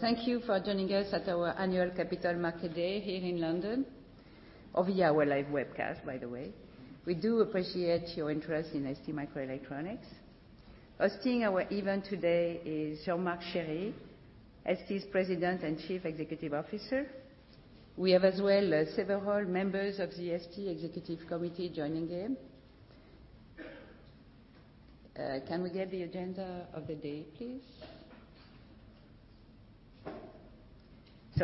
Thank you for joining us at our annual Capital Market Day here in London, or via our live webcast, by the way. We do appreciate your interest in STMicroelectronics. Hosting our event today is Jean-Marc Chéry, ST's President and Chief Executive Officer. We have as well, several members of the ST Executive Committee joining in. Can we get the agenda of the day, please?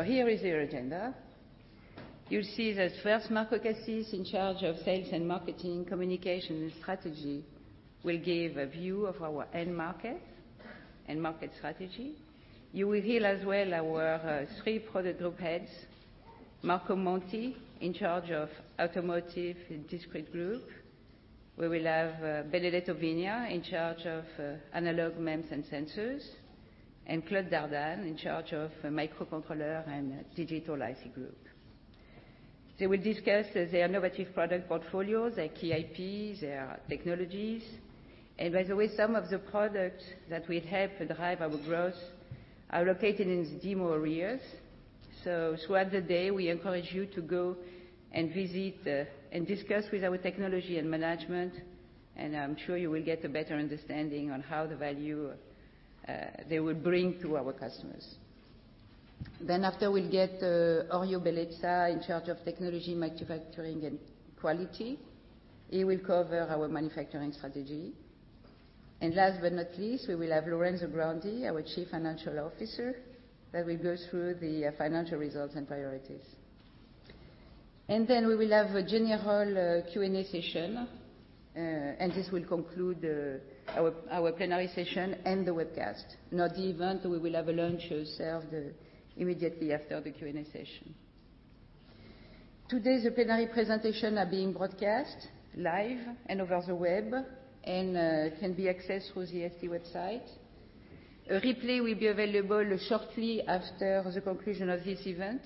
Here is the agenda. You'll see that first, Marco Cassis, in charge of sales and marketing, communications, and strategy, will give a view of our end market and market strategy. You will hear as well our three product group heads, Marco Monti, in charge of Automotive and Discrete Group. We will have Benedetto Vigna, in charge of Analog, MEMS and Sensors Group, and Claude Dardanne, in charge of Microcontrollers and Digital ICs Group. They will discuss their innovative product portfolios, their key IPs, their technologies, and by the way, some of the products that will help drive our growth are located in demo areas. Throughout the day, we encourage you to go and visit and discuss with our technology and management, and I'm sure you will get a better understanding on how the value they will bring to our customers. After, we'll get Orio Bellezza, in charge of technology, manufacturing, and quality. He will cover our manufacturing strategy. Last but not least, we will have Lorenzo Grandi, our Chief Financial Officer, then we go through the financial results and priorities. Then we will have a general Q&A session, and this will conclude our plenary session and the webcast. The event, we will have a lunch served immediately after the Q&A session. Today, the plenary presentation are being broadcast live and over the web and can be accessed through the ST website. A replay will be available shortly after the conclusion of this event.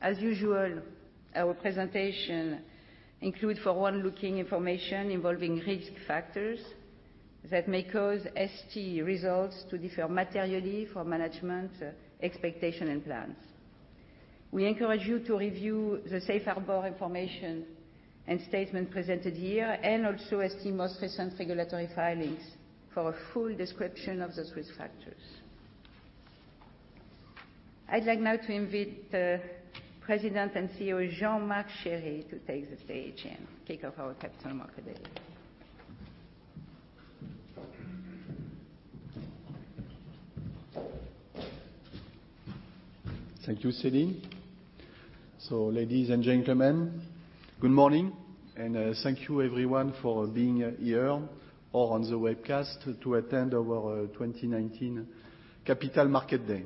As usual, our presentation include forward-looking information involving risk factors that may cause ST results to differ materially from management expectation and plans. We encourage you to review the safe harbor information and statement presented here, and also ST most recent regulatory filings for a full description of those risk factors. I'd like now to invite President and CEO, Jean-Marc Chéry, to take the stage and kick off our Capital Market Day. Thank you, Céline. Ladies and gentlemen, good morning, and thank you everyone for being here or on the webcast to attend our 2019 Capital Market Day.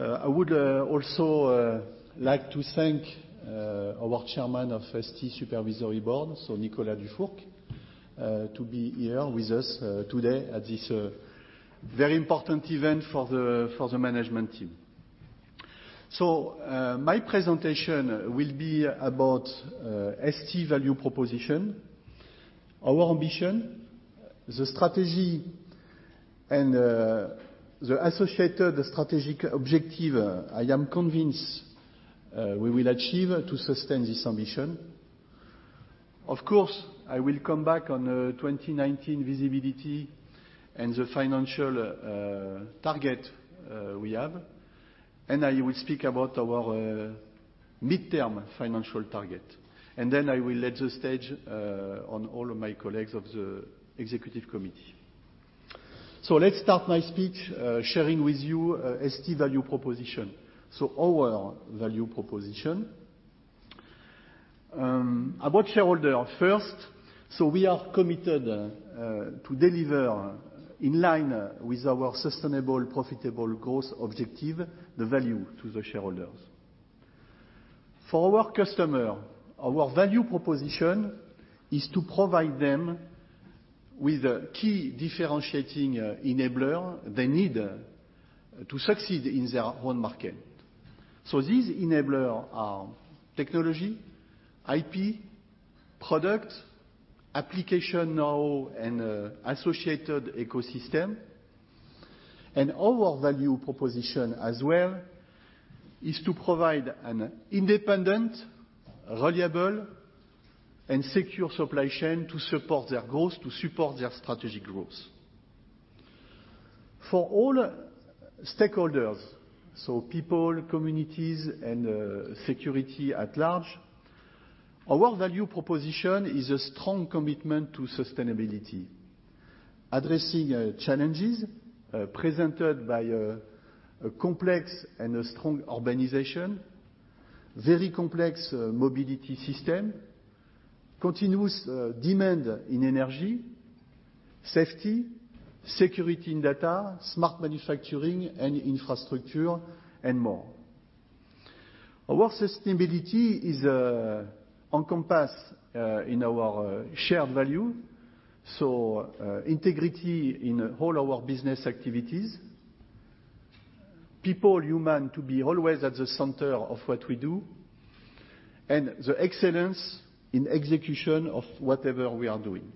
I would also like to thank our chairman of ST Supervisory Board, Nicolas Dufourcq to be here with us today at this very important event for the management team. My presentation will be about ST value proposition, our ambition, the strategy, and the associated strategic objective I am convinced we will achieve to sustain this ambition. Of course, I will come back on the 2019 visibility and the financial target we have, and I will speak about our midterm financial target. Then I will let the stage on all of my colleagues of the Executive Committee. Let's start my speech sharing with you ST value proposition. Our value proposition. About shareholder first, we are committed to deliver in line with our sustainable, profitable growth objective, the value to the shareholders. For our customer, our value proposition is to provide them with a key differentiating enabler they need to succeed in their own market. This enabler are technology, IP, product, application now and associated ecosystem. Our value proposition as well, is to provide an independent, reliable, and secure supply chain to support their growth, to support their strategic growth. For all stakeholders, people, communities, and security at large, our value proposition is a strong commitment to sustainability. Addressing challenges presented by a complex and a strong organization, very complex mobility system, continuous demand in energy, safety, security in data, smart manufacturing and infrastructure, and more. Our sustainability is encompassed in our shared value, integrity in all our business activities. People, human to be always at the center of what we do, and the excellence in execution of whatever we are doing.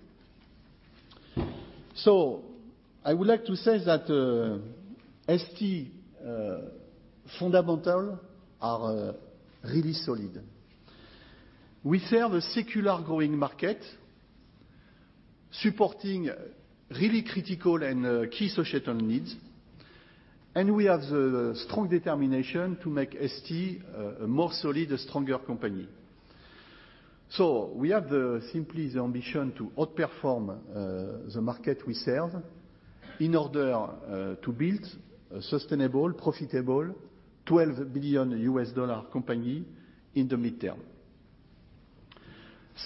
I would like to say that ST fundamental are really solid. We serve a secular growing market, supporting really critical and key societal needs, and we have the strong determination to make ST a more solid, stronger company. We have simply the ambition to outperform the market we serve in order to build a sustainable, profitable, $12 billion company in the midterm.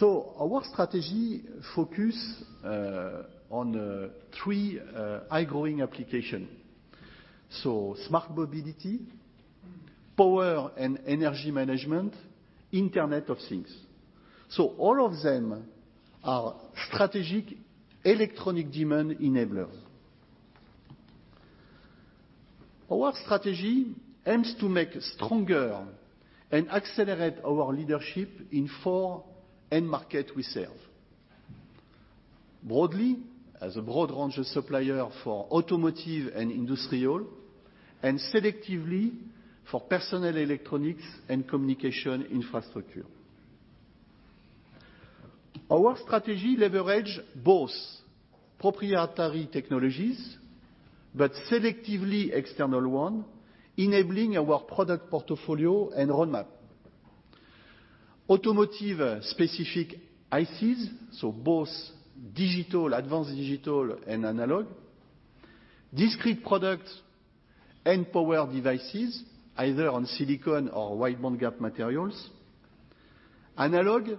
Our strategy focus on three high growing application. Smart mobility, power and energy management, Internet of Things. All of them are strategic electronic demand enablers. Our strategy aims to make stronger and accelerate our leadership in four end market we serve. Broadly, as a broad range of supplier for automotive and industrial, and selectively for personal electronics and communication infrastructure. Our strategy leverage both proprietary technologies, but selectively external one, enabling our product portfolio and roadmap. Automotive specific ICs, both digital, advanced digital, and analog. Discrete products and power devices, either on silicon or wide bandgap materials. Analog,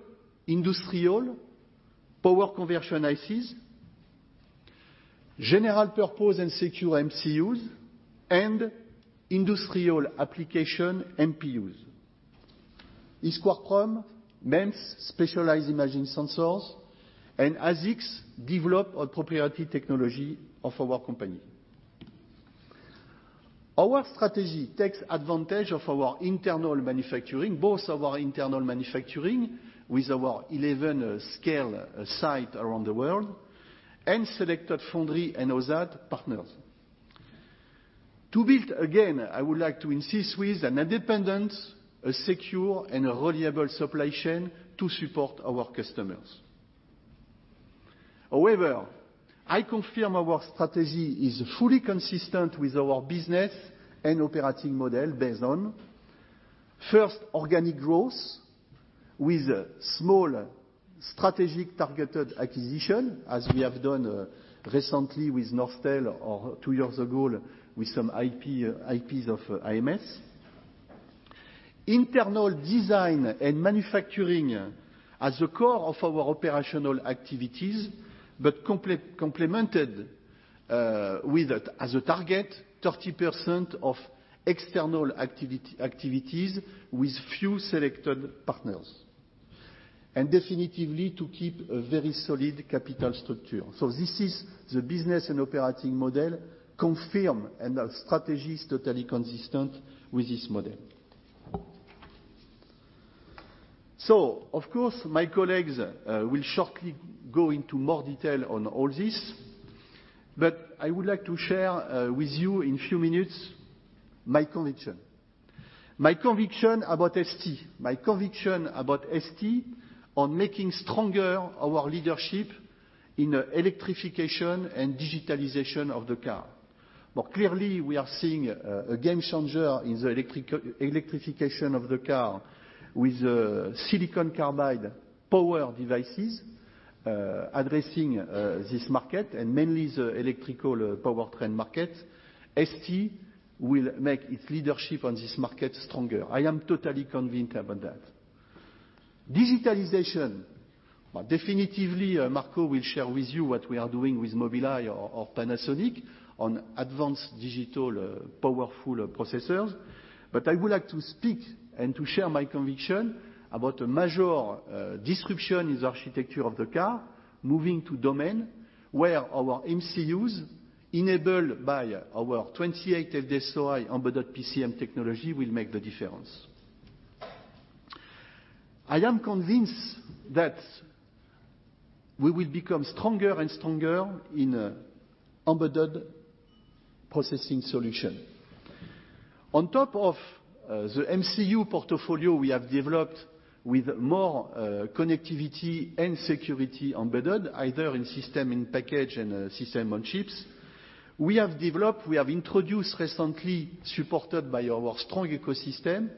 industrial, power conversion ICs. General purpose and secure MCUs, and industrial application MPUs. EEPROM, MEMS specialized imaging sensors, and ASICs develop a proprietary technology of our company. Our strategy takes advantage of our internal manufacturing, both our internal manufacturing with our 11 scale site around the world, and selected foundry and OSAT partners. To build, again, I would like to insist with an independent, a secure, and a reliable supply chain to support our customers. I confirm our strategy is fully consistent with our business and operating model based on, first, organic growth with small strategic targeted acquisition, as we have done recently with Norstel or two years ago with some IPs of IMS. Internal design and manufacturing at the core of our operational activities, but complemented with, as a target, 30% of external activities with few selected partners. Definitively to keep a very solid capital structure. This is the business and operating model confirmed, our strategy is totally consistent with this model. Of course, my colleagues will shortly go into more detail on all this, but I would like to share with you in few minutes my conviction. My conviction about ST, my conviction about ST on making stronger our leadership in the electrification and digitalization of the car. Clearly, we are seeing a game changer in the electrification of the car with silicon carbide power devices addressing this market, and mainly the electrical powertrain market. ST will make its leadership on this market stronger. I am totally convinced about that. Digitalization. Definitely, Marco will share with you what we are doing with Mobileye or Panasonic on advanced digital powerful processors. I would like to speak and to share my conviction about a major disruption in the architecture of the car, moving to domain where our MCUs, enabled by our 28 FD-SOI embedded PCM technology, will make the difference. I am convinced that we will become stronger and stronger in embedded processing solution. On top of the MCU portfolio we have developed with more connectivity and security embedded, either in system-in-package and system-on-chips. We have developed, introduced recently, supported by our strong ecosystem,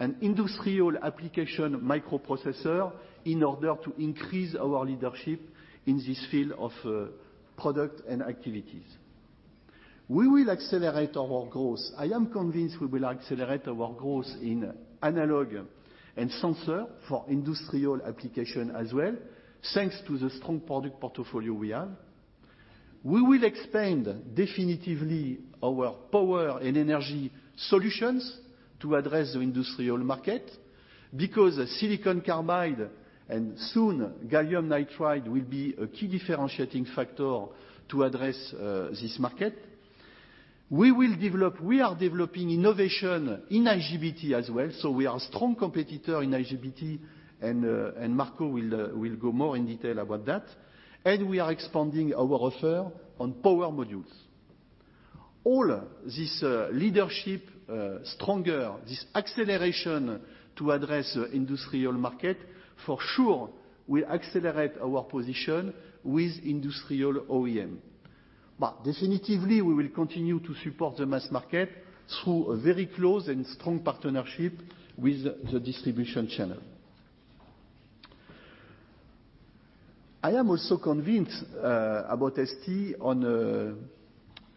an industrial application microprocessor in order to increase our leadership in this field of product and activities. We will accelerate our growth. I am convinced we will accelerate our growth in analog and sensor for industrial application as well, thanks to the strong product portfolio we have. We will expand definitely our power and energy solutions to address the industrial market, because silicon carbide and soon gallium nitride will be a key differentiating factor to address this market. We will develop, we are developing innovation in IGBT as well, so we are a strong competitor in IGBT, and Marco will go more in detail about that. We are expanding our offer on power modules. All this leadership stronger. This acceleration to address industrial market, for sure, we accelerate our position with industrial OEM. Definitely, we will continue to support the mass market through a very close and strong partnership with the distribution channel. I am also convinced about ST on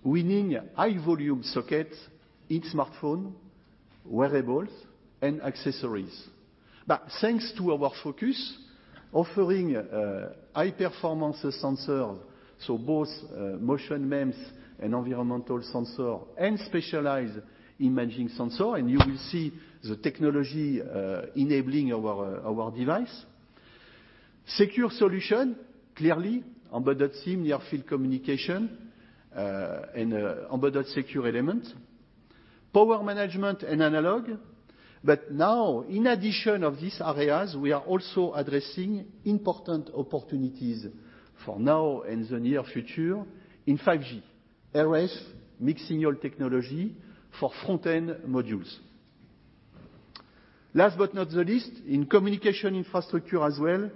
winning high volume socket in smartphone, wearables, and accessories. Thanks to our focus, offering high-performance sensor, so both motion MEMS and environmental sensor, and specialized imaging sensor, and you will see the technology enabling our device. Secure solution, clearly, embedded SIM, near-field communication, and embedded secure element. Power management and analog. Now, in addition of these areas, we are also addressing important opportunities for now and the near future in 5G, RF, mixed-signal technology for front-end modules. Last but not least, in communication infrastructure as well,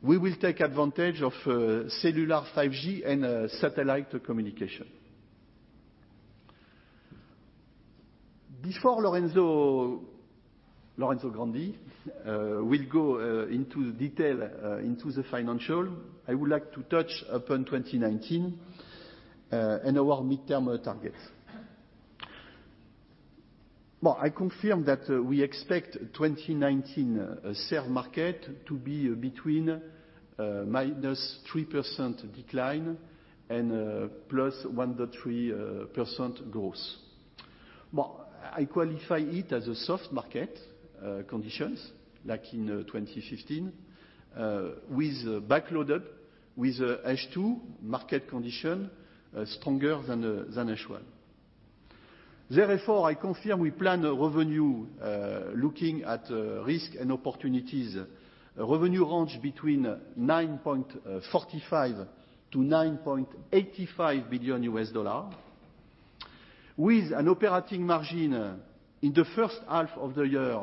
we will take advantage of cellular 5G and satellite communication. Before Lorenzo Grandi will go into detail into the financial, I would like to touch upon 2019 and our midterm targets. I confirm that we expect 2019 SAM to be between -3% decline and +1.3% growth. I qualify it as a soft market conditions like in 2015, with backloaded, with H2 market condition stronger than H1. I confirm we plan a revenue, looking at risk and opportunities, a revenue range between $9.45 billion-$9.85 billion, with an operating margin in the first half of the year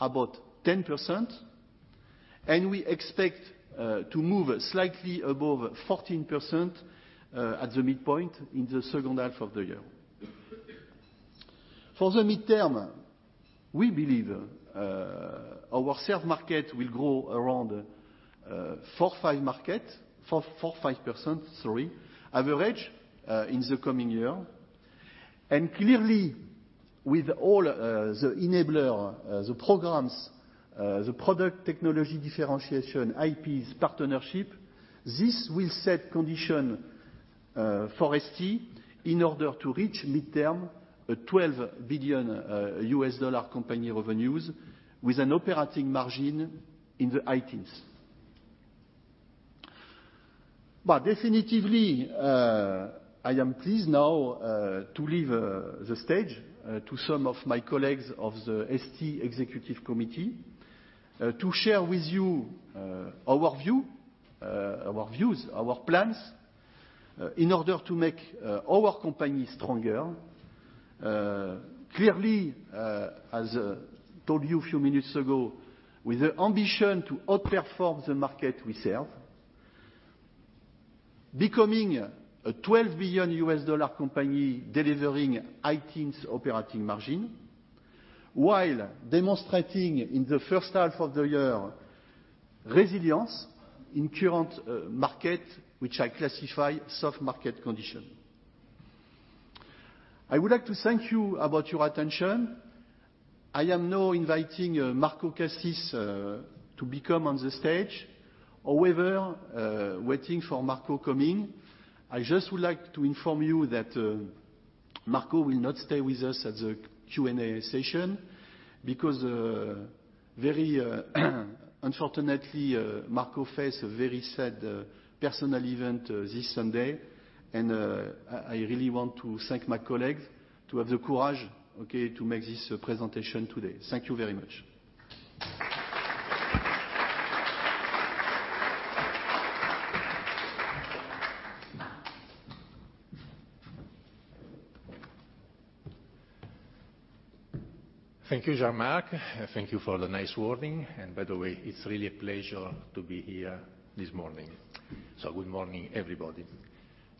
about 10%, and we expect to move slightly above 14% at the midpoint in the second half of the year. For the midterm, we believe our share of market will grow around 4%-5% average in the coming year. Clearly, with all the enablers, the programs, the product technology differentiation, IPs, partnerships, this will set condition for ST in order to reach mid-term a $12 billion company revenues with an operating margin in the high teens. Definitively, I am pleased now to leave the stage to some of my colleagues of the ST Executive Committee to share with you our views, our plans in order to make our company stronger. As I told you a few minutes ago, with the ambition to outperform the market we serve, becoming a $12 billion company delivering high teens operating margin, while demonstrating in the first half of the year, resilience in current market, which I classify soft market conditions. I would like to thank you for your attention. I am now inviting Marco Cassis to come on the stage. Waiting for Marco coming, I just would like to inform you that Marco will not stay with us at the Q&A session because very unfortunately, Marco faced a very sad personal event this Sunday, and I really want to thank my colleague to have the courage to make this presentation today. Thank you very much. Thank you, Jean-Marc. Thank you for the nice wording. By the way, it's really a pleasure to be here this morning. Good morning, everybody.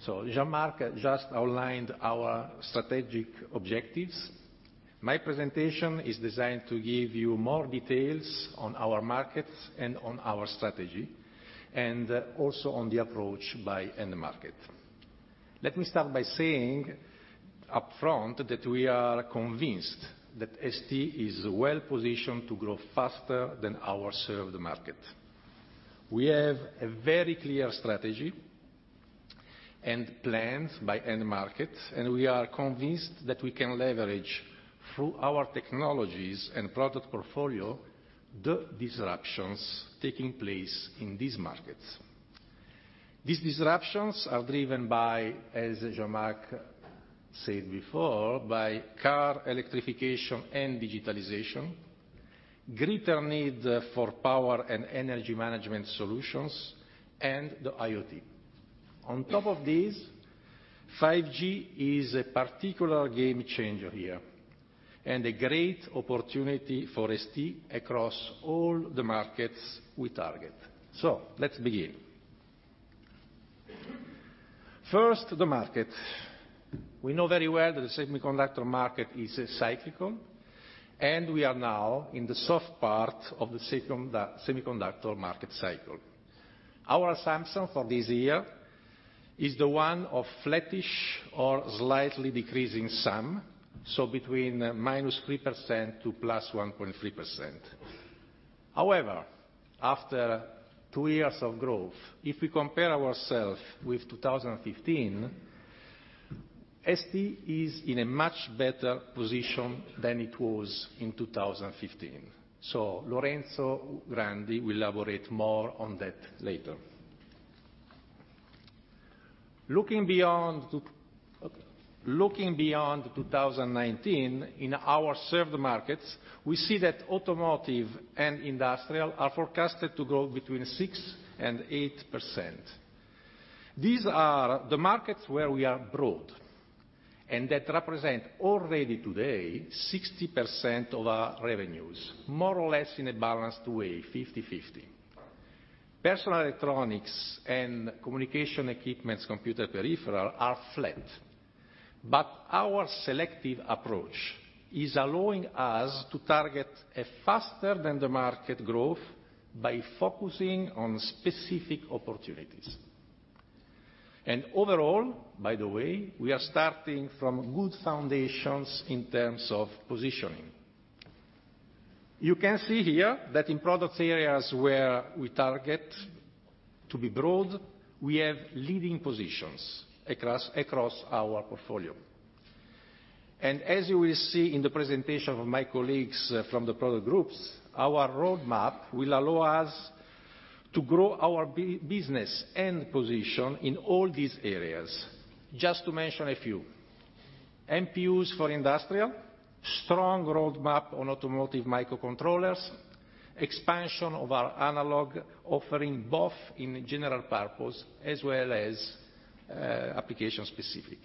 Jean-Marc just outlined our strategic objectives. My presentation is designed to give you more details on our markets and on our strategy, and also on the approach by end-market. Let me start by saying upfront that we are convinced that ST is well-positioned to grow faster than our served market. We have a very clear strategy and plans by end-market, and we are convinced that we can leverage through our technologies and product portfolio, the disruptions taking place in these markets. These disruptions are driven by, as Jean-Marc said before, by car electrification and digitalization, greater need for power and energy management solutions, and the IoT. On top of this, 5G is a particular game changer here and a great opportunity for ST across all the markets we target. Let's begin. First, the market. We know very well that the semiconductor market is cyclical, and we are now in the soft part of the semiconductor market cycle. Our assumption for this year is the one of flattish or slightly decreasing SAM, between -3% to +1.3%. After two years of growth, if we compare ourselves with 2015, ST is in a much better position than it was in 2015. Lorenzo Grandi will elaborate more on that later. Looking beyond 2019 in our served markets, we see that automotive and industrial are forecasted to grow between 6% and 8%. These are the markets where we are broad and that represent already today 60% of our revenues, more or less in a balanced way, 50/50. Personal electronics and communication equipment, computer peripheral are flat. Our selective approach is allowing us to target a faster than the market growth by focusing on specific opportunities. Overall, by the way, we are starting from good foundations in terms of positioning. You can see here that in product areas where we target to be broad, we have leading positions across our portfolio. As you will see in the presentation of my colleagues from the product groups, our roadmap will allow us to grow our business end position in all these areas. Just to mention a few, MPUs for industrial, strong roadmap on automotive microcontrollers, expansion of our analog offering, both in general purpose as well as application specific.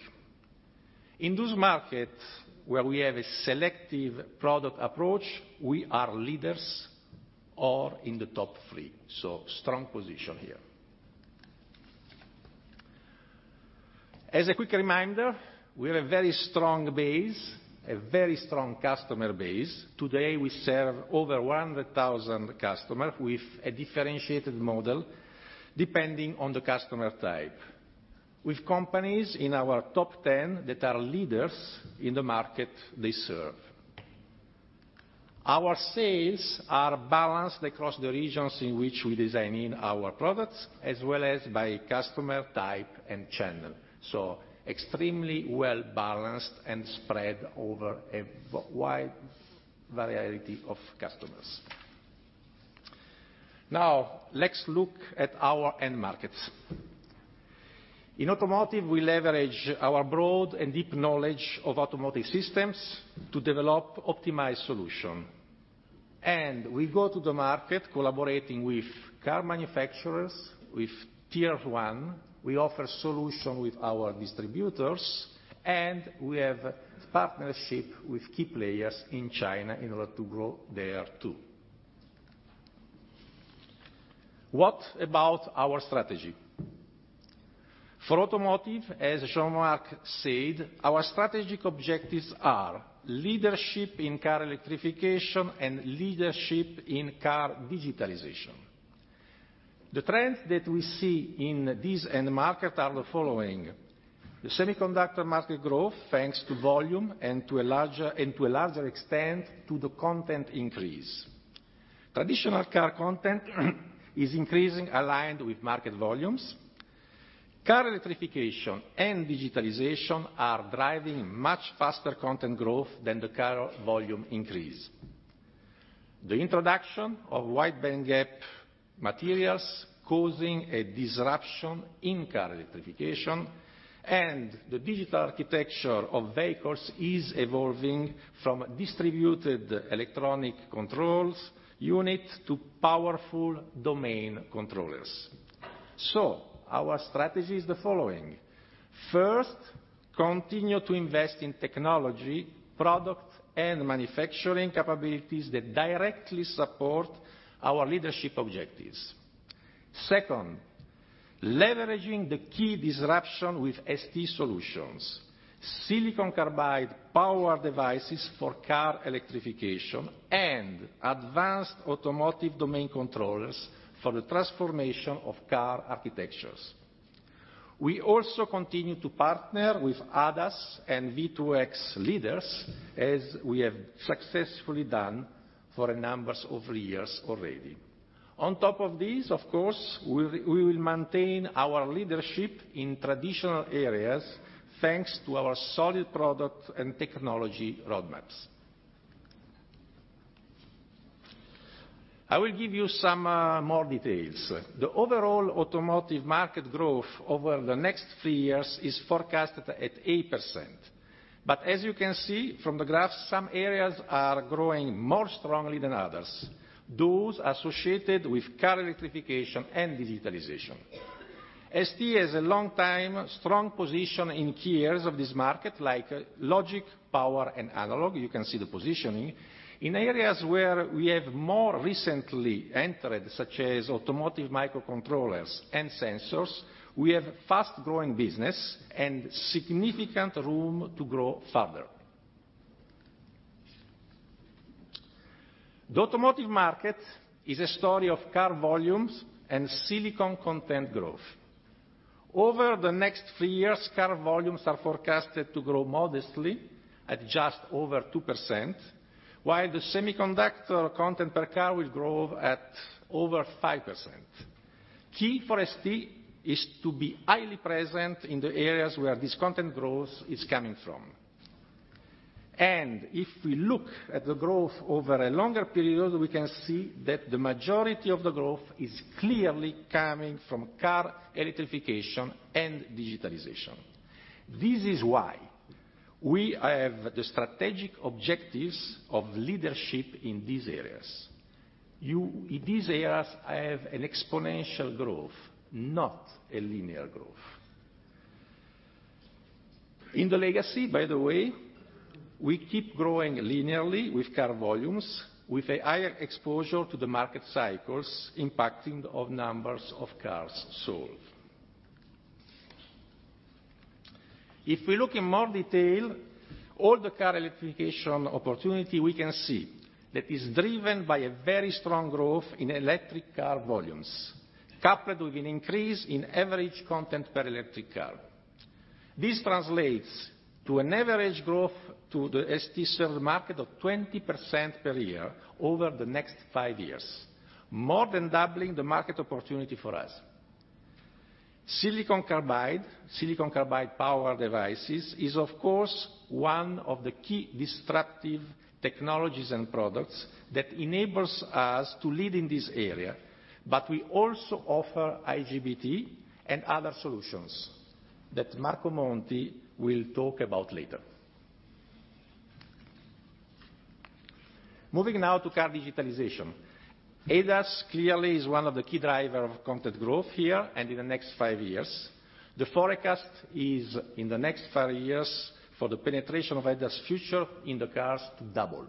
In those markets where we have a selective product approach, we are leaders or in the top 3. So strong position here. As a quick reminder, we have a very strong base, a very strong customer base. Today, we serve over 100,000 customers with a differentiated model depending on the customer type, with companies in our top 10 that are leaders in the market they serve. Our sales are balanced across the regions in which we are designing our products as well as by customer type and channel. So extremely well balanced and spread over a wide variety of customers. Let's look at our end markets. In automotive, we leverage our broad and deep knowledge of automotive systems to develop optimized solution. We go to the market collaborating with car manufacturers, with tier 1. We offer solution with our distributors, and we have partnership with key players in China in order to grow there, too. What about our strategy? For automotive, as Jean-Marc said, our strategic objectives are leadership in car electrification and leadership in car digitalization. The trends that we see in this end market are the following. The semiconductor market growth, thanks to volume and to a larger extent, to the content increase. Traditional car content is increasing, aligned with market volumes. Car electrification and digitalization are driving much faster content growth than the car volume increase. The introduction of wide bandgap materials causing a disruption in car electrification and the digital architecture of vehicles is evolving from distributed electronic controls unit to powerful domain controllers. Our strategy is the following. First, continue to invest in technology, product, and manufacturing capabilities that directly support our leadership objectives. Second, leveraging the key disruption with ST solutions, silicon carbide power devices for car electrification, and advanced automotive domain controllers for the transformation of car architectures. We also continue to partner with ADAS and V2X leaders as we have successfully done for a number of years already. On top of this, of course, we will maintain our leadership in traditional areas, thanks to our solid product and technology roadmaps. I will give you some more details. The overall automotive market growth over the next three years is forecasted at 8%. As you can see from the graph, some areas are growing more strongly than others, those associated with car electrification and digitalization. ST has a long time strong position in key areas of this market, like logic, power, and analog. You can see the positioning. In areas where we have more recently entered, such as automotive microcontrollers and sensors, we have fast-growing business and significant room to grow further. The automotive market is a story of car volumes and silicon content growth. Over the next three years, car volumes are forecasted to grow modestly at just over 2%, while the semiconductor content per car will grow at over 5%. Key for ST is to be highly present in the areas where this content growth is coming from. If we look at the growth over a longer period, we can see that the majority of the growth is clearly coming from car electrification and digitalization. This is why we have the strategic objectives of leadership in these areas. These areas have an exponential growth, not a linear growth. In the legacy, by the way, we keep growing linearly with car volumes, with a higher exposure to the market cycles impacting the numbers of cars sold. If we look in more detail all the car electrification opportunity, we can see that is driven by a very strong growth in electric car volumes, coupled with an increase in average content per electric car. This translates to an average growth to the ST served market of 20% per year over the next five years, more than doubling the market opportunity for us. Silicon Carbide power devices is, of course, one of the key disruptive technologies and products that enables us to lead in this area, but we also offer IGBT and other solutions that Marco Monti will talk about later. Moving now to car digitalization. ADAS clearly is one of the key driver of content growth here and in the next five years. The forecast is in the next five years for the penetration of ADAS future in the cars to double,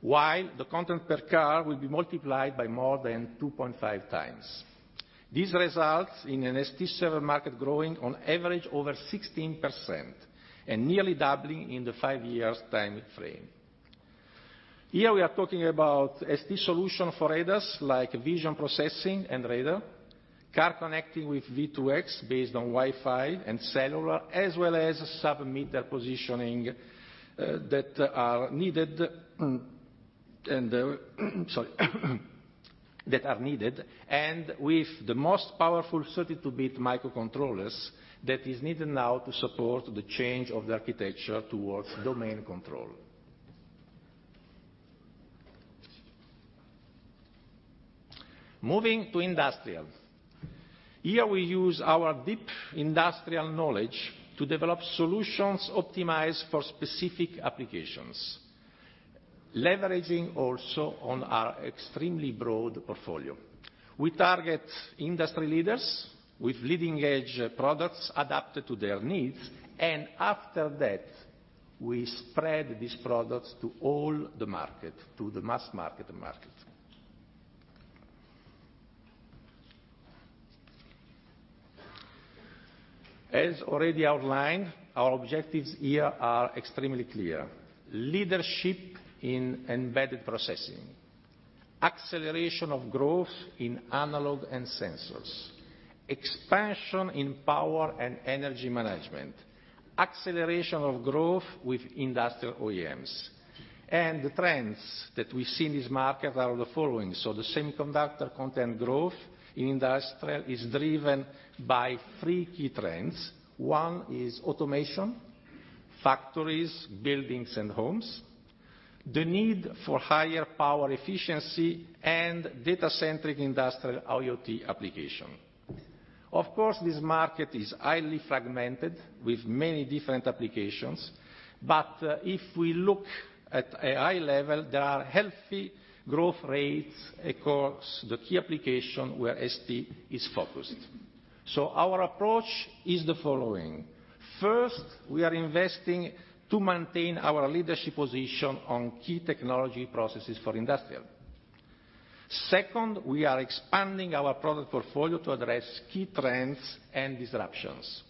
while the content per car will be multiplied by more than 2.5 times. This results in an ST served market growing on average over 16% and nearly doubling in the five years time frame. Here we are talking about ST solution for ADAS, like vision processing and radar, car connecting with V2X based on Wi-Fi and cellular, as well as sub-meter positioning that are needed, and with the most powerful 32-bit microcontrollers that is needed now to support the change of the architecture towards domain control. Moving to industrial. Here we use our deep industrial knowledge to develop solutions optimized for specific applications, leveraging also on our extremely broad portfolio. We target industry leaders with leading-edge products adapted to their needs. After that, we spread these products to all the market, to the mass market. As already outlined, our objectives here are extremely clear. Leadership in embedded processing, acceleration of growth in analog and sensors, expansion in power and energy management, acceleration of growth with industrial OEMs. The trends that we see in this market are the following. The semiconductor content growth in industrial is driven by three key trends. One is automation, factories, buildings, and homes, the need for higher power efficiency, and data-centric industrial IoT application. Of course, this market is highly fragmented with many different applications, but if we look at a high level, there are healthy growth rates across the key application where ST is focused. Our approach is the following. First, we are investing to maintain our leadership position on key technology processes for industrial. Second, we are expanding our product portfolio to address key trends and disruptions.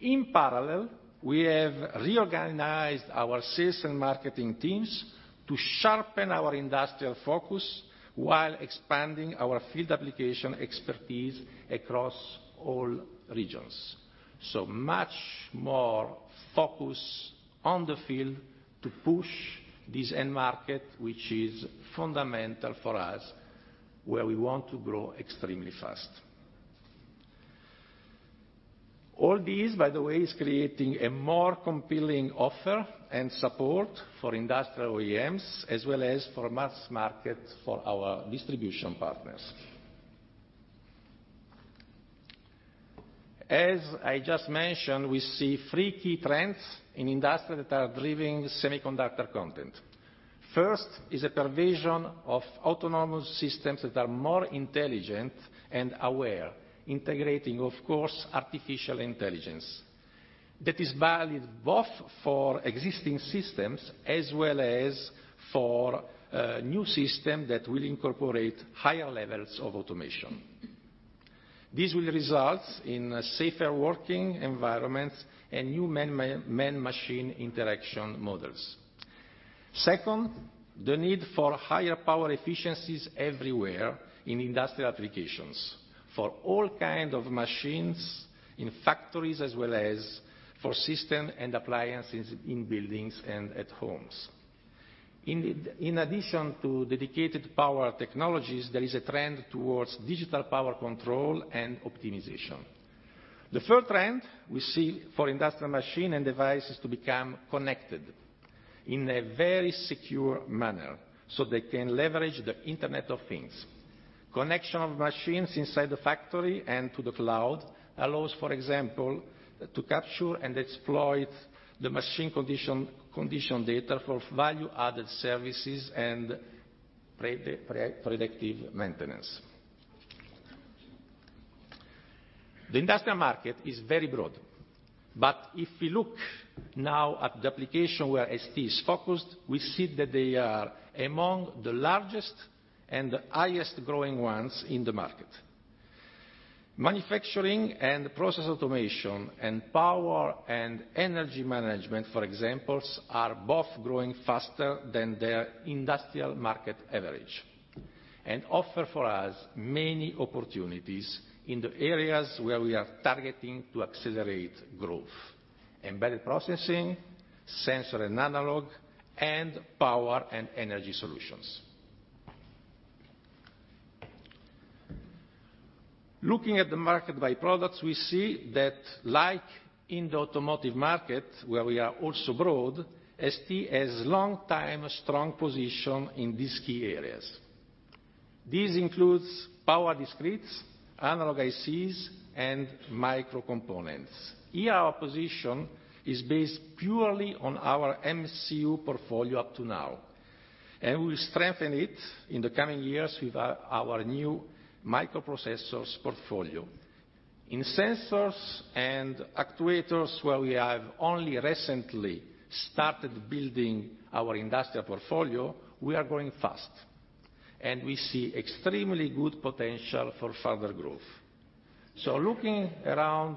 In parallel, we have reorganized our sales and marketing teams to sharpen our industrial focus while expanding our field application expertise across all regions. Much more focus on the field to push this end market, which is fundamental for us, where we want to grow extremely fast. All these, by the way, is creating a more compelling offer and support for industrial OEMs as well as for mass market for our distribution partners. As I just mentioned, we see three key trends in industry that are driving semiconductor content. First is the provision of autonomous systems that are more intelligent and aware, integrating, of course, artificial intelligence. That is valid both for existing systems as well as for new system that will incorporate higher levels of automation. This will result in a safer working environment and new man-machine interaction models. Second, the need for higher power efficiencies everywhere in industrial applications, for all kind of machines in factories, as well as for system and appliances in buildings and at homes. In addition to dedicated power technologies, there is a trend towards digital power control and optimization. The third trend we see for industrial machine and devices to become connected in a very secure manner so they can leverage the Internet of Things. Connection of machines inside the factory and to the cloud allows, for example, to capture and exploit the machine condition data for value-added services and predictive maintenance. The industrial market is very broad, but if we look now at the application where ST is focused, we see that they are among the largest and highest growing ones in the market. Manufacturing and process automation and power and energy management, for examples, are both growing faster than their industrial market average and offer for us many opportunities in the areas where we are targeting to accelerate growth, embedded processing, sensor and analog, and power and energy solutions. Looking at the market by products, we see that like in the automotive market, where we are also broad, ST has long time strong position in these key areas. These includes power discretes, analog ICs, and micro components. Here, our position is based purely on our MCU portfolio up to now, and will strengthen it in the coming years with our new microprocessors portfolio. In sensors and actuators, where we have only recently started building our industrial portfolio, we are growing fast, and we see extremely good potential for further growth. Looking around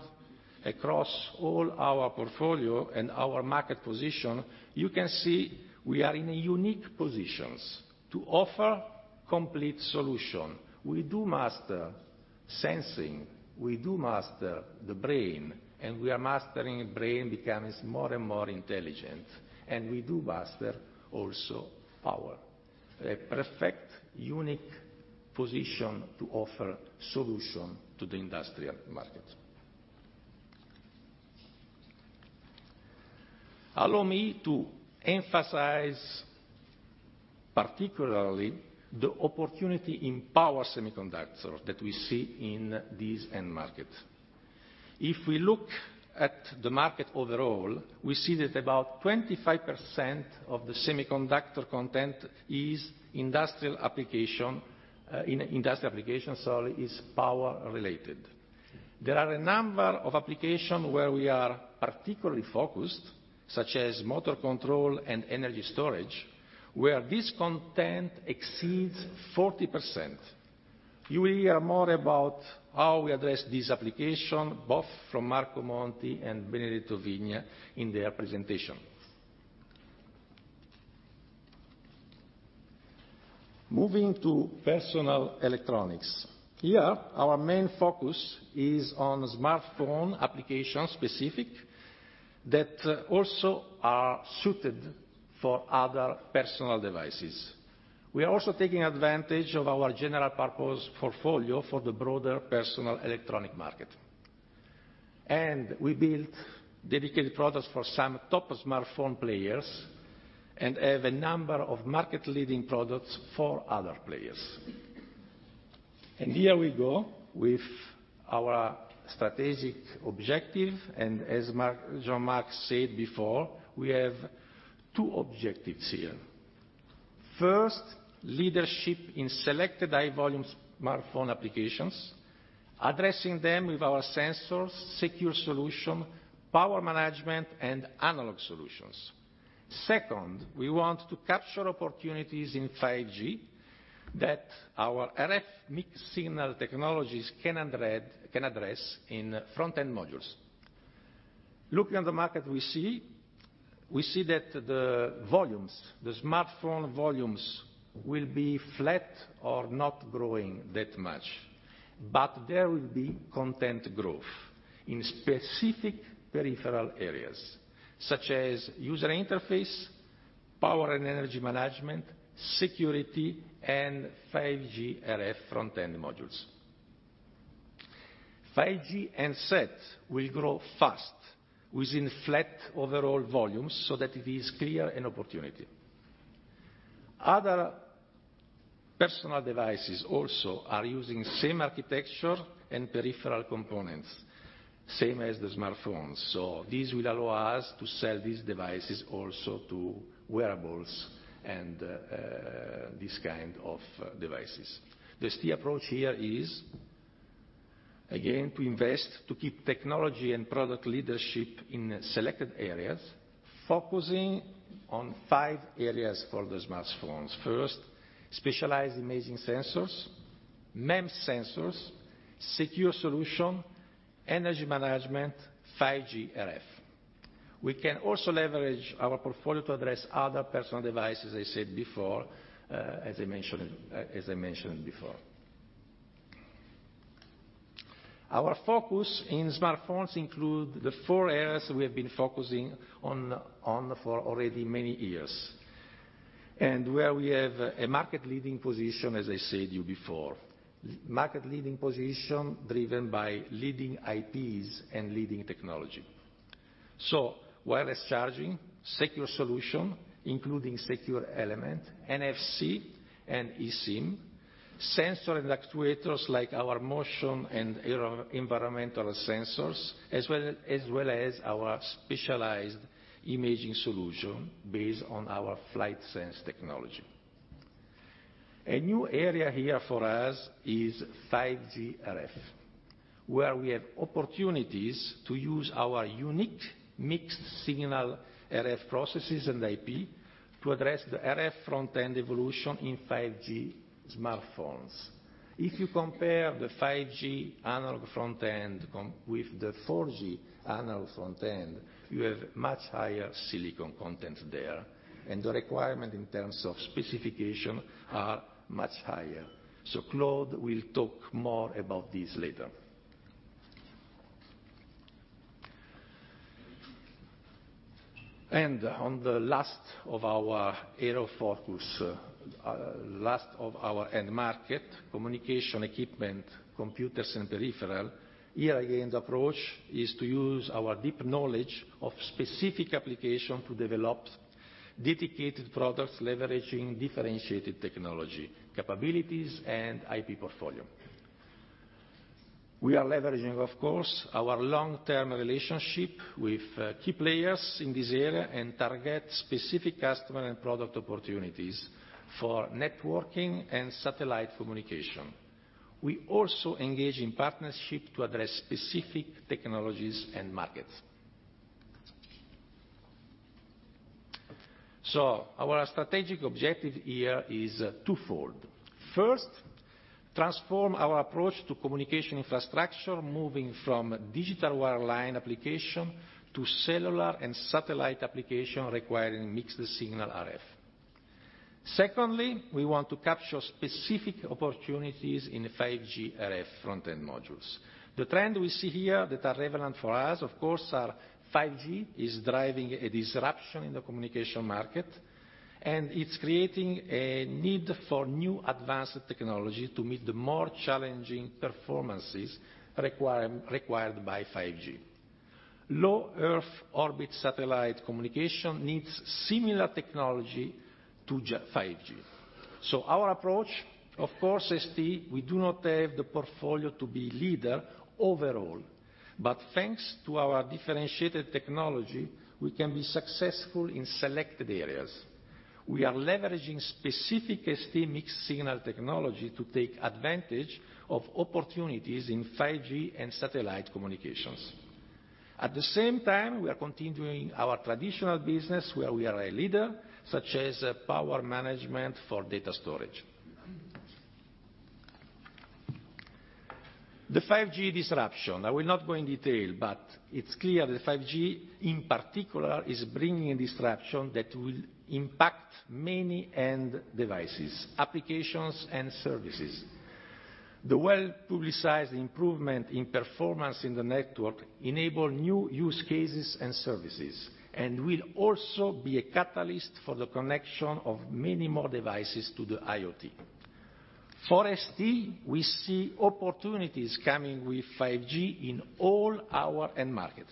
across all our portfolio and our market position, you can see we are in a unique positions to offer complete solution. We do master sensing, we do master the brain, and we are mastering brain becomes more and more intelligent, and we do master also power. A perfect unique position to offer solution to the industrial market. Allow me to emphasize particularly the opportunity in power semiconductor that we see in this end market. If we look at the market overall, we see that about 25% of the semiconductor content in industrial applications is power related. There are a number of application where we are particularly focused, such as motor control and energy storage, where this content exceeds 40%. You will hear more about how we address this application, both from Marco Monti and Benedetto Vigna in their presentation. Moving to personal electronics. Here, our main focus is on smartphone application specific that also are suited for other personal devices. We are also taking advantage of our general purpose portfolio for the broader personal electronic market. We build dedicated products for some top smartphone players and have a number of market leading products for other players. Here we go with our strategic objective, and as Jean-Marc said before, we have two objectives here. First, leadership in selected high volume smartphone applications, addressing them with our sensors, secure solution, power management, and analog solutions. Second, we want to capture opportunities in 5G that our RF mixed-signal technologies can address in front-end modules. Looking at the market, we see that smartphone volumes will be flat or not growing that much, but there will be content growth in specific peripheral areas, such as user interface, power and energy management, security, and 5G RF front-end modules. 5G and SET will grow fast within flat overall volumes so that it is clear an opportunity. Other personal devices also are using same architecture and peripheral components, same as the smartphones. This will allow us to sell these devices also to wearables and this kind of devices. The ST approach here is, again, to invest to keep technology and product leadership in selected areas, focusing on five areas for the smartphones. First, specialized imaging sensors, MEMS sensors, secure solution, energy management, 5G RF. We can also leverage our portfolio to address other personal devices, as I mentioned before. Our focus in smartphones include the four areas we have been focusing on for already many years, and where we have a market-leading position, as I said to you before. Market-leading position driven by leading IPs and leading technology. Wireless charging, secure solution, including secure element, NFC and eSIM, sensor and actuators like our motion and environmental sensors, as well as our specialized imaging solution based on our FlightSense technology. A new area here for us is 5G RF, where we have opportunities to use our unique mixed-signal RF processes and IP to address the RF front-end evolution in 5G smartphones. If you compare the 5G analog front-end with the 4G analog front-end, you have much higher silicon content there, and the requirement in terms of specification are much higher. Claude will talk more about this later. On the last of our area of focus, last of our end market, communication equipment, computers and peripheral. Here again, the approach is to use our deep knowledge of specific application to develop dedicated products leveraging differentiated technology, capabilities, and IP portfolio. We are leveraging, of course, our long-term relationship with key players in this area and target specific customer and product opportunities for networking and satellite communication. We also engage in partnership to address specific technologies and markets. Our strategic objective here is twofold. First, transform our approach to communication infrastructure, moving from digital wireline application to cellular and satellite application requiring mixed-signal RF. Secondly, we want to capture specific opportunities in 5G RF front-end modules. The trend we see here that are relevant for us, of course, are 5G is driving a disruption in the communication market, and it's creating a need for new advanced technology to meet the more challenging performances required by 5G. Low-earth orbit satellite communication needs similar technology to 5G. Our approach, of course, ST, we do not have the portfolio to be leader overall, but thanks to our differentiated technology, we can be successful in selected areas. We are leveraging specific ST mixed-signal technology to take advantage of opportunities in 5G and satellite communications. At the same time, we are continuing our traditional business where we are a leader, such as power management for data storage. The 5G disruption, I will not go in detail, but it's clear the 5G, in particular, is bringing a disruption that will impact many end devices, applications, and services. The well-publicized improvement in performance in the network enable new use cases and services, and will also be a catalyst for the connection of many more devices to the IoT. For ST, we see opportunities coming with 5G in all our end markets.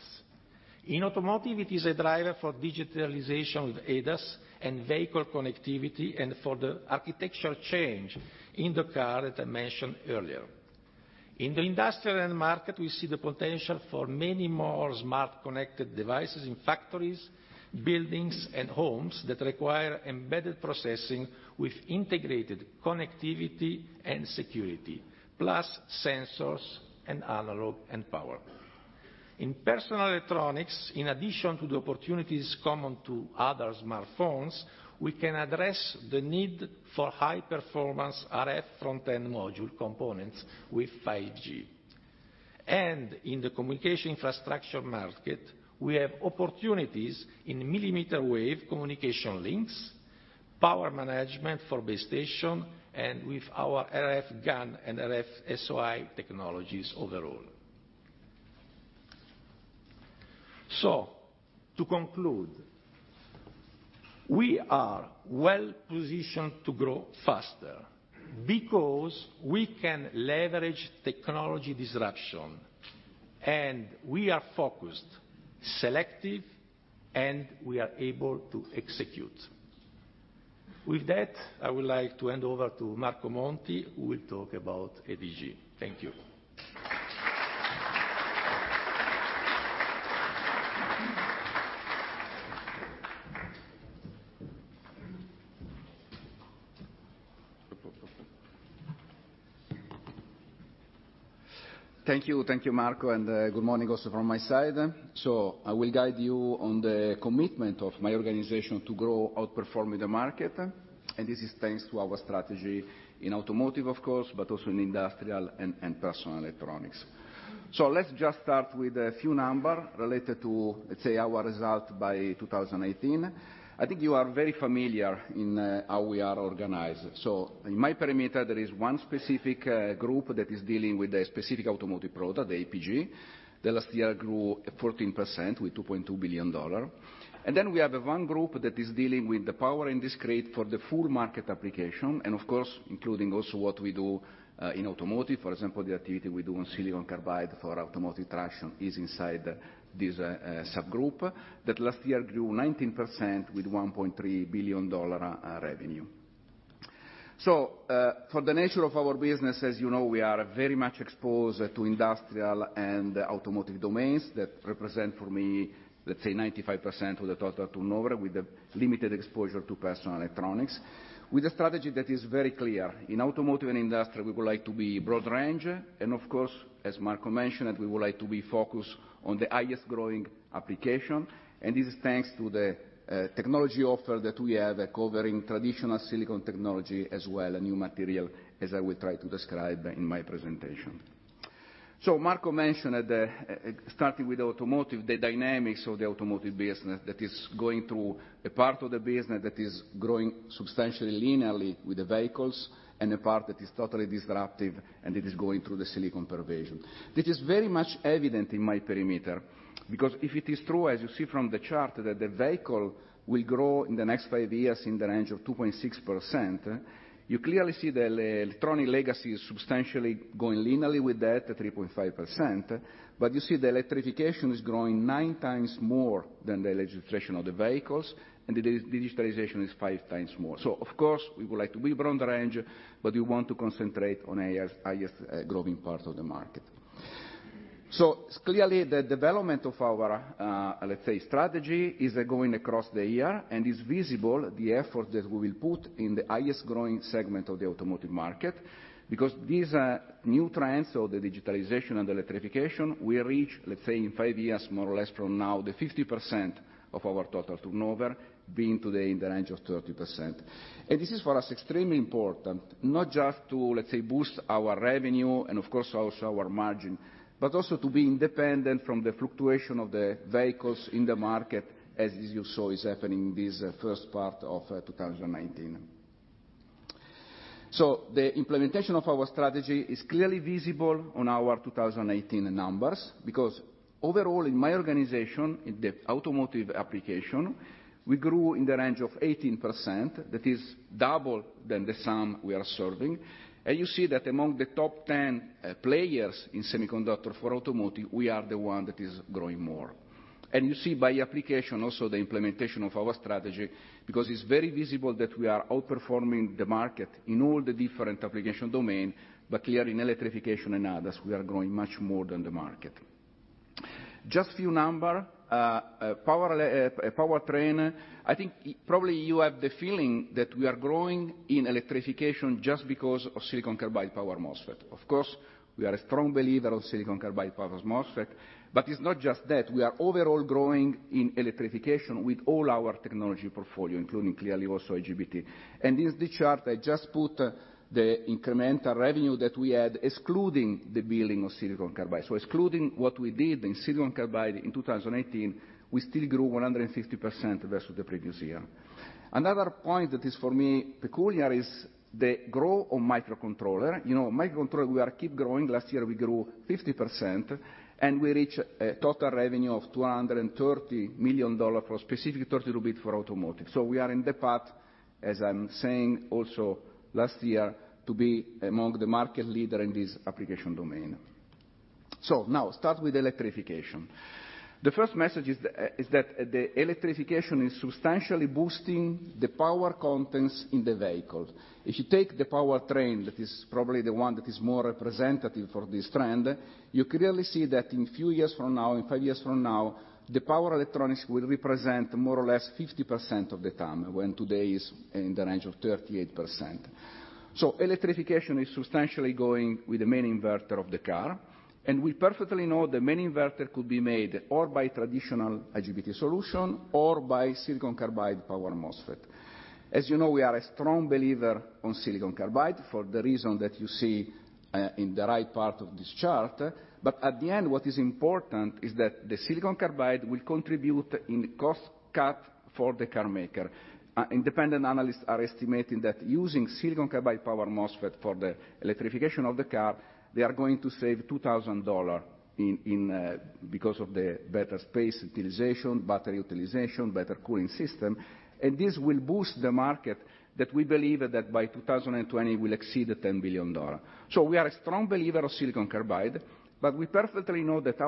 In automotive, it is a driver for digitalization with ADAS and vehicle connectivity and for the architectural change in the car that I mentioned earlier. In the industrial end market, we see the potential for many more smart connected devices in factories, buildings, and homes that require embedded processing with integrated connectivity and security, plus sensors and analog and power. In personal electronics, in addition to the opportunities common to other smartphones, we can address the need for high-performance RF front-end module components with 5G. In the communication infrastructure market, we have opportunities in millimeter wave communication links, power management for base station, and with our RF GaN and RF SOI technologies overall. To conclude, we are well-positioned to grow faster because we can leverage technology disruption, and we are focused, selective, and we are able to execute. With that, I would like to hand over to Marco Monti, who will talk about ADG. Thank you. Thank you, Marco, good morning also from my side. I will guide you on the commitment of my organization to grow, outperforming the market. This is thanks to our strategy in automotive, of course, but also in industrial and personal electronics. Let's just start with a few numbers related to, let's say, our result by 2018. I think you are very familiar in how we are organized. In my perimeter, there is one specific group that is dealing with a specific automotive product, APG, that last year grew 14% with EUR 2.2 billion. Then we have one group that is dealing with the power and discrete for the full market application, and of course including also what we do in automotive. For example, the activity we do on silicon carbide for automotive traction is inside this subgroup that last year grew 19% with $1.3 billion revenue. For the nature of our business, as you know, we are very much exposed to industrial and automotive domains that represent for me, let's say 95% of the total turnover with the limited exposure to personal electronics. With a strategy that is very clear, in automotive and industrial, we would like to be broad range, and of course, as Marco mentioned, we would like to be focused on the highest growing application. This is thanks to the technology offer that we have covering traditional silicon technology as well, a new material as I will try to describe in my presentation. Marco mentioned at the starting with automotive, the dynamics of the automotive business that is going through a part of the business that is growing substantially linearly with the vehicles, and the part that is totally disruptive, and it is going through the silicon pervasion. This is very much evident in my perimeter because if it is true, as you see from the chart, that the vehicle will grow in the next five years in the range of 2.6%, you clearly see the electronic legacy is substantially going linearly with that at 3.5%. You see the electrification is growing nine times more than the legislation of the vehicles, and the digitalization is five times more. Of course, we would like to be broader range, but we want to concentrate on highest growing parts of the market. Clearly the development of our, let's say, strategy is going across the year and is visible the effort that we will put in the highest growing segment of the automotive market because these new trends of the digitalization and electrification will reach, let's say, in five years more or less from now, the 50% of our total turnover being today in the range of 30%. This is for us extremely important, not just to, let's say, boost our revenue and of course also our margin, but also to be independent from the fluctuation of the vehicles in the market as you saw is happening this first part of 2019. The implementation of our strategy is clearly visible on our 2018 numbers because overall in my organization, in the automotive application, we grew in the range of 18%. That is double than the sum we are serving. You see that among the top 10 players in semiconductor for automotive, we are the one that is growing more. You see by application also the implementation of our strategy because it's very visible that we are outperforming the market in all the different application domain, but clear in electrification and others, we are growing much more than the market. Just few number, powertrain, I think probably you have the feeling that we are growing in electrification just because of silicon carbide power MOSFET. Of course, we are a strong believer of silicon carbide power MOSFET, but it's not just that. We are overall growing in electrification with all our technology portfolio, including clearly also IGBT. In the chart I just put the incremental revenue that we had excluding the billing of silicon carbide. Excluding what we did in silicon carbide in 2018, we still grew 150% versus the previous year. Another point that is for me peculiar is the growth of microcontroller. You know, microcontroller we are keep growing. Last year we grew 50%, and we reach a total revenue of EUR 230 million for specific 32-bit for automotive. We are in the path, as I'm saying also last year, to be among the market leader in this application domain. Now start with electrification. The first message is that the electrification is substantially boosting the power content in the vehicle. If you take the powertrain that is probably the one that is more representative for this trend, you clearly see that in few years from now, in five years from now, the power electronics will represent more or less 50% of the total, when today is in the range of 38%. Electrification is substantially going with the main inverter of the car, and we perfectly know the main inverter could be made or by traditional IGBT solution or by silicon carbide power MOSFET. As you know, we are a strong believer in silicon carbide for the reason that you see in the right part of this chart. At the end, what is important is that the silicon carbide will contribute in cost cut for the car maker. Independent analysts are estimating that using silicon carbide power MOSFET for the electrification of the car, they are going to save EUR 2,000 because of the better space utilization, battery utilization, better cooling system. This will boost the market that we believe that by 2020 will exceed EUR 10 billion. We are a strong believer of silicon carbide, we perfectly know that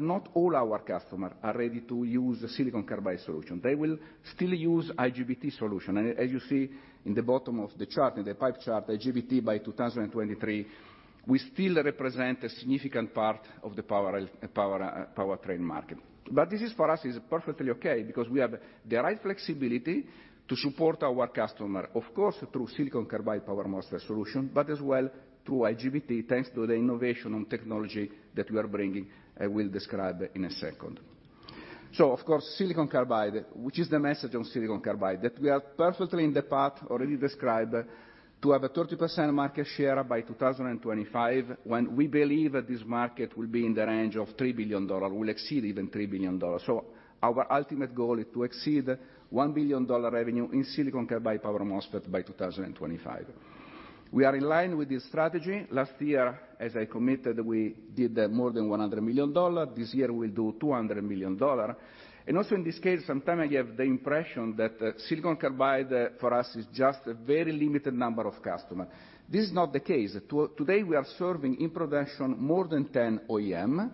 not all our customers are ready to use a silicon carbide solution. They will still use IGBT solution. As you see in the bottom of the chart, in the pie chart, IGBT by 2023, we still represent a significant part of the powertrain market. This for us is perfectly okay because we have the right flexibility to support our customer, of course, through silicon carbide power MOSFET solution, as well through IGBT, thanks to the innovation on technology that we are bringing. I will describe in a second. Of course, silicon carbide, which is the message on silicon carbide? That we are perfectly in the path already described to have a 30% market share by 2025, when we believe that this market will be in the range of EUR 3 billion, will exceed even EUR 3 billion. Our ultimate goal is to exceed EUR 1 billion revenue in silicon carbide power MOSFET by 2025. We are in line with this strategy. Last year, as I committed, we did more than EUR 100 million. This year, we'll do EUR 200 million. Also in this case, sometimes I have the impression that silicon carbide for us is just a very limited number of customers. This is not the case. Today, we are serving in production more than 10 OEMs,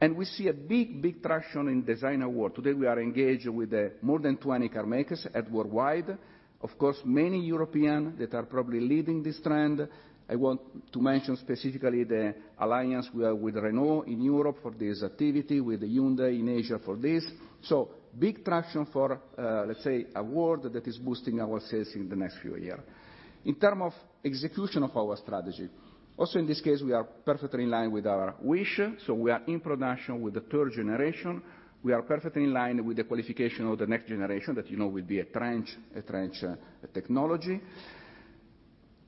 and we see a big traction in design award. Today, we are engaged with more than 20 car makers worldwide. Of course, many European that are probably leading this trend. I want to mention specifically the alliance with Renault in Europe for this activity, with Hyundai in Asia for this. Big traction for, let's say, award that is boosting our sales in the next few years. In terms of execution of our strategy. Also, in this case, we are perfectly in line with our wish. We are in production with the third generation. We are perfectly in line with the qualification of the next generation that you know will be a trench technology.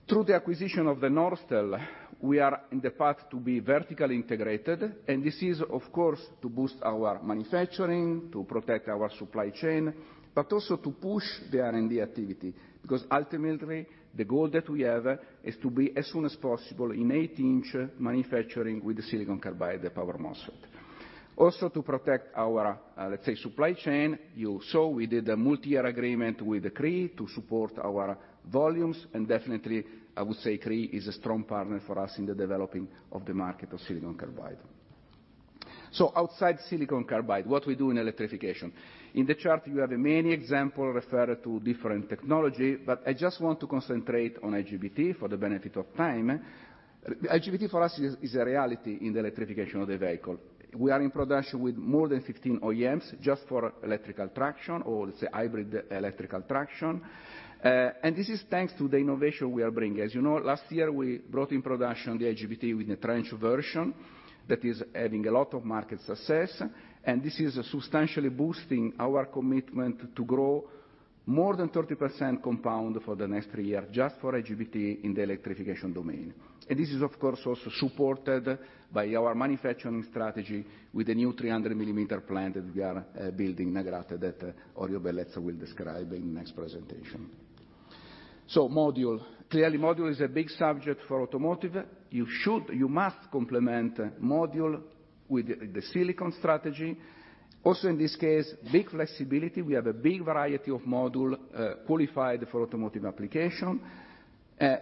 Through the acquisition of Norstel, we are in the path to be vertically integrated, and this is, of course, to boost our manufacturing, to protect our supply chain, but also to push the R&D activity. Ultimately, the goal that we have is to be, as soon as possible, in 8-inch manufacturing with the silicon carbide, the power MOSFET. Also to protect our supply chain, you saw we did a multi-year agreement with Cree to support our volumes. Definitely, I would say Cree is a strong partner for us in the developing of the market of silicon carbide. Outside silicon carbide, what we do in electrification? In the chart, you have many examples referred to different technology, but I just want to concentrate on IGBT for the benefit of time. IGBT for us is a reality in the electrification of the vehicle. We are in production with more than 15 OEMs just for electrical traction, or let's say hybrid electrical traction. This is thanks to the innovation we are bringing. As you know, last year, we brought in production the IGBT with the trench version that is having a lot of market success, and this is substantially boosting our commitment to grow more than 30% compound for the next three years just for IGBT in the electrification domain. This is, of course, also supported by our manufacturing strategy with the new 300-millimeter plant that we are building in Agrate that Orio Bellezza will describe in next presentation. Module. Clearly, module is a big subject for automotive. You must complement module with the silicon strategy. In this case, big flexibility. We have a big variety of module qualified for automotive application,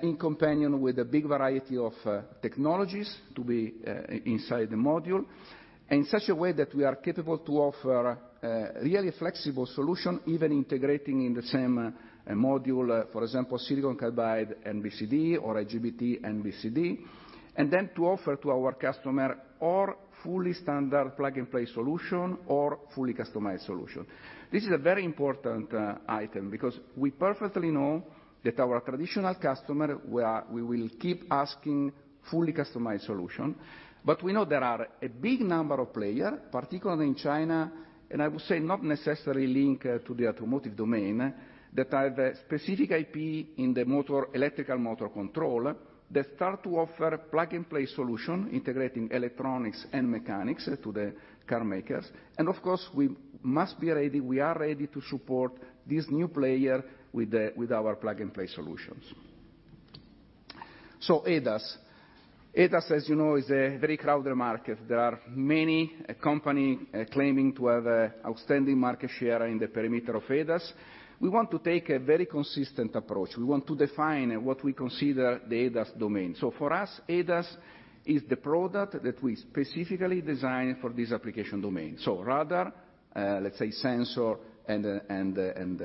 in companion with a big variety of technologies to be inside the module. In such a way that we are capable to offer really flexible solution, even integrating in the same module, for example, silicon carbide BCD or IGBT BCD. To offer to our customer or fully standard plug-and-play solution or fully customized solution. This is a very important item because we perfectly know that our traditional customer will keep asking fully customized solution. We know there are a big number of player, particularly in China, and I would say not necessarily linked to the automotive domain, that have a specific IP in the electrical motor control that start to offer plug-and-play solution, integrating electronics and mechanics to the car makers. Of course, we must be ready. We are ready to support this new player with our plug-and-play solutions. ADAS. ADAS, as you know, is a very crowded market. There are many companies claiming to have outstanding market share in the perimeter of ADAS. We want to take a very consistent approach. We want to define what we consider the ADAS domain. For us, ADAS is the product that we specifically design for this application domain. Radar, let's say sensor and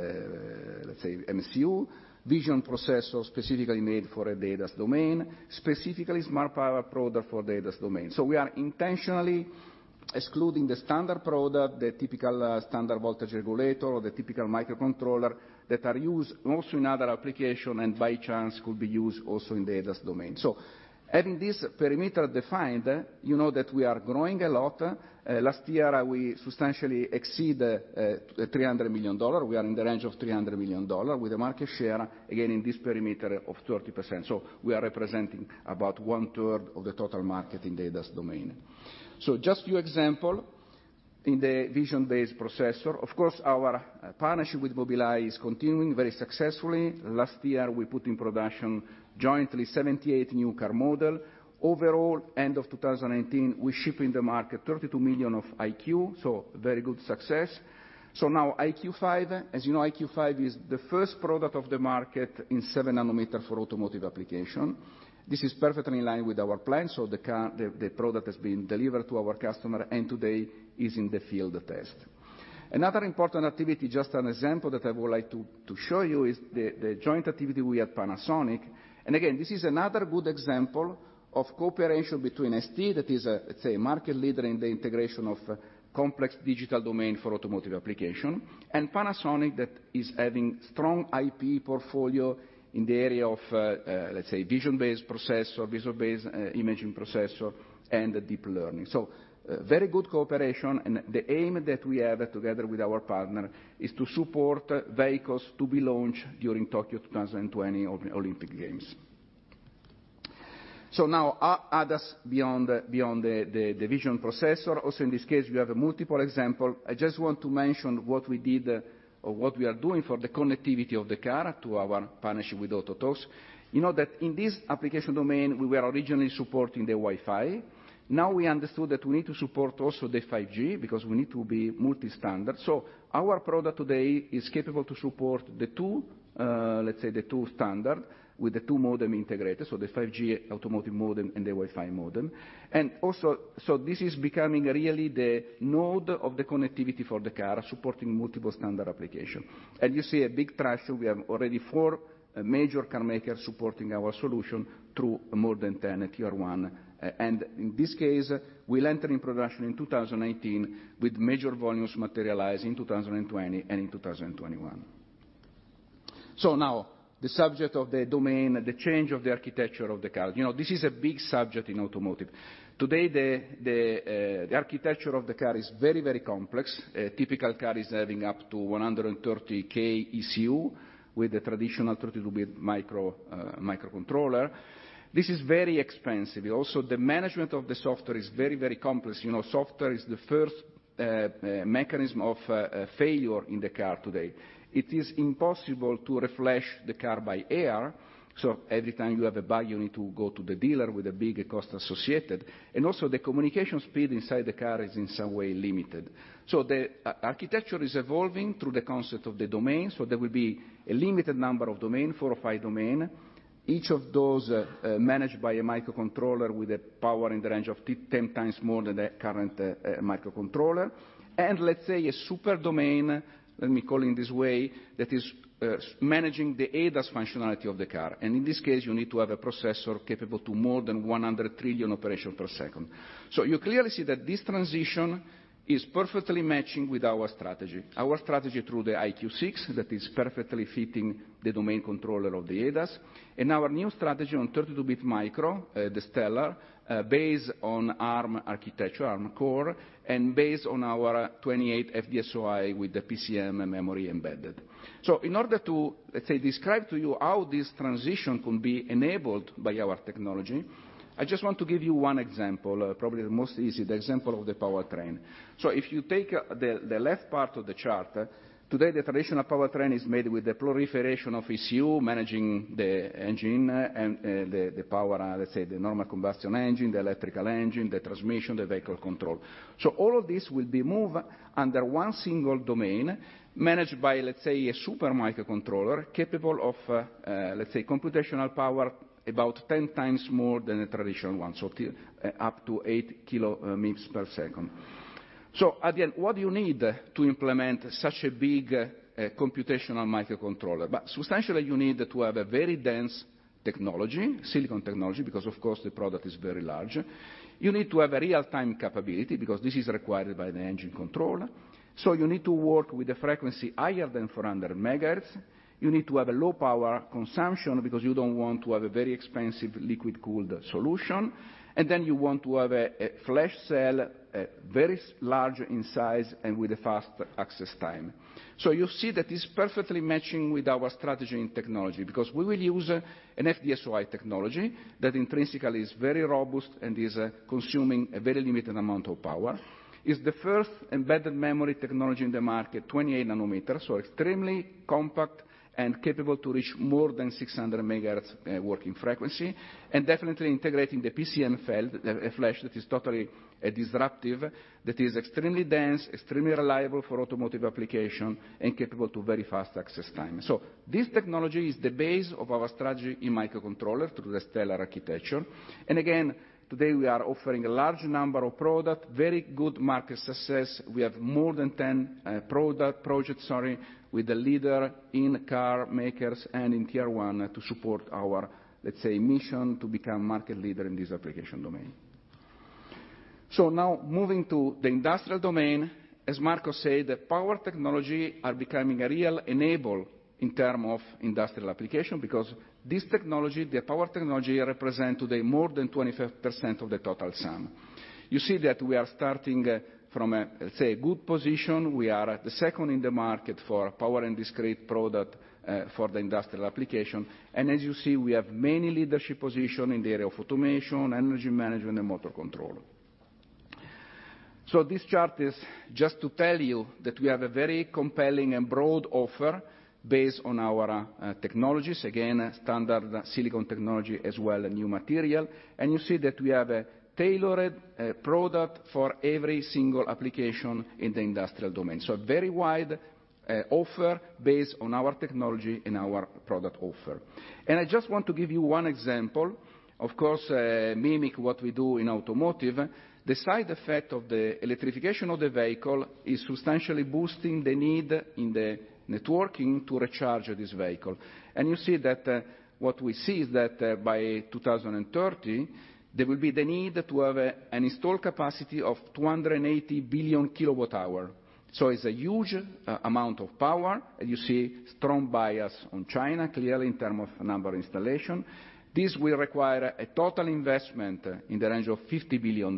let's say MCU, vision processor specifically made for ADAS domain, specifically smart power product for ADAS domain. We are intentionally excluding the standard product, the typical standard voltage regulator, or the typical microcontroller that are used also in other applications and by chance could be used also in the ADAS domain. Having this perimeter defined, you know that we are growing a lot. Last year, we substantially exceeded the $300 million. We are in the range of $300 million with a market share, again, in this perimeter of 30%. We are representing about one-third of the total market in the ADAS domain. Just few examples, in the vision-based processor, of course, our partnership with Mobileye is continuing very successfully. Last year, we put in production jointly 78 new car models. Overall, end of 2019, we shipped in the market 32 million EyeQ, very good success. Now EyeQ5, as you know, EyeQ5 is the first product of the market in 7 nanometer for automotive applications. This is perfectly in line with our plan, the product has been delivered to our customer, and today is in the field test. Another important activity, just an example that I would like to show you, is the joint activity with Panasonic. Again, this is another good example of cooperation between ST, that is a, let's say, market leader in the integration of complex digital domain for automotive applications, and Panasonic, that is having strong IP portfolio in the area of, let's say, vision-based processor, visual-based imaging processor, and deep learning. Very good cooperation, and the aim that we have together with our partner is to support vehicles to be launched during Tokyo 2020 Olympic Games. Now, ADAS beyond the vision processor. Also, in this case, we have multiple examples. I just want to mention what we did or what we are doing for the connectivity of the car to our partnership with Autotalks. You know that in this application domain, we were originally supporting the Wi-Fi. Now we understood that we need to support also the 5G because we need to be multi-standard. Our product today is capable to support the two, let's say the two standard with the two modem integrated, the 5G automotive modem and the Wi-Fi modem. This is becoming really the node of the connectivity for the car, supporting multiple standard applications. You see a big traction. We have already 4 major car makers supporting our solution through more than 10 Tier 1s. In this case, we'll enter in production in 2019 with major volumes materialized in 2020 and in 2021. Now, the subject of the domain, the change of the architecture of the car. This is a big subject in automotive. Today, the architecture of the car is very complex. A typical car is having up to 130,000 ECU with a traditional 32-bit microcontroller. This is very expensive. Also, the management of the software is very complex. Software is the first mechanism of failure in the car today. It is impossible to reflash the car by air, every time you have a bug, you need to go to the dealer with a big cost associated. Also, the communication speed inside the car is in some way limited. The architecture is evolving through the concept of the domain. There will be a limited number of domain, four or five domain. Each of those managed by a microcontroller with a power in the range of 10 times more than the current microcontroller. Let's say a super domain, let me call in this way, that is managing the ADAS functionality of the car. In this case, you need to have a processor capable to more than 100 trillion operation per second. You clearly see that this transition is perfectly matching with our strategy. Our strategy through the EyeQ6, that is perfectly fitting the domain controller of the ADAS. Our new strategy on 32-bit micro, the Stellar, based on ARM architecture, ARM core, and based on our 28 FDSOI with the PCM memory embedded. In order to, let's say, describe to you how this transition can be enabled by our technology, I just want to give you one example, probably the most easy, the example of the powertrain. If you take the left part of the chart, today the traditional powertrain is made with the proliferation of ECU managing the engine and the power, let's say, the normal combustion engine, the electrical engine, the transmission, the vehicle control. All of this will be moved under one single domain, managed by, let's say, a super microcontroller, capable of, let's say, computational power about 10 times more than a traditional one. Up to eight kilo MIPS per second. Again, what do you need to implement such a big computational microcontroller? Substantially, you need to have a very dense technology, silicon technology, because of course the product is very large. You need to have a real-time capability because this is required by the engine control. You need to work with a frequency higher than 400 megahertz. You need to have a low power consumption because you don't want to have a very expensive liquid-cooled solution. Then you want to have a flash cell very large in size and with a fast access time. You see that it's perfectly matching with our strategy in technology, because we will use an FDSOI technology that intrinsically is very robust and is consuming a very limited amount of power. It's the first embedded memory technology in the market, 28 nanometers, extremely compact and capable to reach more than 600 megahertz working frequency. Definitely integrating the PCM flash that is totally disruptive, that is extremely dense, extremely reliable for automotive application, and capable to very fast access time. This technology is the base of our strategy in microcontroller through the Stellar architecture. Again, today we are offering a large number of product, very good market success. We have more than 10 project with the leader in car makers and in Tier 1 to support our, let's say, mission to become market leader in this application domain. Now moving to the industrial domain. As Marco said, the power technology are becoming a real enabler in term of industrial application because the power technology represent today more than 25% of the total sum. You see that we are starting from a good position. We are at the second in the market for power and discrete product for the industrial application. As you see, we have many leadership position in the area of automation, energy management, and motor control. This chart is just to tell you that we have a very compelling and broad offer based on our technologies, again, standard silicon technology as well as new material. You see that we have a tailored product for every single application in the industrial domain. A very wide offer based on our technology and our product offer. I just want to give you one example, of course, mimic what we do in automotive. The side effect of the electrification of the vehicle is substantially boosting the need in the networking to recharge this vehicle. What we see is that by 2030, there will be the need to have an install capacity of 280 billion kilowatt-hour. It's a huge amount of power. You see strong bias on China, clearly in terms of number installation. This will require a total investment in the range of EUR 50 billion.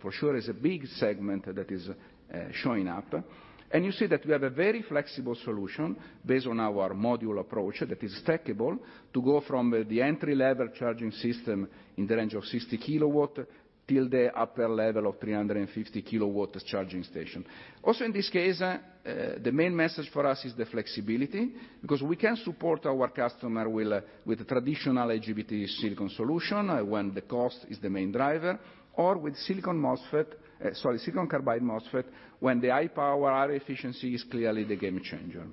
For sure it's a big segment that is showing up. You see that we have a very flexible solution based on our module approach that is stackable to go from the entry level charging system in the range of 60 kilowatt till the upper level of 350 kilowatts charging station. Also in this case, the main message for us is the flexibility, because we can support our customer with traditional IGBT silicon solution when the cost is the main driver or with silicon carbide MOSFET when the high power, high efficiency is clearly the game changer.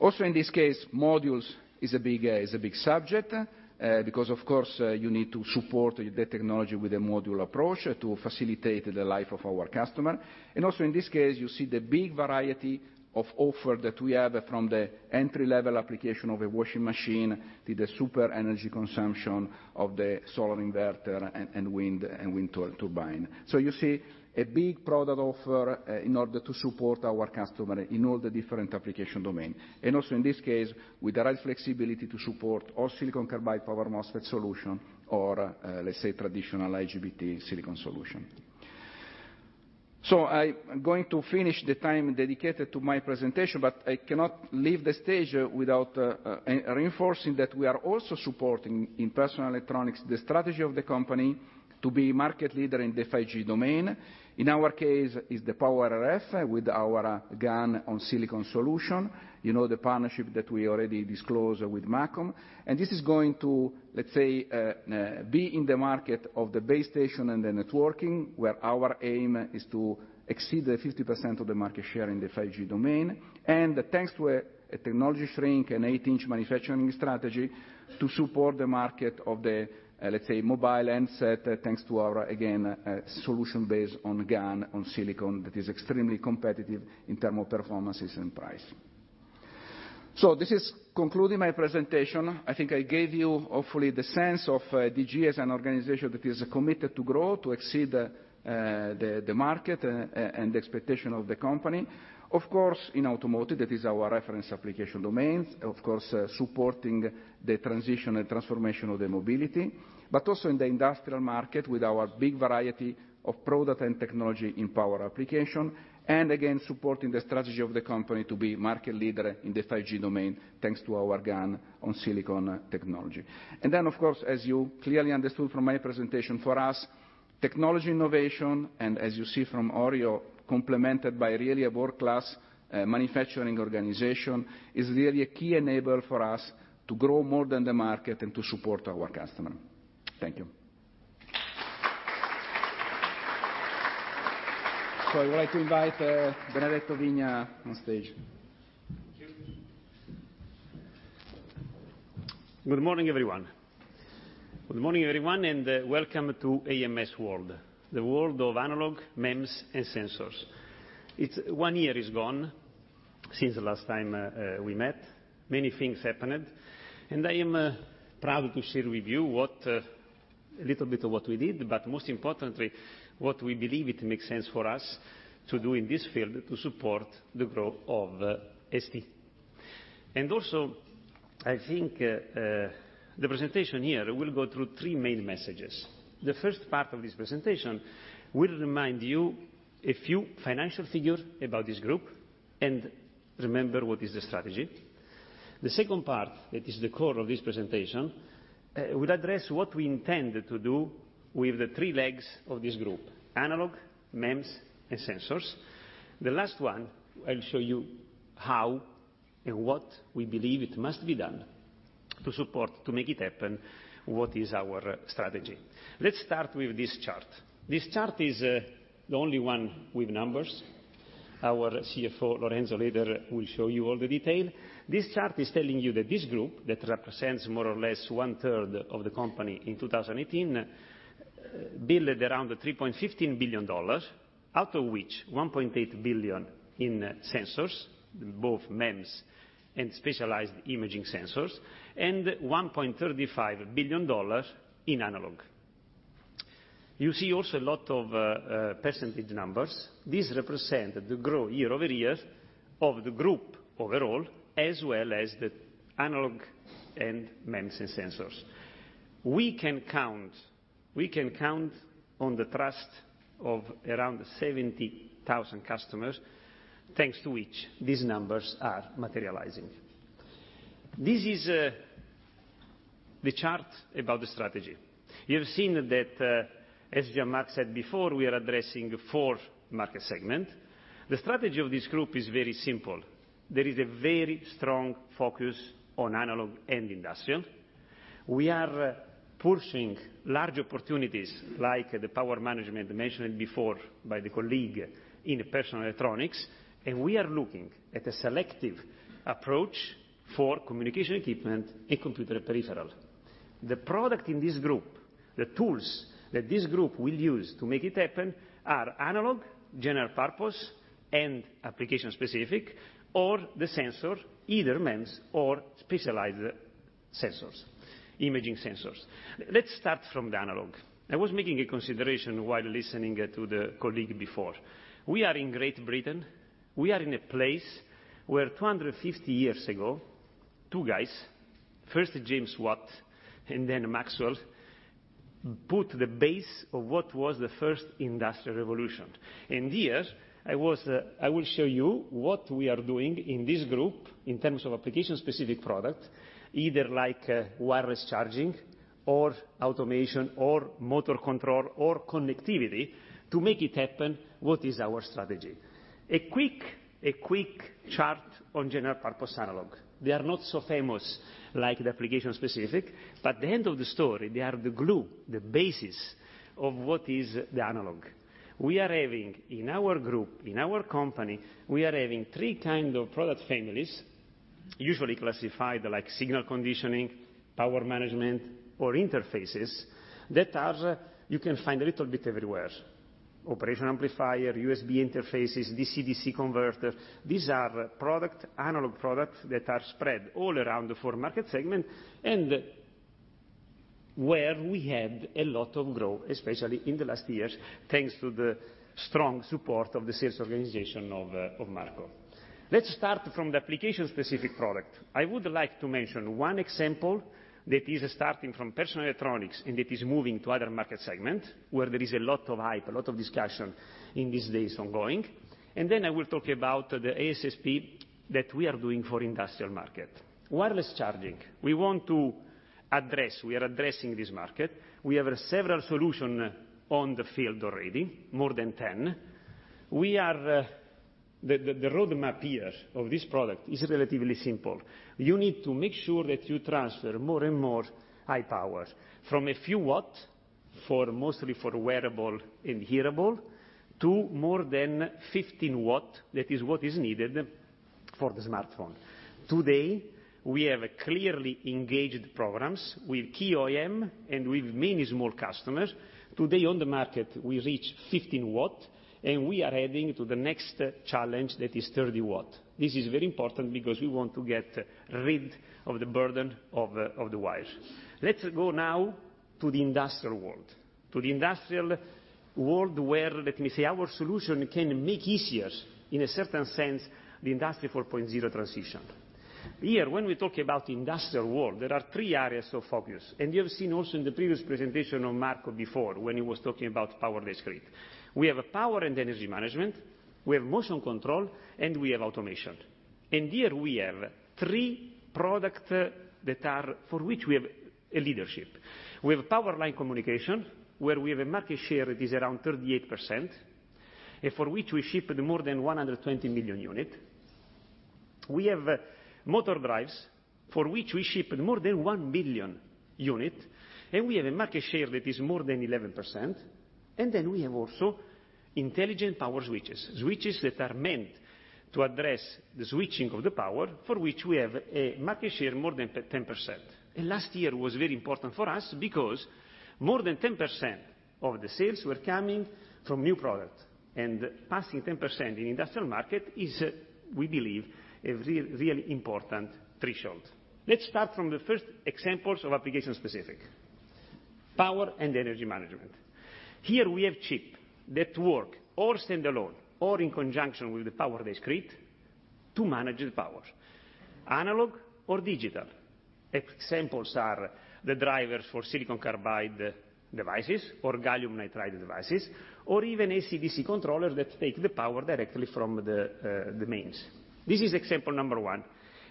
Also in this case, modules is a big subject, because of course, you need to support the technology with a module approach to facilitate the life of our customer. Also in this case, you see the big variety of offer that we have from the entry-level application of a washing machine to the super energy consumption of the solar inverter and wind turbine. You see a big product offer in order to support our customer in all the different application domain. Also in this case, with the right flexibility to support all silicon carbide power MOSFET solution or let's say traditional IGBT silicon solution. I'm going to finish the time dedicated to my presentation, but I cannot leave the stage without reinforcing that we are also supporting, in personal electronics, the strategy of the company to be market leader in the 5G domain. In our case is the power RF with our GaN on silicon solution. You know the partnership that we already disclosed with MACOM, this is going to, let's say, be in the market of the base station and the networking, where our aim is to exceed the 50% of the market share in the 5G domain. Thanks to a technology shrink and 8-inch manufacturing strategy to support the market of the, let's say, mobile handset, thanks to our, again, solution based on GaN, on silicon that is extremely competitive in term of performances and price. This is concluding my presentation. I think I gave you hopefully the sense of DG as an organization that is committed to grow, to exceed the market and the expectation of the company. Of course, in automotive, that is our reference application domain, of course, supporting the transition and transformation of the mobility, but also in the industrial market with our big variety of product and technology in power application. Again, supporting the strategy of the company to be market leader in the 5G domain, thanks to our GaN on silicon technology. Of course, as you clearly understood from my presentation, for us, technology innovation, and as you see from Orio, complemented by really a world-class manufacturing organization, is really a key enabler for us to grow more than the market and to support our customer. Thank you. I would like to invite Benedetto Vigna on stage. Thank you. Good morning, everyone, and welcome to AMS World, the world of analog, MEMS, and sensors. One year is gone since the last time we met. Many things happened. I am proud to share with you a little bit of what we did, but most importantly, what we believe it makes sense for us to do in this field to support the growth of ST. Also, I think, the presentation here will go through three main messages. The first part of this presentation will remind you a few financial figures about this group and remember what is the strategy. The second part, that is the core of this presentation, will address what we intend to do with the three legs of this group: analog, MEMS, and sensors. The last one, I'll show you how and what we believe it must be done to support, to make it happen, what is our strategy. Let's start with this chart. This chart is the only one with numbers. Our CFO, Lorenzo, later will show you all the detail. This chart is telling you that this group, that represents more or less one-third of the company in 2018, billed around EUR 3.15 billion, out of which 1.8 billion in sensors, both MEMS and specialized imaging sensors, and EUR 1.35 billion in analog. You see also a lot of percentage numbers. These represent the growth year-over-year of the group overall, as well as the analog and MEMS and Sensors. We can count on the trust of around 70,000 customers, thanks to which these numbers are materializing. This is the chart about the strategy. You have seen that, as Jean-Marc said before, we are addressing four market segment. The strategy of this group is very simple. There is a very strong focus on analog and industrial. We are pushing large opportunities like the power management mentioned before by the colleague in personal electronics, and we are looking at a selective approach for communication equipment and computer peripheral. The product in this group, the tools that this group will use to make it happen are analog, general purpose, and application-specific, or the sensor, either MEMS or specialized sensors, imaging sensors. Let's start from the analog. I was making a consideration while listening to the colleague before. We are in Great Britain, we are in a place where 250 years ago, two guys, first James Watt and then Maxwell, put the base of what was the first industrial revolution. Here, I will show you what we are doing in this group in terms of application-specific product, either like wireless charging or automation or motor control or connectivity to make it happen, what is our strategy. A quick chart on general purpose analog. They are not so famous like the application-specific, but the end of the story, they are the glue, the basis of what is the analog. We are having in our group, in our company, we are having three kind of product families, usually classified like signal conditioning, power management, or interfaces, that you can find a little bit everywhere. Operational amplifier, USB interfaces, DC-DC converter. These are analog products that are spread all around the four market segment, and where we had a lot of growth, especially in the last years, thanks to the strong support of the sales organization of Marco. Let's start from the application-specific product. I would like to mention one example that is starting from personal electronics, and it is moving to other market segment, where there is a lot of hype, a lot of discussion in these days ongoing. Then I will talk about the ASSP that we are doing for industrial market. Wireless charging. We want to address. We are addressing this market. We have several solution on the field already, more than 10. The roadmap here of this product is relatively simple. You need to make sure that you transfer more and more high power from a few watt, mostly for wearable and hearable, to more than 15 watt, that is what is needed for the smartphone. Today, we have clearly engaged programs with key OEM and with many small customers. Today on the market, we reach 15 watt, we are heading to the next challenge that is 30 watt. This is very important because we want to get rid of the burden of the wires. Let's go now to the industrial world, to the industrial world where, let me say, our solution can make easier, in a certain sense, the Industry 4.0 transition. Here, when we talk about industrial world, there are three areas of focus, you have seen also in the previous presentation of Marco before, when he was talking about power discrete. We have power and energy management, we have motion control, and we have automation. Here we have three product for which we have a leadership. We have power line communication, where we have a market share that is around 38%, and for which we shipped more than 120 million unit. We have motor drives, for which we shipped more than 1 billion unit, we have a market share that is more than 11%. We have also intelligent power switches that are meant to address the switching of the power, for which we have a market share more than 10%. Last year was very important for us because more than 10% of the sales were coming from new product. Passing 10% in industrial market is, we believe, a really important threshold. Let's start from the first examples of application-specific power and energy management. Here we have chip that work or standalone or in conjunction with the power discrete to manage the power, analog or digital. Examples are the drivers for silicon carbide devices or gallium nitride devices, or even AC-DC controller that take the power directly from the mains. This is example number 1.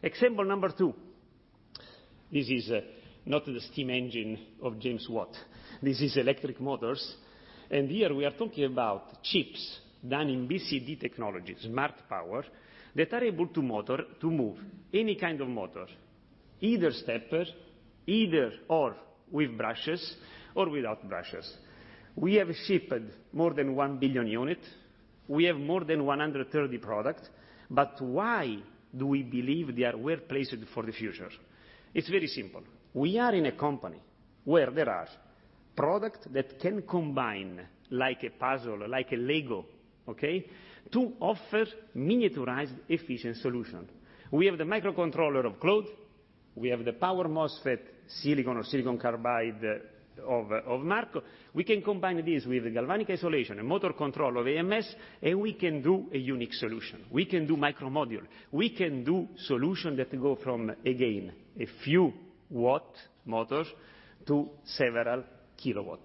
Example number 2, this is not the steam engine of James Watt. This is electric motors. Here we are talking about chips done in BCD technology, smart power, that are able to move any kind of motor, either stepper or with brushes or without brushes. We have shipped more than 1 billion unit. We have more than 130 product. Why do we believe they are well-placed for the future? It's very simple. We are in a company where there are product that can combine like a puzzle, like a Lego, okay, to offer miniaturized, efficient solution. We have the microcontroller of Claude. We have the power MOSFET silicon or silicon carbide of Marco. We can combine this with the galvanic isolation and motor control of AMS. We can do a unique solution. We can do micro module. We can do solution that go from, again, a few watt motors to several kilowatt.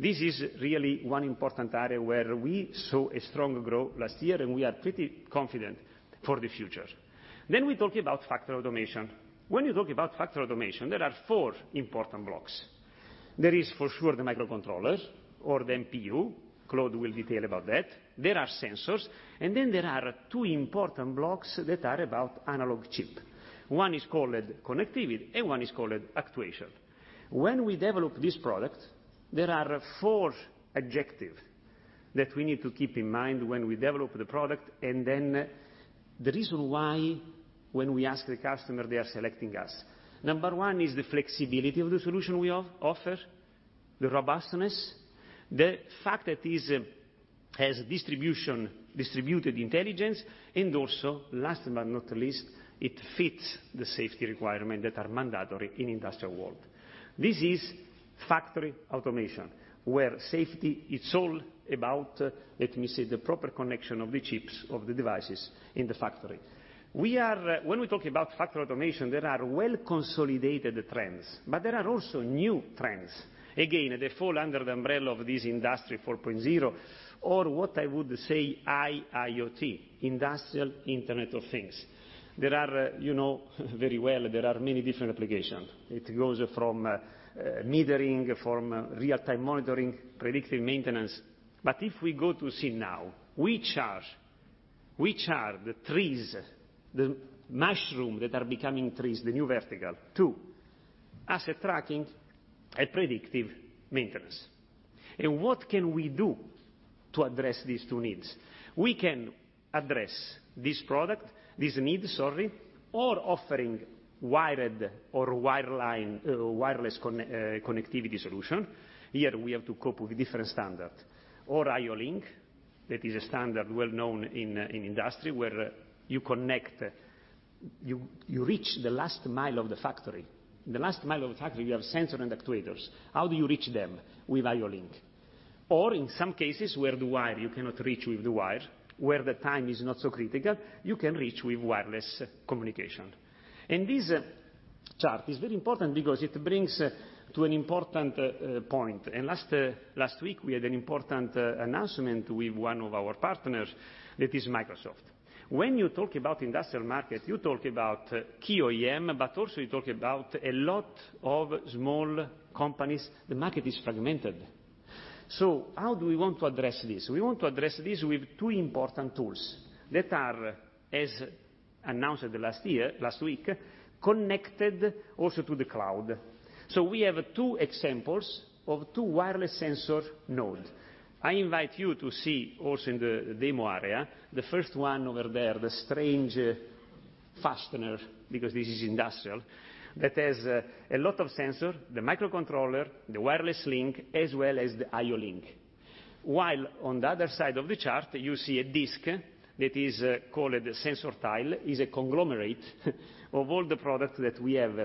This is really one important area where we saw a strong growth last year. We are pretty confident for the future. We talk about factory automation. When you talk about factory automation, there are four important blocks. There is, for sure, the microcontrollers or the MPU. Claude will detail about that. There are sensors. There are two important blocks that are about analog chip. One is called connectivity, and one is called actuation. When we develop this product, there are four objectives that we need to keep in mind when we develop the product. The reason why when we ask the customer, they are selecting us. Number 1 is the flexibility of the solution we offer, the robustness, the fact that this has distributed intelligence, last but not least, it fits the safety requirement that are mandatory in industrial world. This is factory automation, where safety is all about, let me say, the proper connection of the chips of the devices in the factory. When we talk about factory automation, there are well-consolidated trends. There are also new trends. Again, they fall under the umbrella of this Industry 4.0 or what I would say, IIoT, Industrial Internet of Things. There are, you know very well, there are many different applications. It goes from metering, from real-time monitoring, predictive maintenance. If we go to see now, which are the trees, the mushroom that are becoming trees, the new vertical to asset tracking and predictive maintenance. What can we do to address these two needs? We can address this need or offering wired or wireless connectivity solution. Here, we have to cope with different standards or IO-Link. That is a standard well-known in industry where you reach the last mile of the factory. In the last mile of the factory, you have sensor and actuators. How do you reach them? With IO-Link. Or in some cases where the wire you cannot reach with the wire, where the time is not so critical, you can reach with wireless communication. This chart is very important because it brings to an important point. Last week, we had an important announcement with one of our partners, that is Microsoft. When you talk about industrial market, you talk about key OEM, but also you talk about a lot of small companies. The market is fragmented. How do we want to address this? We want to address this with two important tools that are, as announced last week, connected also to the cloud. We have two examples of two wireless sensor nodes. I invite you to see also in the demo area, the first one over there, the strange fastener, because this is industrial, that has a lot of sensor, the microcontroller, the wireless link, as well as the IO-Link. While on the other side of the chart, you see a disk that is called a SensorTile, is a conglomerate of all the products that we have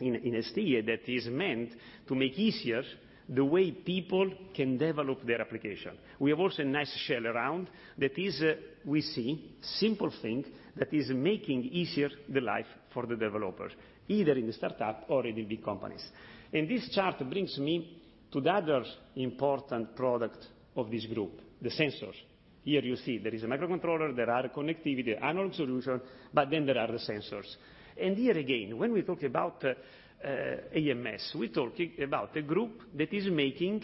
in ST that is meant to make easier the way people can develop their application. We have also a nice shell around that is, we see simple things that is making easier the life for the developers, either in the startups or in the big companies. This chart brings me to the other important product of this group, the sensors. Here you see there is a microcontroller, there are connectivity, analog solutions, but then there are the sensors. Here again, when we talk about AMS, we're talking about a group that is making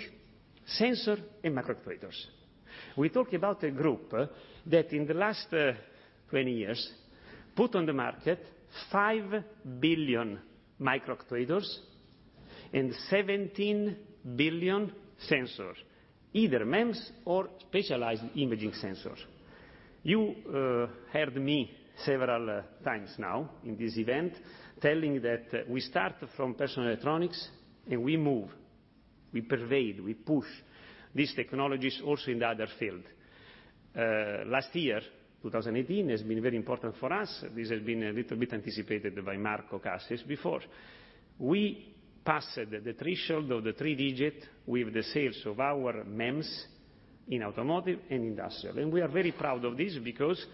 sensor and microactuators. We talk about a group that in the last 20 years, put on the market 5 billion microactuators and 17 billion sensors, either MEMS or specialized imaging sensors. You heard me several times now in this event telling that we start from personal electronics and we move, we pervade, we push these technologies also in the other field. Last year, 2018, has been very important for us. This has been a little bit anticipated by Marco Cassis before. We passed the threshold of the three digits with the sales of our MEMS in automotive and industrial. We are very proud of this because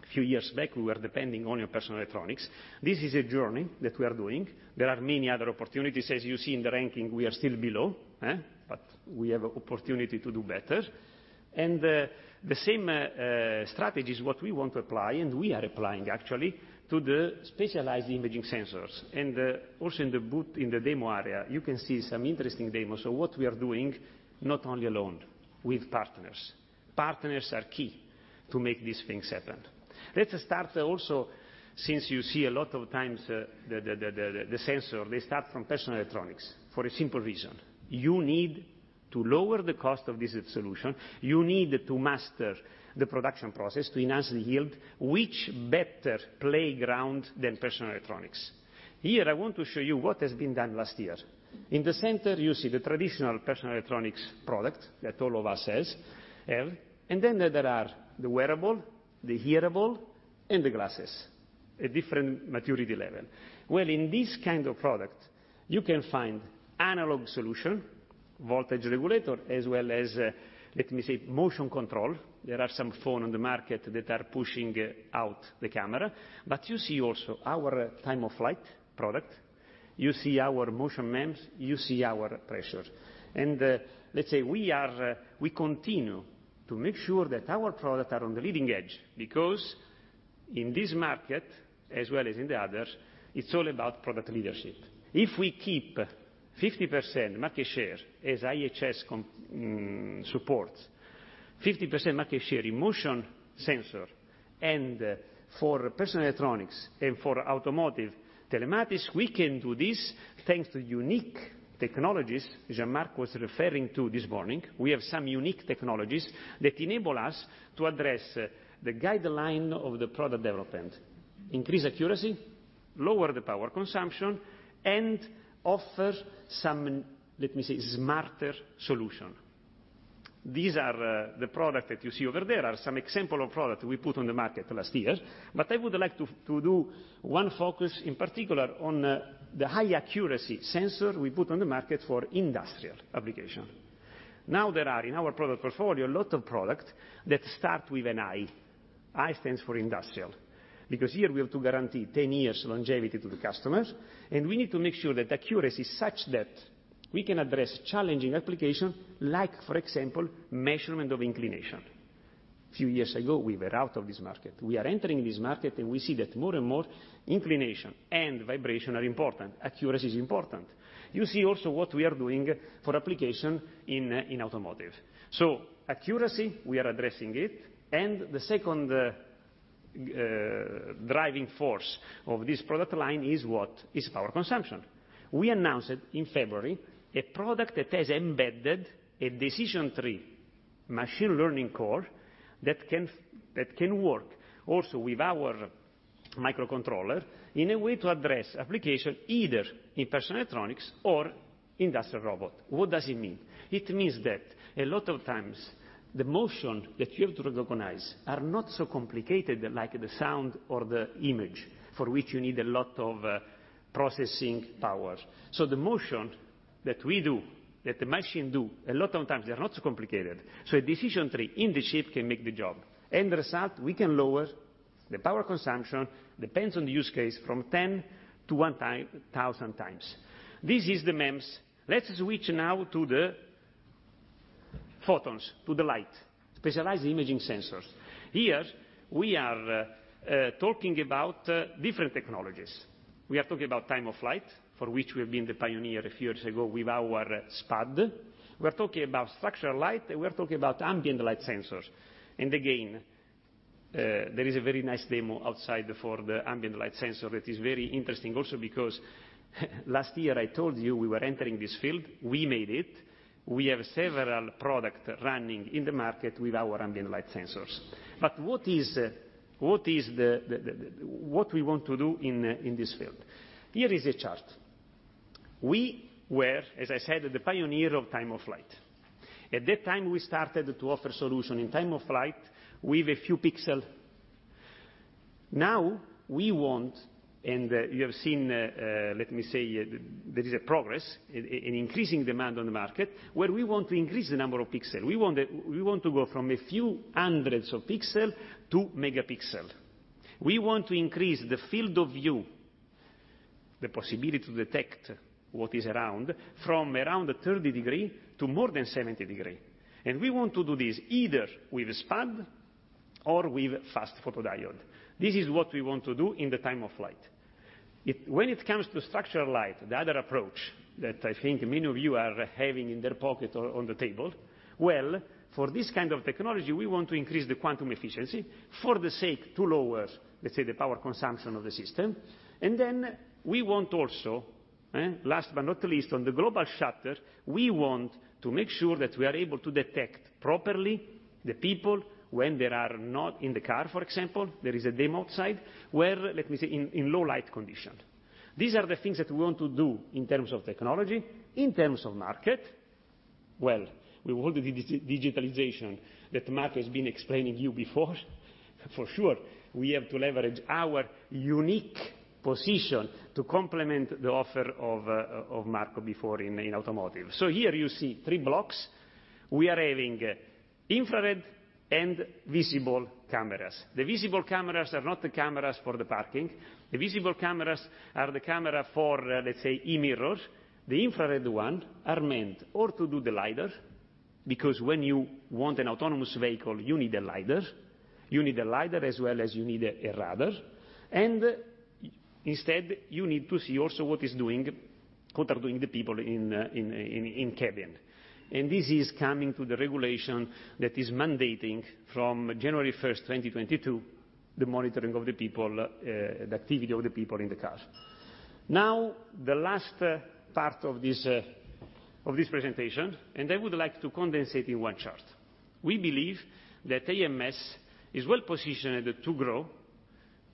a few years back, we were depending only on personal electronics. This is a journey that we are doing. There are many other opportunities. As you see in the ranking, we are still below. We have opportunity to do better. The same strategy is what we want to apply, and we are applying actually to the specialized imaging sensors. Also in the booth in the demo area, you can see some interesting demos of what we are doing, not only alone, with partners. Partners are key to make these things happen. Let's start also, since you see a lot of times, the sensors, they start from personal electronics for a simple reason. You need to lower the cost of this solution. You need to master the production process to enhance the yield. Which better playground than personal electronics? Here I want to show you what has been done last year. In the center, you see the traditional personal electronics product that all of us have, and then there are the wearable, the hearable, and the glasses. A different maturity level. Well, in this kind of product, you can find analog solution, voltage regulator as well as, let me say, motion control. There are some phones on the market that are pushing out the camera, but you see also our FlightSense product. You see our motion MEMS, you see our pressure. Let's say, we continue to make sure that our products are on the leading edge because in this market, as well as in the others, it's all about product leadership. If we keep 50% market share, as IHS Markit supports, 50% market share in motion sensors and for personal electronics and for automotive telematics, we can do this thanks to unique technologies Jean-Marc was referring to this morning. We have some unique technologies that enable us to address the guidelines of the product development, increase accuracy, lower the power consumption, and offer some, let me say, smarter solution. These are the products that you see over there, are some examples of products we put on the market last year. I would like to do one focus, in particular, on the high accuracy sensor we put on the market for industrial application. Now there are, in our product portfolio, a lot of products that start with an I. I stands for industrial, because here we have to guarantee 10 years longevity to the customers, and we need to make sure that accuracy is such that we can address challenging applications like, for example, measurement of inclination. A few years ago, we were out of this market. We are entering this market, and we see that more and more inclination and vibration are important. Accuracy is important. You see also what we are doing for applications in automotive. Accuracy, we are addressing it, and the second driving force of this product line is what? Is power consumption. We announced it in February, a product that has embedded a decision tree machine learning core that can work also with our microcontrollers in a way to address application either in personal electronics or industrial robots. What does it mean? It means that a lot of times, the motion that you have to recognize are not so complicated like the sound or the image, for which you need a lot of processing power. The motion that we do, that the machine does, a lot of times they're not so complicated. A decision tree in the chip can make the job. The result, we can lower the power consumption, depends on the use case, from 10 to 1,000 times. This is the MEMS. Let's switch now to the photons, to the light. Specialized imaging sensors. Here, we are talking about different technologies. We are talking about Time-of-Flight, for which we've been the pioneer a few years ago with our SPAD. We're talking about structured light, and we're talking about ambient light sensors. There is a very nice demo outside for the ambient light sensor that is very interesting also because last year I told you we were entering this field. We made it. We have several products running in the market with our ambient light sensors. What we want to do in this field? Here is a chart. We were, as I said, the pioneer of time of flight. At that time, we started to offer solution in time of flight with a few pixels. Now, we want, and you have seen, let me say, there is a progress in increasing demand on the market, where we want to increase the number of pixels. We want to go from a few hundreds of pixels to megapixel. We want to increase the field of view, the possibility to detect what is around, from around 30 degrees to more than 70 degrees. We want to do this either with SPAD or with fast photodiode. This is what we want to do in the time of flight. When it comes to structured light, the other approach that I think many of you are having in their pocket or on the table, well, for this kind of technology, we want to increase the quantum efficiency for the sake to lower, let me say, the power consumption of the system. Then we want also, last but not least, on the global shutter, we want to make sure that we are able to detect properly the people when they are not in the car, for example, there is a demo outside, where, let me say, in low light condition. These are the things that we want to do in terms of technology. In terms of market, well, with all the digitalization that Marco has been explaining you before, for sure, we have to leverage our unique position to complement the offer of Marco before in automotive. Here you see three blocks. We are having infrared and visible cameras. The visible cameras are not the cameras for the parking. The visible cameras are the camera for, let me say, e-mirror. The infrared one are meant or to do the lidar, because when you want an autonomous vehicle, you need a lidar. You need a lidar as well as you need a radar. Instead, you need to see also what are doing the people in cabin. This is coming to the regulation that is mandating from January 1, 2022, the monitoring of the people, the activity of the people in the car. The last part of this presentation, I would like to condense it in one chart. We believe that AMS is well-positioned to grow,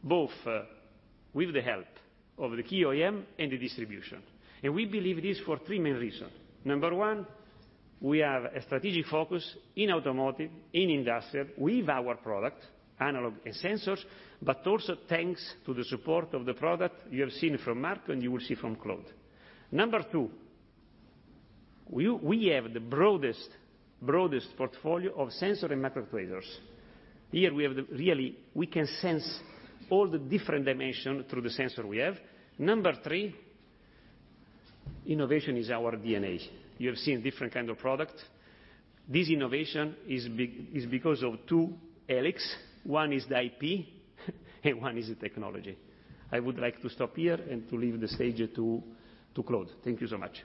both with the help of the key OEM and the distribution. We believe this for three main reasons. Number one. We have a strategic focus in automotive, in industrial, with our products, analog and sensors, but also thanks to the support of the products you have seen from Marco and you will see from Claude. Number two, we have the broadest portfolio of sensor and microcontrollers. Here, really, we can sense all the different dimensions through the sensor we have. Number three, innovation is our DNA. You have seen different kind of products. This innovation is because of two helix. One is the IP, and one is the technology. I would like to stop here and to leave the stage to Claude. Thank you so much.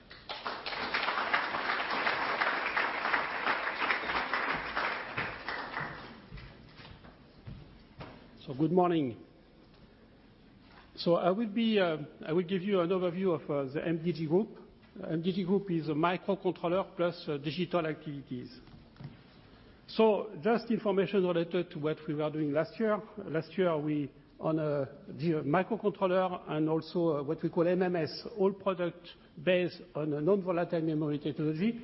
Good morning. I will give you an overview of the MDG Group. MDG Group is a microcontroller plus digital activities. Just information related to what we were doing last year. Last year, we, on the microcontroller and also what we call MMS, all product based on a non-volatile memory technology,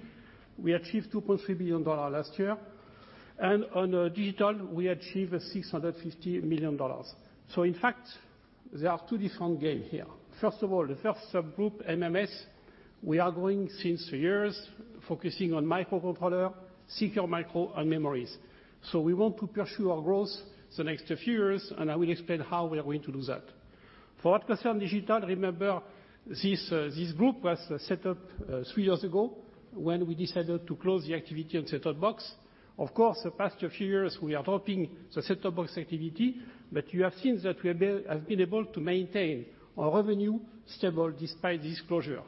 we achieved EUR 2.3 billion last year. On digital, we achieved EUR 650 million. In fact, there are two different game here. First of all, the first subgroup, MMS, we are growing since years focusing on microcontroller, secure micro, and memories. We want to pursue our growth the next few years, and I will explain how we are going to do that. For what concern digital, remember, this group was set up three years ago when we decided to close the activity on set-top box. Of course, the past few years, we are dropping the set-top box activity, but you have seen that we have been able to maintain our revenue stable despite this closure.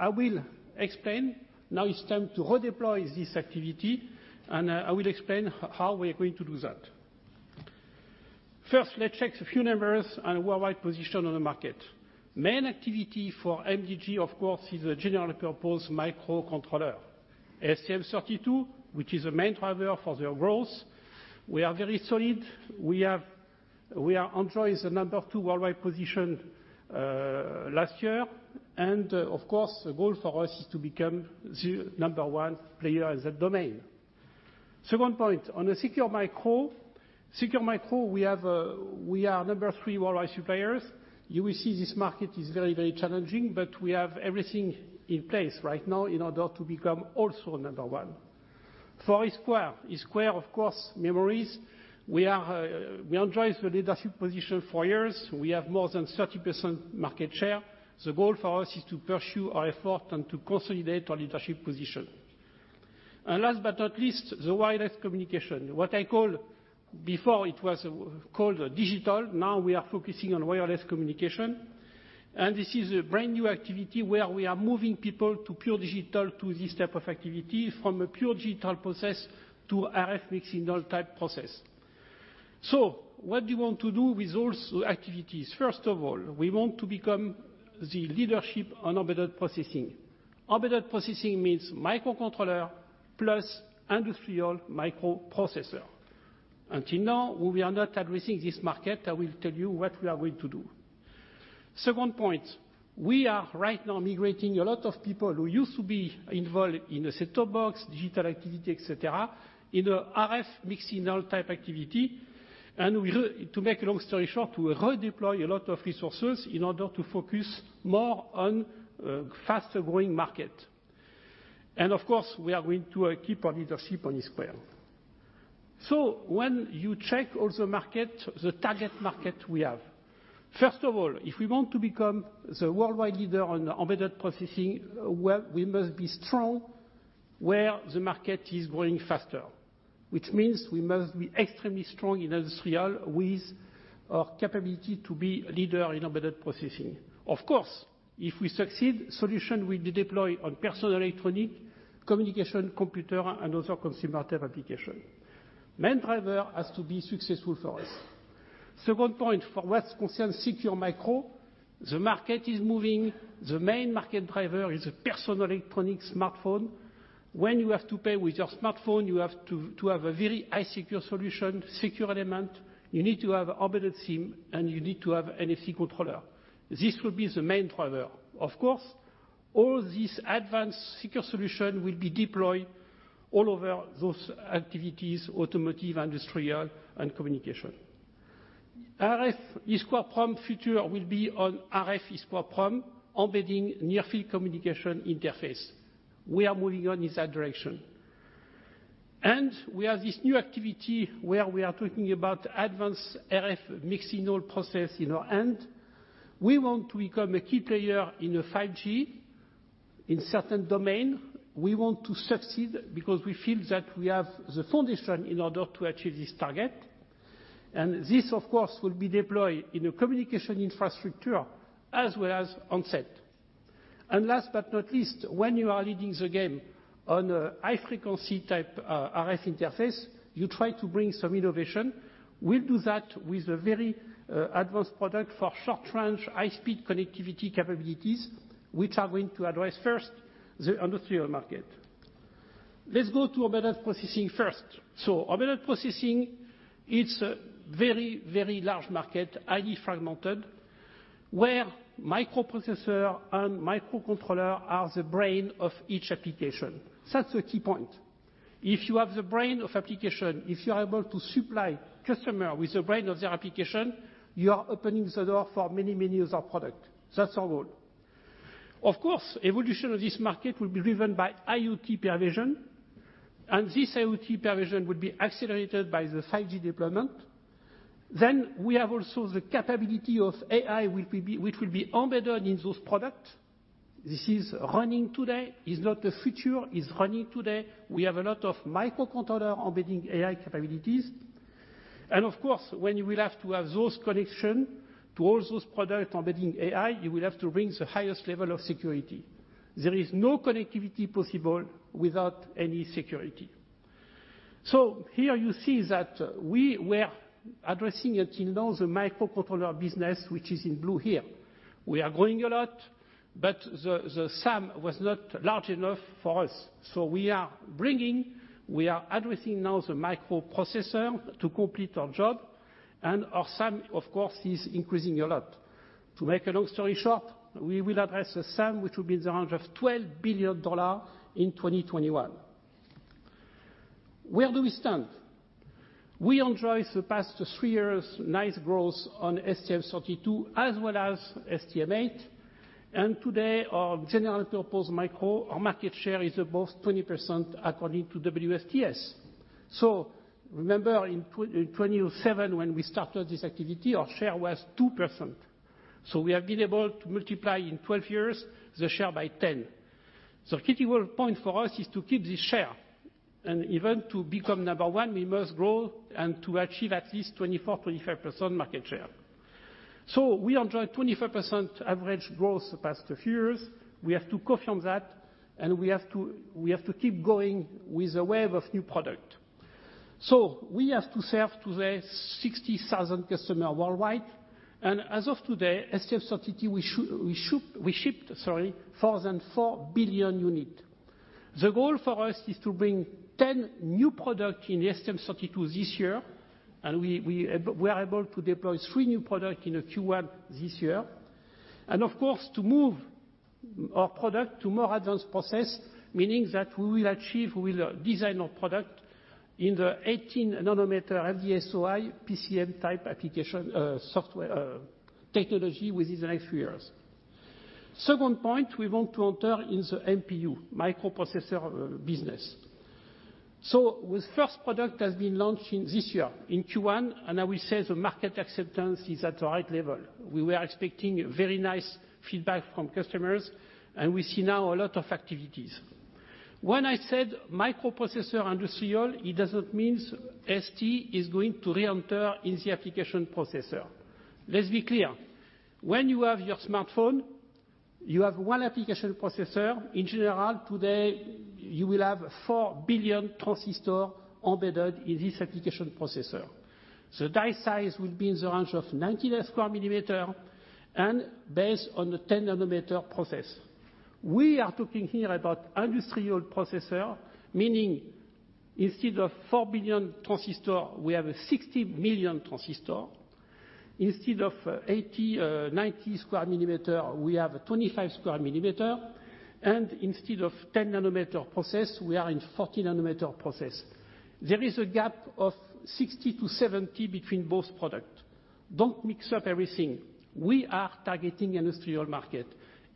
I will explain, now it's time to redeploy this activity, and I will explain how we are going to do that. First, let's check a few numbers and worldwide position on the market. Main activity for MDG, of course, is a general purpose microcontroller. STM32, which is a main driver for their growth. We are very solid. We are enjoys the number 2 worldwide position last year. Of course, the goal for us is to become the number 1 player in that domain. Second point, on the secure micro, we are number 3 worldwide suppliers. You will see this market is very challenging, but we have everything in place right now in order to become also number 1. For EEPROM, of course, memories. We enjoys the leadership position for years. We have more than 30% market share. The goal for us is to pursue our effort and to consolidate our leadership position. Last but not least, the wireless communication. What I call, before it was called digital, now we are focusing on wireless communication, and this is a brand-new activity where we are moving people to pure digital to this type of activity from a pure digital process to RF mixed-signal type process. What do you want to do with those activities? First of all, we want to become the leadership on embedded processing. Embedded processing means microcontroller plus industrial microprocessor. Until now, we are not addressing this market. I will tell you what we are going to do. Second point, we are right now migrating a lot of people who used to be involved in a set-top box, digital activity, et cetera, in a RF mixed signal type activity. To make a long story short, to redeploy a lot of resources in order to focus more on faster-growing market. Of course, we are going to keep our leadership on EEPROM. When you check all the market, the target market we have. First of all, if we want to become the worldwide leader on embedded processing, well, we must be strong where the market is growing faster, which means we must be extremely strong in industrial with our capability to be leader in embedded processing. Of course, if we succeed, solution will be deployed on personal electronic, communication, computer, and other consumer type application. Main driver has to be successful for us. Second point, for what concerns secure micro, the market is moving. The main market driver is a personal electronic smartphone. When you have to pay with your smartphone, you have to have a very high secure solution, secure element. You need to have eSIM, and you need to have NFC controller. This will be the main driver. Of course, all this advanced secure solution will be deployed all over those activities, automotive, industrial, and communication. RF EEPROM future will be on RF EEPROM, embedding near-field communication interface. We are moving on in that direction. We have this new activity where we are talking about advanced RF mixed signal process in our end. We want to become a key player in a 5G in certain domain. We want to succeed because we feel that we have the foundation in order to achieve this target. This, of course, will be deployed in a communication infrastructure as well as on set. Last but not least, when you are leading the game on a high frequency type, RF interface, you try to bring some innovation. We'll do that with a very advanced product for short range, high speed connectivity capabilities, which are going to address first the industrial market. Let's go to embedded processing first. Embedded processing, it's a very large market, highly fragmented, where microprocessor and microcontroller are the brain of each application. That's a key point. If you have the brain of application, if you are able to supply customer with the brain of their application, you are opening the door for many, many other product. That's our goal. Of course, evolution of this market will be driven by IoT perversion, and this IoT perversion will be accelerated by the 5G deployment. We have also the capability of AI, which will be embedded in those product. This is running today. Is not the future, is running today. We have a lot of microcontroller embedding AI capabilities. Of course, when you will have to have those connection to all those product embedding AI, you will have to bring the highest level of security. There is no connectivity possible without any security. Here you see that we were addressing until now the microcontroller business, which is in blue here. We are growing a lot, but the sum was not large enough for us. We are addressing now the microprocessor to complete our job, and our sum, of course, is increasing a lot. To make a long story short, we will address the sum, which will be in the range of $12 billion in 2021. Where do we stand? We enjoy the past three years, nice growth on STM32 as well as STM8. Today, our general purpose micro, our market share is above 20%, according to WSTS. Remember in 2007 when we started this activity, our share was 2%. We have been able to multiply in 12 years the share by 10. Critical point for us is to keep this share, and even to become number one, we must grow and to achieve at least 24%-25% market share. We enjoy 25% average growth the past few years. We have to confirm that, and we have to keep going with a wave of new product. We have to serve today 60,000 customer worldwide. As of today, STM32, we shipped more than 4 billion unit. The goal for us is to bring 10 new product in the STM32 this year, and we are able to deploy three new product in Q1 this year. Of course, to move our product to more advanced process, meaning that we will achieve, we will design our product in the 18 nanometer FDSOI PCM type application, software, technology within the next few years. Second point, we want to enter in the MPU, microprocessor business. The first product has been launched this year in Q1, and I will say the market acceptance is at the right level. We were expecting very nice feedback from customers, and we see now a lot of activities. When I said microprocessor industrial, it doesn't mean ST is going to reenter in the application processor. Let's be clear. When you have your smartphone, you have one application processor. In general, today, you will have 4 billion transistor embedded in this application processor. Die size will be in the range of 90 square millimeter and based on the 10 nanometer process. We are talking here about industrial processor, meaning instead of 4 billion transistor, we have a 60 million transistor. Instead of 80-90 square millimeter, we have 25 square millimeter. Instead of 10 nanometer process, we are in 40 nanometer process. There is a gap of 60-70 between both product. Don't mix up everything. We are targeting industrial market.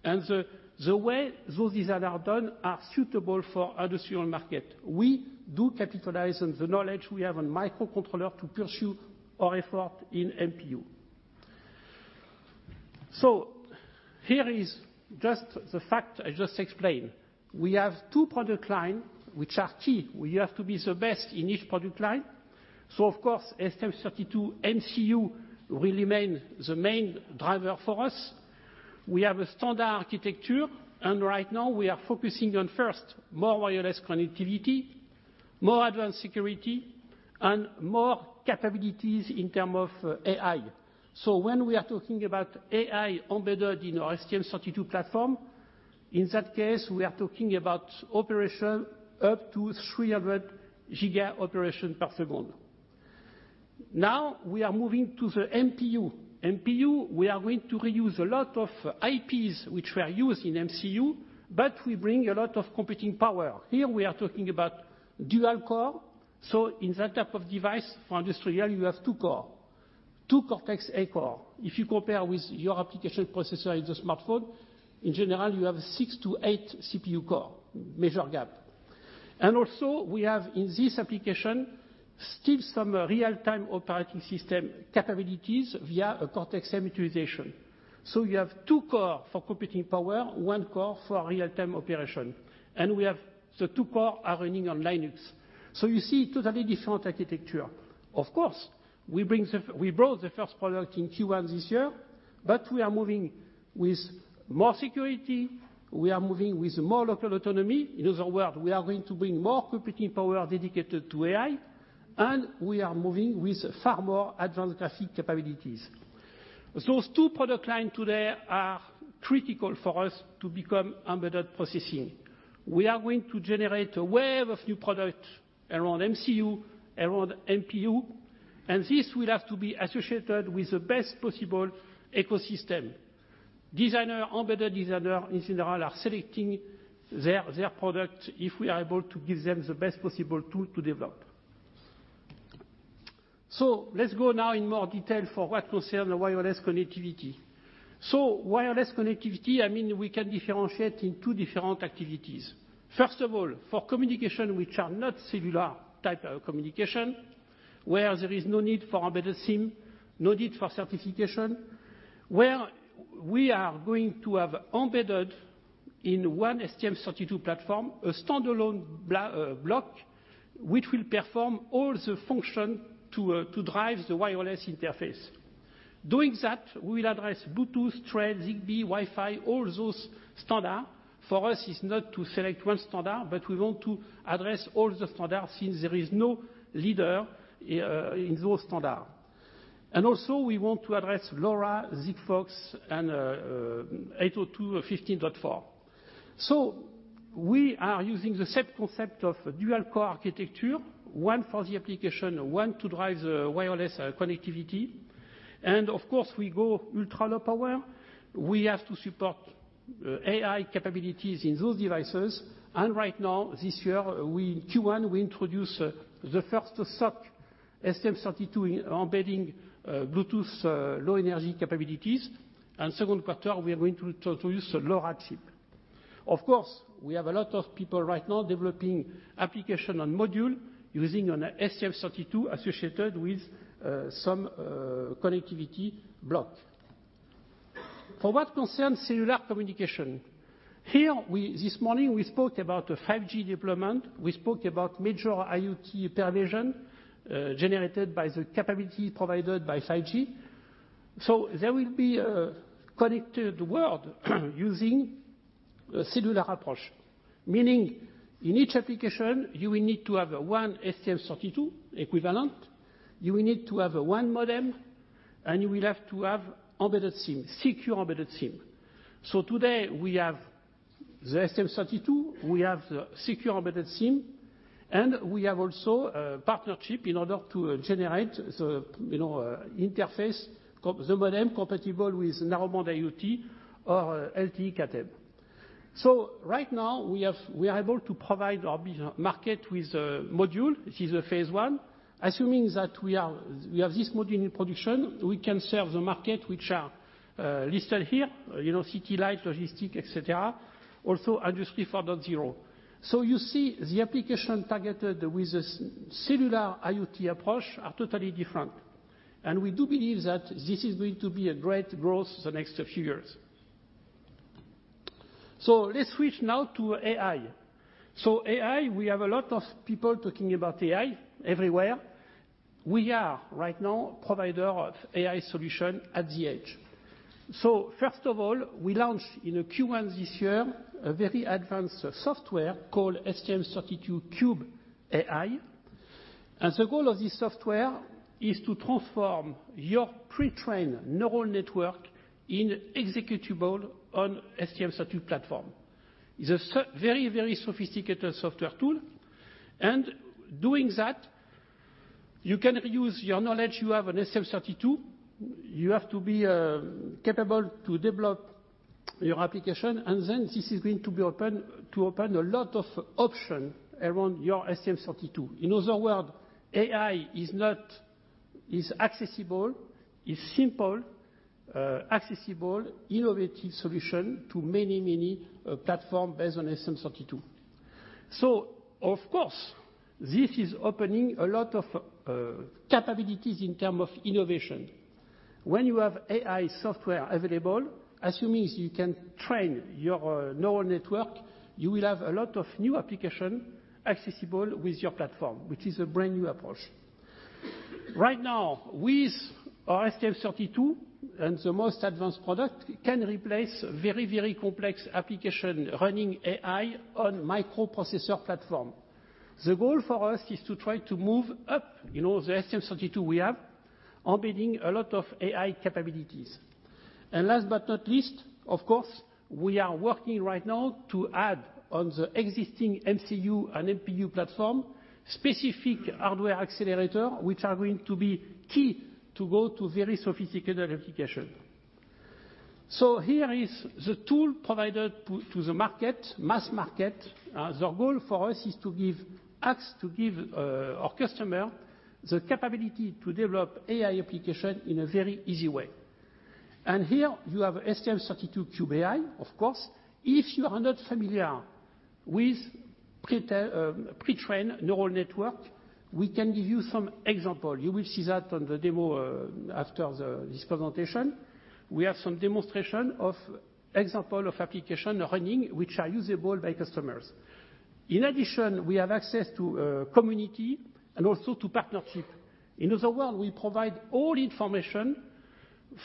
The way those design are done are suitable for industrial market. We do capitalize on the knowledge we have on microcontroller to pursue our effort in MPU. Here is just the fact I just explained. We have two product line, which are key. We have to be the best in each product line. Of course, STM32 MCU will remain the main driver for us. We have a standard architecture, and right now we are focusing on, first, more wireless connectivity, more advanced security, and more capabilities in term of AI. When we are talking about AI embedded in our STM32 platform, in that case, we are talking about operation up to 300 giga operation per second. Now we are moving to the MPU. MPU, we are going to reuse a lot of IPs, which were used in MCU, but we bring a lot of computing power. Here we are talking about dual core. In that type of device for industrial, you have two core, two Cortex-A core. If you compare with your application processor in the smartphone, in general, you have six to eight CPU core, major gap. We have in this application, still some real-time operating system capabilities via a Cortex-M utilization. You have two core for computing power, one core for real-time operation. We have the two core are running on Linux. You see totally different architecture. Of course, we brought the first product in Q1 this year, but we are moving with more security. We are moving with more local autonomy. In other words, we are going to bring more computing power dedicated to AI, and we are moving with far more advanced graphic capabilities. Those two product line today are critical for us to become embedded processing. We are going to generate a wave of new product around MCU, around MPU, and this will have to be associated with the best possible ecosystem. Designer, embedded designer, in general, are selecting their product, if we are able to give them the best possible tool to develop. Let's go now in more detail for what concerns wireless connectivity. Wireless connectivity, we can differentiate in two different activities. First of all, for communication which are not cellular type of communication, where there is no need for embedded SIM, no need for certification, where we are going to have embedded in one STM32 platform, a standalone block, which will perform all the function to drive the wireless interface. Doing that, we will address Bluetooth, Thread, Zigbee, Wi-Fi, all those standard. For us, it's not to select one standard, but we want to address all the standards since there is no leader in those standard. Also we want to address LoRa, Sigfox and 802.15.4. We are using the same concept of dual-core architecture, one for the application, one to drive the wireless connectivity. Of course, we go ultra-low power. We have to support AI capabilities in those devices. Right now, this year, in Q1, we introduce the first SOC STM32 embedding Bluetooth low energy capabilities. 2nd quarter, we are going to introduce a LoRa chip. Of course, we have a lot of people right now developing application on module using an STM32 associated with some connectivity block. For what concerns cellular communication, here this morning, we spoke about a 5G deployment. We spoke about major IoT pervasion, generated by the capability provided by 5G. There will be a connected world using a cellular approach, meaning in each application, you will need to have one STM32 equivalent, you will need to have one modem, and you will have to have embedded SIM, secure embedded SIM. Today, we have the STM32, we have the secure embedded SIM, and we have also a partnership in order to generate the interface, the modem compatible with Narrowband-IoT or LTE Cat-M. Right now, we are able to provide our market with a module. This is a phase 1. Assuming that we have this module in production, we can serve the market which are listed here, city light, logistic, et cetera. Also Industry 4.0. You see the application targeted with a cellular IoT approach are totally different. We do believe that this is going to be a great growth the next few years. Let's switch now to AI. AI, we have a lot of people talking about AI everywhere. We are right now provider of AI solution at the edge. First of all, we launched in Q1 this year, a very advanced software called STM32Cube.AI. The goal of this software is to transform your pre-trained neural network in executable on STM32 platform. It's a very sophisticated software tool. Doing that, you can use your knowledge, you have an STM32. You have to be capable to develop your application, this is going to open a lot of option around your STM32. In other words, AI is accessible, is simple, accessible, innovative solution to many platform based on STM32. Of course, this is opening a lot of capabilities in term of innovation. When you have AI software available, assuming you can train your neural network, you will have a lot of new application accessible with your platform, which is a brand-new approach. Right now, with our STM32 and the most advanced product, can replace very complex application running AI on microprocessor platform. The goal for us is to try to move up the STM32 we have, embedding a lot of AI capabilities. Last but not least, of course, we are working right now to add on the existing MCU and MPU platform, specific hardware accelerator, which are going to be key to go to very sophisticated application. Here is the tool provided to the mass market. The goal for us is to give our customer the capability to develop AI application in a very easy way. Here you have STM32 Cube AI, of course. If you are not familiar with pre-trained neural network, we can give you some example. You will see that on the demo, after this presentation. We have some demonstration of example of application running, which are usable by customers. In addition, we have access to community and also to partnership. In other word, we provide all information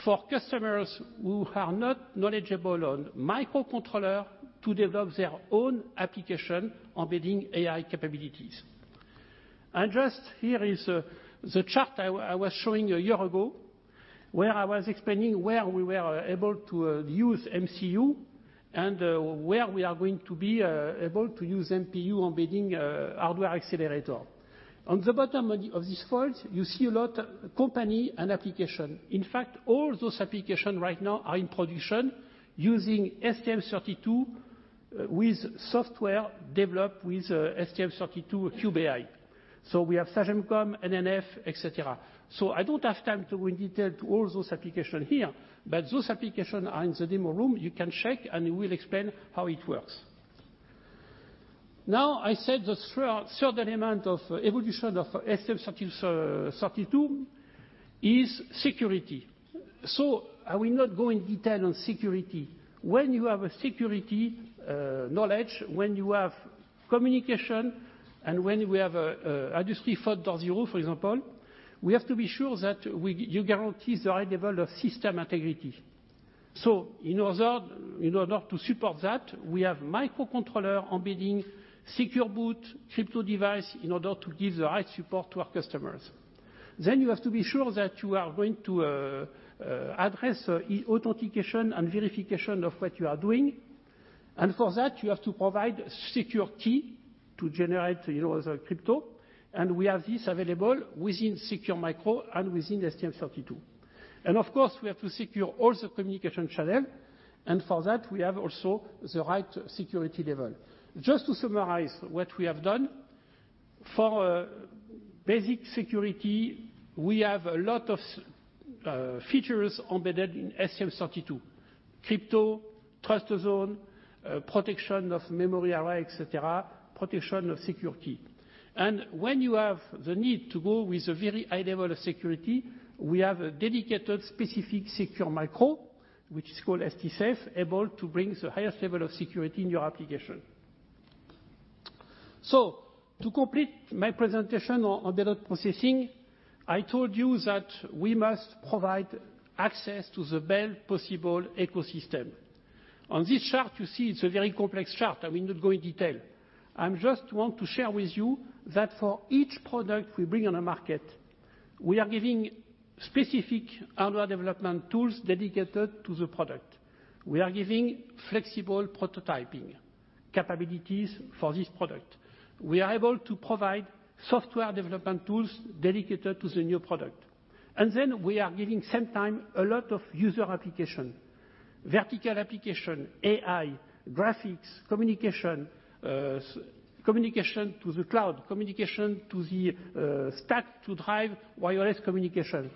for customers who are not knowledgeable on microcontroller to develop their own application embedding AI capabilities. Just here is the chart I was showing you a year ago, where I was explaining where we were able to use MCU and where we are going to be able to use NPU embedding hardware accelerator. On the bottom of this slide, you see a lot company and application. In fact, all those application right now are in production using STM32 with software developed with STM32 Cube AI. We have Sagemcom, [NNF, et cetera. I don't have time to go in detail to all those application here, but those application are in the demo room. You can check, we'll explain how it works. Now, I said the third element of evolution of STM32 is security. I will not go in detail on security. When you have a security knowledge, when you have communication, when we have Industry 4.0, for example, we have to be sure that you guarantee the right level of system integrity. In order to support that, we have microcontroller embedding secure boot, crypto device, in order to give the right support to our customers. You have to be sure that you are going to address authentication and verification of what you are doing. For that, you have to provide secure key to generate, as a crypto. We have this available within Secure Micro and within STM32. Of course, we have to secure all the communication channel. For that, we have also the right security level. Just to summarize what we have done, for basic security, we have a lot of features embedded in STM32, crypto, trust zone, protection of memory array, et cetera, protection of secure key. When you have the need to go with a very high level of security, we have a dedicated specific secure micro, which is called STSAFE, able to bring the highest level of security in your application. To complete my presentation on data processing, I told you that we must provide access to the best possible ecosystem. On this chart, you see it's a very complex chart. I will not go in detail. I just want to share with you that for each product we bring on the market, we are giving specific hardware development tools dedicated to the product. We are giving flexible prototyping capabilities for this product. We are able to provide software development tools dedicated to the new product. We are giving, same time, a lot of user application, vertical application, AI, graphics, communication to the cloud, communication to the stack to drive wireless communication.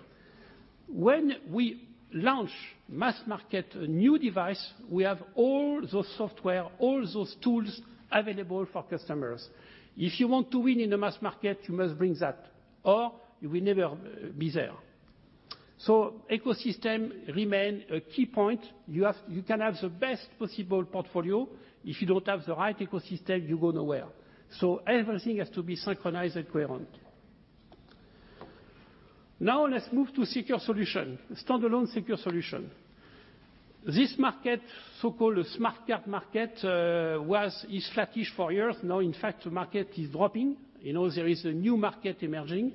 When we launch mass market a new device, we have all those software, all those tools available for customers. If you want to win in the mass market, you must bring that, or you will never be there. Ecosystem remain a key point. You can have the best possible portfolio. If you don't have the right ecosystem, you go nowhere. Everything has to be synchronized and coherent. Let's move to secure solution, standalone secure solution. This market, so-called a smart card market, was sluggish for years. In fact, the market is dropping. There is a new market emerging.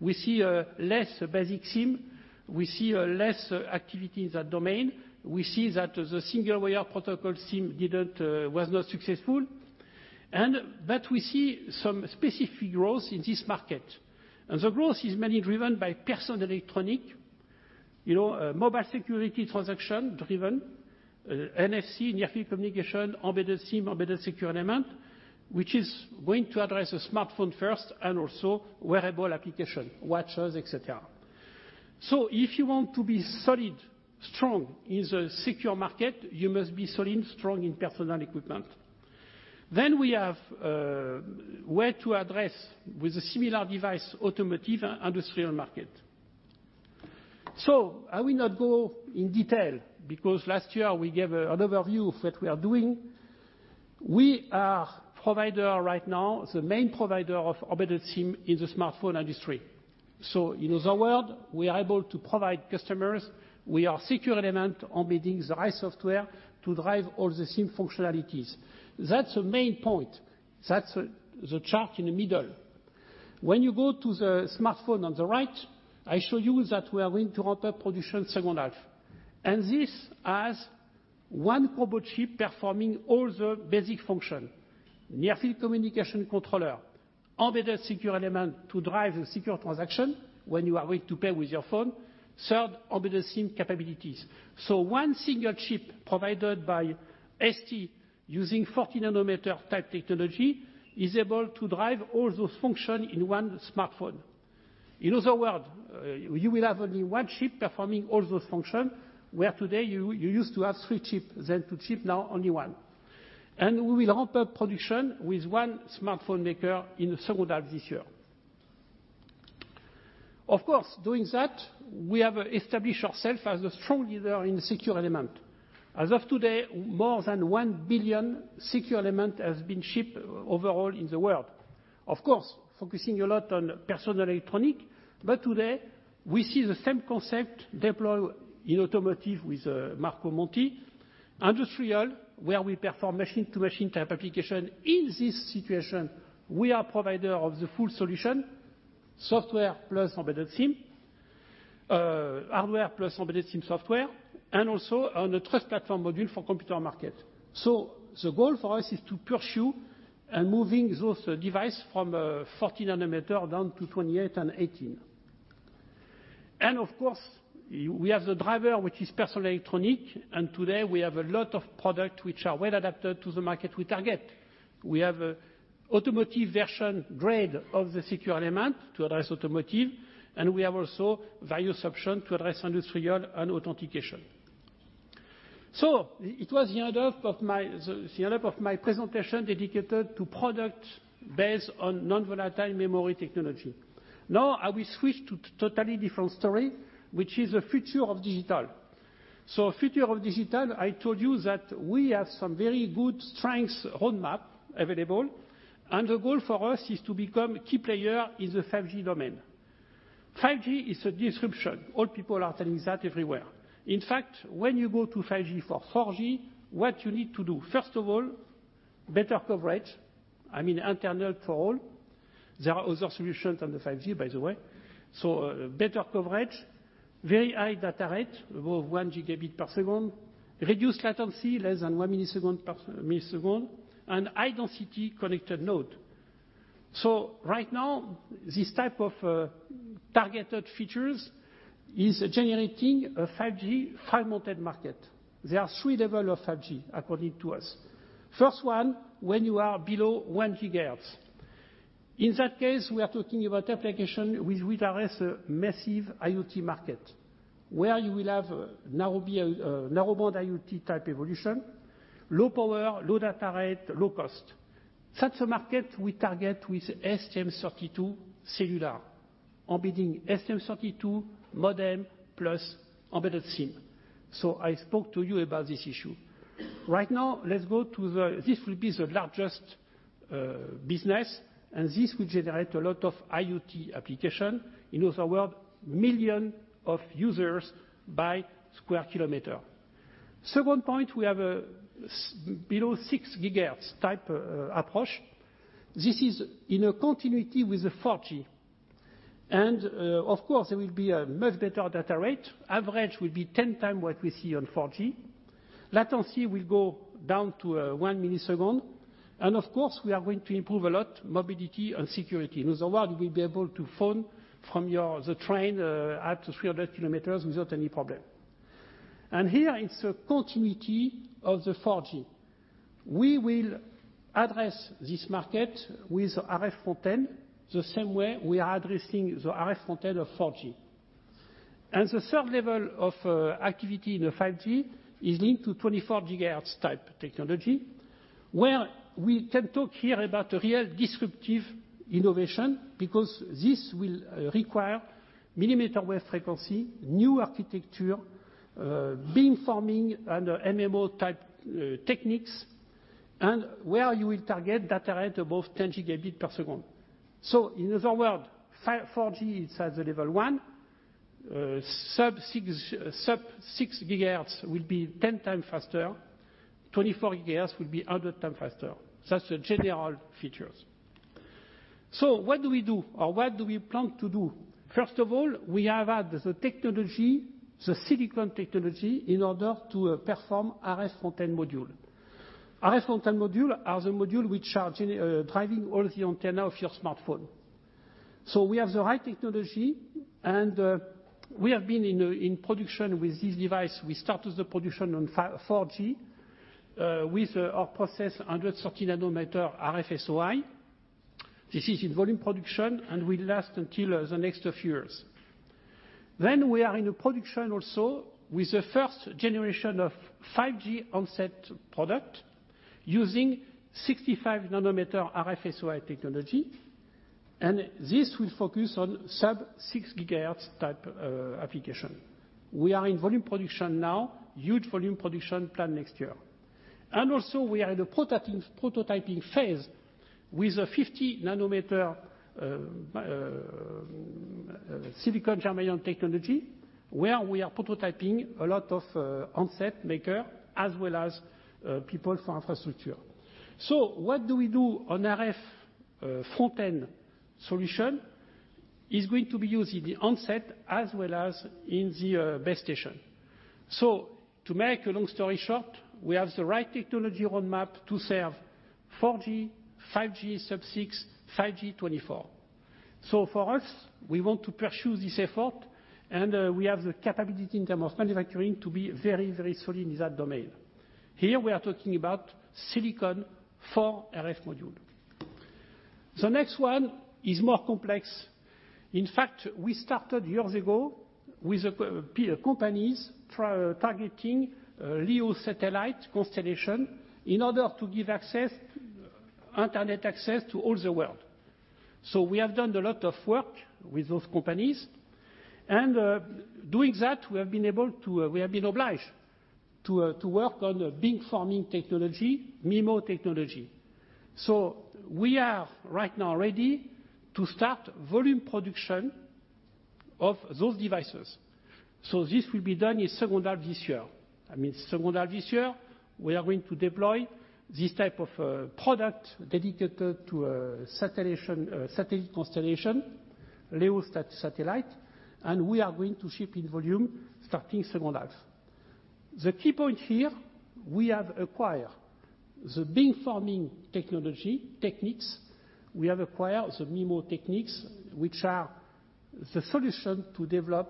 We see a less basic SIM. We see a less activity in that domain. We see that the single wire protocol SIM was not successful. We see some specific growth in this market. The growth is mainly driven by personal electronic, mobile security transaction driven, NFC, near-field communication, embedded SIM, embedded secure element, which is going to address a smartphone first and also wearable application, watches, et cetera. If you want to be solid, strong in the secure market, you must be solid, strong in personal equipment. We have where to address with a similar device, automotive, and industrial market. I will not go in detail because last year we gave an overview of what we are doing. We are provider right now, the main provider of embedded SIM in the smartphone industry. In other words, we are able to provide customers with our secure element embedding the right software to drive all the SIM functionalities. That's the main point. That's the chart in the middle. When you go to the smartphone on the right, I show you that we are going to ramp up production second half. This has one combo chip performing all the basic function, near-field communication controller, embedded secure element to drive the secure transaction when you are going to pay with your phone. Third, embedded SIM capabilities. One single chip provided by ST using 40 nanometer type technology is able to drive all those function in one smartphone. In other words, you will have only one chip performing all those function, where today you used to have three chip, then two chip, now only one. We will ramp up production with one smartphone maker in the second half this year. Of course, doing that, we have established ourself as a strong leader in secure element. As of today, more than 1 billion secure element has been shipped overall in the world. Of course, focusing a lot on personal electronic, but today, we see the same concept deployed in automotive with Marco Monti. Industrial, where we perform machine-to-machine type application. In this situation, we are provider of the full solution, software plus embedded SIM, hardware plus embedded SIM software, and also on a trust platform module for computer market. The goal for us is to pursue and moving those device from 40 nanometer down to 28 and 18. Of course, we have the driver, which is personal electronic, and today we have a lot of product which are well adapted to the market we target. We have a automotive version grade of the secure element to address automotive, and we have also various option to address industrial and authentication. It was the end of my presentation dedicated to product based on non-volatile memory technology. Now, I will switch to totally different story, which is the future of digital. Future of digital, I told you that we have some very good strengths roadmap available, and the goal for us is to become key player in the 5G domain. 5G is a disruption. All people are telling that everywhere. In fact, when you go to 5G from 4G, what you need to do, first of all, better coverage, internet for all. There are other solutions than the 5G, by the way. Better coverage, very high data rate, above 1 gigabit per second, reduced latency, less than 1 millisecond, and high density connected node. Right now, this type of targeted features is generating a 5G front-mounted market. There are 3 level of 5G according to us. First one, when you are below 1 gigahertz. In that case, we are talking about application which address massive IoT market, where you will have Narrowband-IoT type evolution, low power, low data rate, low cost. Such a market we target with STM32 cellular, embedding STM32 modem plus embedded SIM. I spoke to you about this issue. Right now, let's go to the this will be the largest business, and this will generate a lot of IoT application. In other word, million of users by square kilometer. Second point, we have below 6 gigahertz type approach. This is in a continuity with the 4G. Of course, there will be a much better data rate. Average will be 10 times what we see on 4G. Latency will go down to 1 millisecond. Of course, we are going to improve a lot mobility and security. In other word, we'll be able to phone from the train up to 300 kilometers without any problem. Here is a continuity of the 4G. We will address this market with RF front end, the same way we are addressing the RF front end of 4G. The third level of activity in the 5G is linked to 24 gigahertz type technology, where we can talk here about a real disruptive innovation, because this will require millimeter wave frequency, new architecture, beamforming, and MIMO type techniques, and where you will target data rate above 10 gigabit per second. In other word, 4G is at the level 1. Sub-6 gigahertz will be 10 times faster. 24 gigahertz will be 100 times faster. Such a general features. What do we do, or what do we plan to do? First of all, we have added the technology, the silicon technology, in order to perform RF front end module. RF front end module are the module which are driving all the antenna of your smartphone. We have the right technology, and we have been in production with this device. We started the production on 4G, with our process 130 nanometer RFSOI. This is in volume production and will last until the next of years. We are in a production also with the first generation of 5G OEM product using 65 nanometer RFSOI technology. This will focus on sub-6 gigahertz type application. We are in volume production now, huge volume production planned next year. Also we are in the prototyping phase with a 50-nanometer, silicon germanium technology, where we are prototyping a lot of OEM as well as people for infrastructure. What do we do on RF front end solution? It is going to be used in the OEM as well as in the base station. To make a long story short, we have the right technology roadmap to serve 4G, 5G sub-6, 5G 24. For us, we want to pursue this effort, and we have the capability in term of manufacturing to be very solid in that domain. Here we are talking about silicon for RF module. The next one is more complex. In fact, we started years ago with companies targeting LEO satellite constellation in order to give internet access to all the world. We have done a lot of work with those companies. Doing that, we have been obliged to work on the beamforming technology, MIMO technology. We are right now ready to start volume production of those devices. This will be done in second half this year. That means second half this year, we are going to deploy this type of product dedicated to a satellite constellation, LEO satellite, and we are going to ship in volume starting second half. The key point here, we have acquired the beamforming technology techniques. We have acquired the MIMO techniques, which are the solution to develop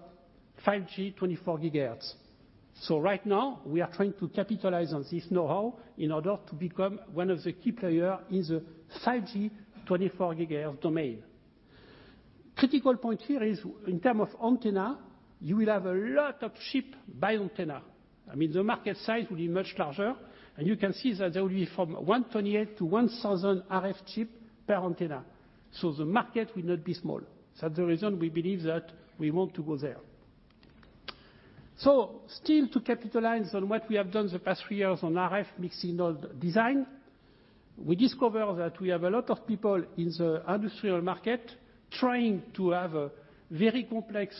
5G 24 gigahertz. Right now, we are trying to capitalize on this know-how in order to become one of the key players in the 5G 24 gigahertz domain. Critical point here is, in term of antenna, you will have a lot of chip per antenna. I mean, the market size will be much larger, and you can see that there will be from 128 to 1,000 RF chip per antenna. The market will not be small. That's the reason we believe that we want to go there. Still to capitalize on what we have done the past 3 years on RF mixed-signal design, we discover that we have a lot of people in the industrial market trying to have a very complex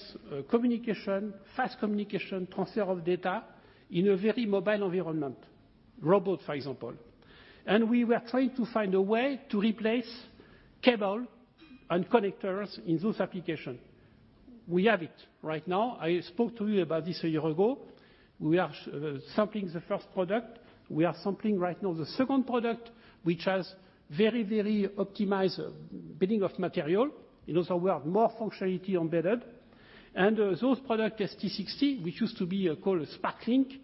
communication, fast communication, transfer of data in a very mobile environment. Robot, for example. And we were trying to find a way to replace cable and connectors in those application. We have it right now. I spoke to you about this a year ago. We are sampling the first product. We are sampling right now the second product, which has very optimized billing of material. In other word, more functionality embedded. And those product ST60, which used to be called SparkLink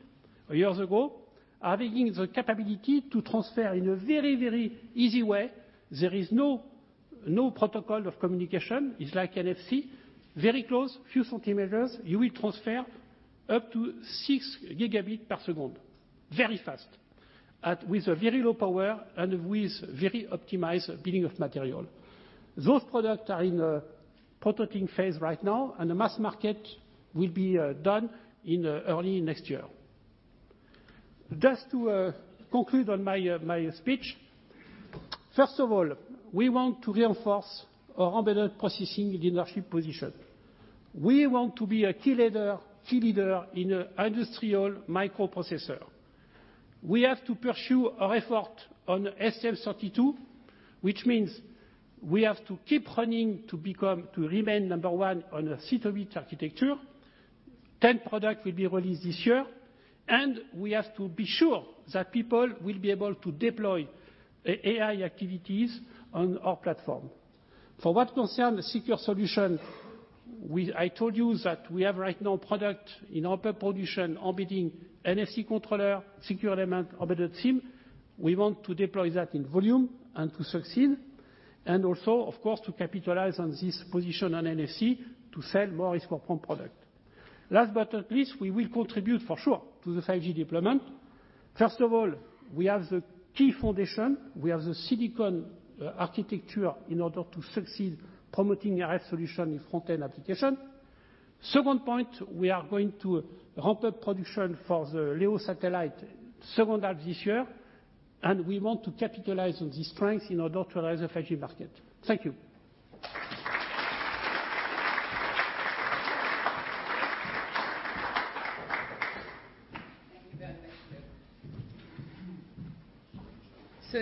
years ago, are bringing the capability to transfer in a very, very easy way. There is no protocol of communication, is like NFC. Very close, few centimeters, you will transfer up to six gigabit per second. Very fast, with a very low power and with very optimized billing of material. Those product are in the prototyping phase right now, and the mass market will be done in early next year. Just to conclude on my speech. First of all, we want to reinforce our embedded processing leadership position. We want to be a key leader in industrial microprocessor. We have to pursue our effort on the STM32, which means we have to keep running to remain number 1 on the Cortex-M architecture. 10 product will be released this year, and we have to be sure that people will be able to deploy AI activities on our platform. For what concern the secure solution, I told you that we have right now product in our production embedding NFC controller, secure element, embedded SIM. We want to deploy that in volume and to succeed, and also, of course, to capitalize on this position on NFC to sell more RF component product. Last but not least, we will contribute for sure to the 5G deployment. First of all, we have the key foundation. We have the silicon architecture in order to succeed promoting RF solution in front-end application. Second point, we are going to ramp up production for the LEO satellite second half this year, and we want to capitalize on this strength in order to rise the 5G market. Thank you. Thank you very much,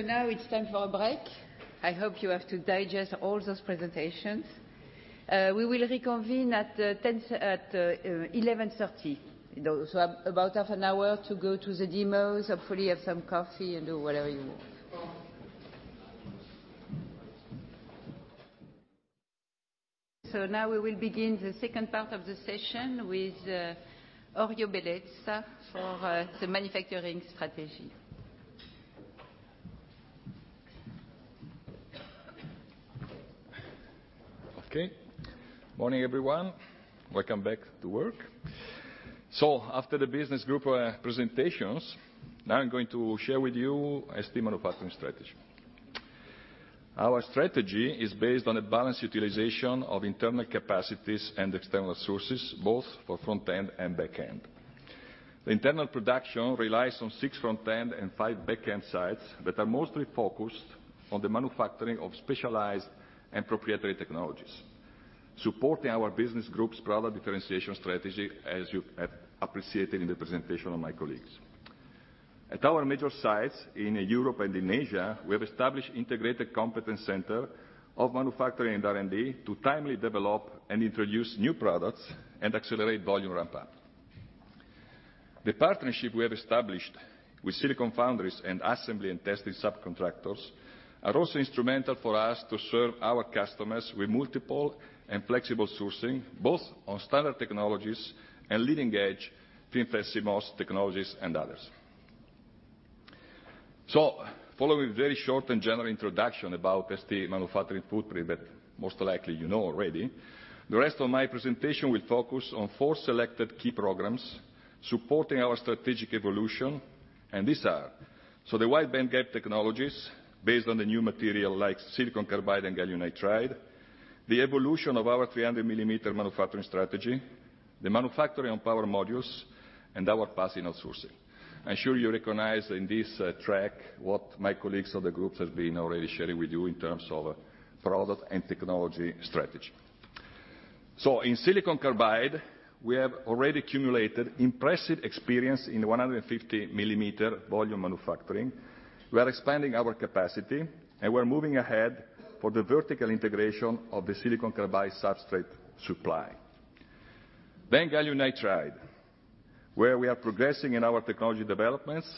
Hervé. Now it's time for a break. I hope you have to digest all those presentations. We will reconvene at 11:30 A.M. About half an hour to go to the demos, hopefully have some coffee, and do whatever you want. Now we will begin the second part of the session with Orio Bellezza for the manufacturing strategy. Okay. Morning, everyone. Welcome back to work. After the business group presentations, now I'm going to share with you ST manufacturing strategy. Our strategy is based on a balanced utilization of internal capacities and external sources, both for front-end and back-end. The internal production relies on six front-end and five back-end sites that are mostly focused on the manufacturing of specialized and proprietary technologies, supporting our business group's product differentiation strategy, as you have appreciated in the presentation of my colleagues. At our major sites in Europe and in Asia, we have established integrated competence center of manufacturing and R&D to timely develop and introduce new products and accelerate volume ramp-up. The partnership we have established with silicon foundries and assembly and testing subcontractors are also instrumental for us to serve our customers with multiple and flexible sourcing, both on standard technologies and leading-edge FinFET, CMOS technologies, and others. Following a very short and general introduction about ST manufacturing footprint that most likely you know already, the rest of my presentation will focus on four selected key programs supporting our strategic evolution, and these are: the wide bandgap technologies based on the new material like silicon carbide and gallium nitride, the evolution of our 300-millimeter manufacturing strategy. The manufacturing on power modules and our packaging outsourcing. I'm sure you recognize in this track what my colleagues of the groups have been already sharing with you in terms of product and technology strategy. In silicon carbide, we have already accumulated impressive experience in 150 millimeter volume manufacturing. We are expanding our capacity, and we're moving ahead for the vertical integration of the silicon carbide substrate supply. Gallium nitride, where we are progressing in our technology developments.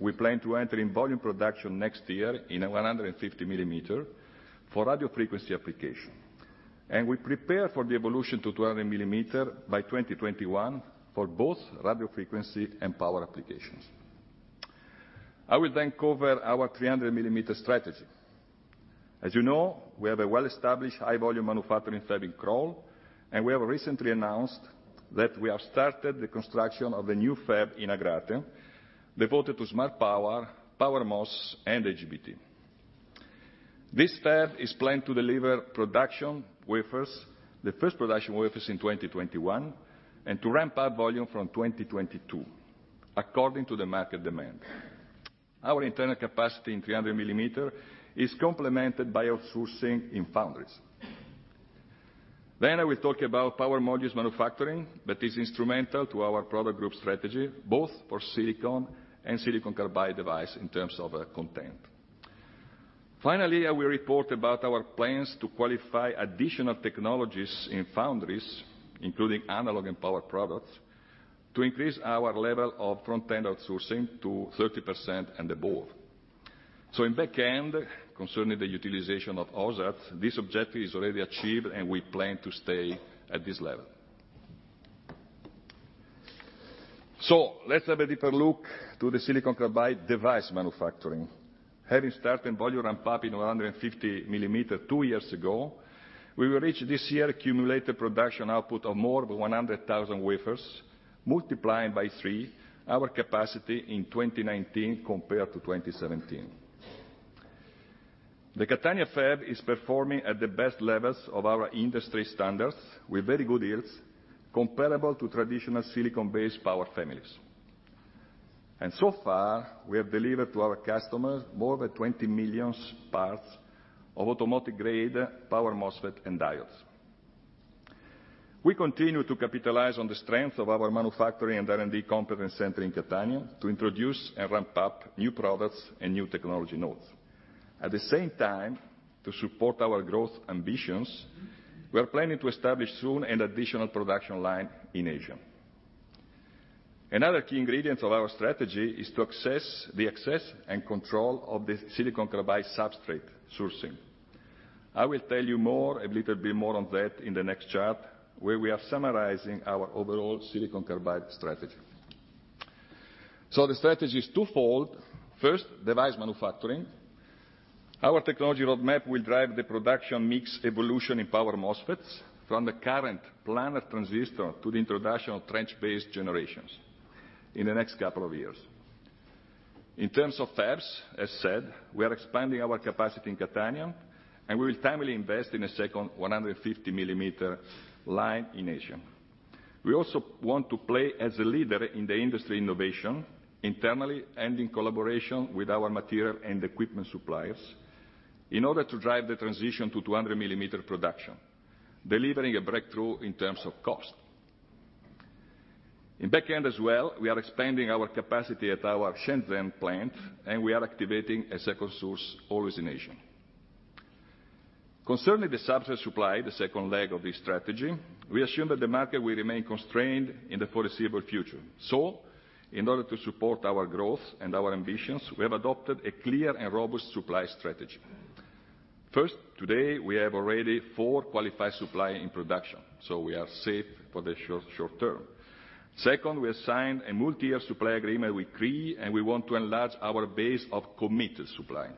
We plan to enter in volume production next year in a 150 millimeter for radio frequency application. We prepare for the evolution to 200 millimeter by 2021 for both radio frequency and power applications. I will cover our 300 millimeter strategy. As you know, we have a well-established high volume manufacturing fab in Crolles, and we have recently announced that we have started the construction of a new fab in Agrate devoted to smart power MOS, and HBT. This fab is planned to deliver the first production wafers in 2021 and to ramp up volume from 2022 according to the market demand. Our internal capacity in 300 millimeter is complemented by outsourcing in foundries. I will talk about power modules manufacturing that is instrumental to our product group strategy, both for silicon and silicon carbide device in terms of content. Finally, I will report about our plans to qualify additional technologies in foundries, including analog and power products, to increase our level of front-end outsourcing to 30% and above. In back end, concerning the utilization of OSAT, this objective is already achieved, and we plan to stay at this level. Let's have a deeper look to the silicon carbide device manufacturing. Having started volume ramp-up in 150 millimeter two years ago, we will reach this year accumulated production output of more than 100,000 wafers, multiplying by three our capacity in 2019 compared to 2017. The Catania fab is performing at the best levels of our industry standards with very good yields comparable to traditional silicon-based power families. So far, we have delivered to our customers more than 20 million parts of automotive grade power MOSFET and diodes. We continue to capitalize on the strength of our manufacturing and R&D competence center in Catania to introduce and ramp up new products and new technology nodes. At the same time, to support our growth ambitions, we are planning to establish soon an additional production line in Asia. Another key ingredient of our strategy is the access and control of the silicon carbide substrate sourcing. I will tell you a little bit more on that in the next chart, where we are summarizing our overall silicon carbide strategy. The strategy is twofold. First, device manufacturing. Our technology roadmap will drive the production mix evolution in power MOSFETs from the current planar transistor to the introduction of trench-based generations in the next couple of years. In terms of fabs, as said, we are expanding our capacity in Catania, and we will timely invest in a second 150 millimeter line in Asia. We also want to play as a leader in the industry innovation internally and in collaboration with our material and equipment suppliers in order to drive the transition to 200 millimeter production, delivering a breakthrough in terms of cost. In back end as well, we are expanding our capacity at our Shenzhen plant, and we are activating a second source always in Asia. Concerning the substrate supply, the second leg of this strategy, we assume that the market will remain constrained in the foreseeable future. In order to support our growth and our ambitions, we have adopted a clear and robust supply strategy. First, today, we have already four qualified supply in production, so we are safe for the short term. Second, we have signed a multi-year supply agreement with Cree, and we want to enlarge our base of committed supply.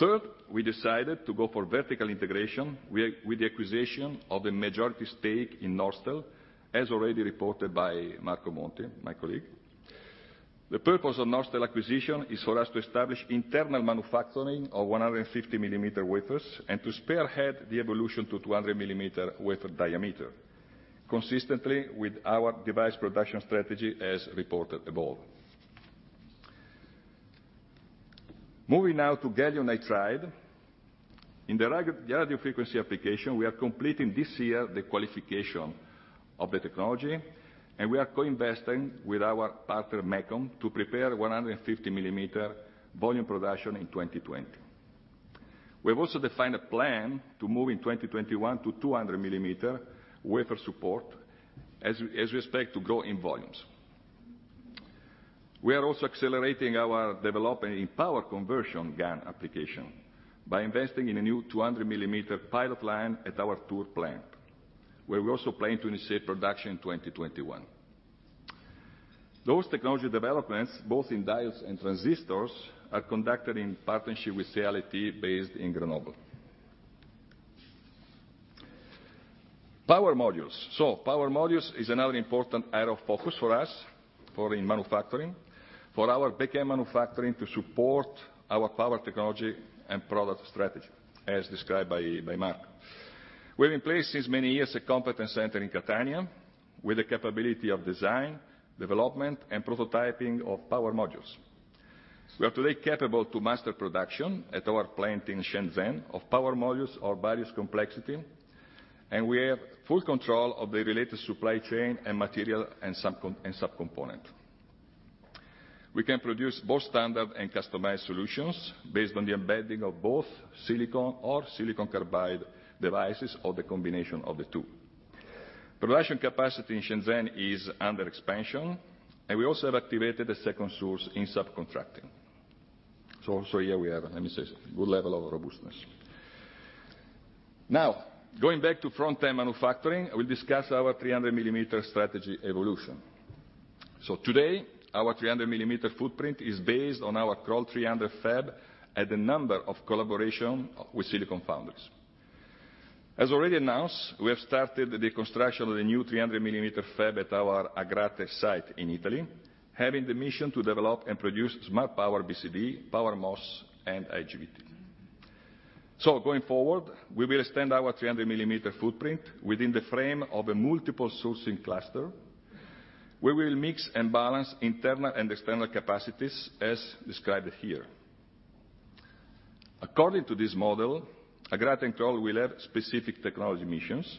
Third, we decided to go for vertical integration with the acquisition of a majority stake in Norstel, as already reported by Marco Monti, my colleague. The purpose of Norstel acquisition is for us to establish internal manufacturing of 150 millimeter wafers and to spearhead the evolution to 200 millimeter wafer diameter, consistently with our device production strategy as reported above. Moving now to gallium nitride. In the radio frequency application, we are completing this year the qualification of the technology, and we are co-investing with our partner, MACOM, to prepare 150 millimeter volume production in 2020. We have also defined a plan to move in 2021 to 200 millimeter wafer support as respect to grow in volumes. We are also accelerating our development in power conversion GaN application by investing in a new 200 millimeter pilot line at our Tours plant, where we also plan to initiate production in 2021. Those technology developments, both in diodes and transistors, are conducted in partnership with CEA-Leti based in Grenoble. Power modules. Power modules is another important area of focus for us in manufacturing, for our backend manufacturing to support our power technology and product strategy, as described by Marco. We are in place since many years a competence center in Catania, with the capability of design, development, and prototyping of power modules. We are today capable to master production at our plant in Shenzhen of power modules of various complexity, and we have full control of the related supply chain and material and subcomponent. We can produce both standard and customized solutions based on the embedding of both silicon or silicon carbide devices, or the combination of the two. Production capacity in Shenzhen is under expansion, and we also have activated a second source in subcontracting. Here we have, let me say, good level of robustness. Going back to front-end manufacturing, I will discuss our 300 millimeter strategy evolution. Today, our 300 millimeter footprint is based on our Crolles 300 fab at a number of collaboration with Silicon Foundries. As already announced, we have started the construction of the new 300 millimeter fab at our Agrate site in Italy, having the mission to develop and produce smart power BCD, power MOS, and IGBT. Going forward, we will extend our 300 millimeter footprint within the frame of a multiple sourcing cluster, where we'll mix and balance internal and external capacities as described here. According to this model, Agrate and Crolles will have specific technology missions.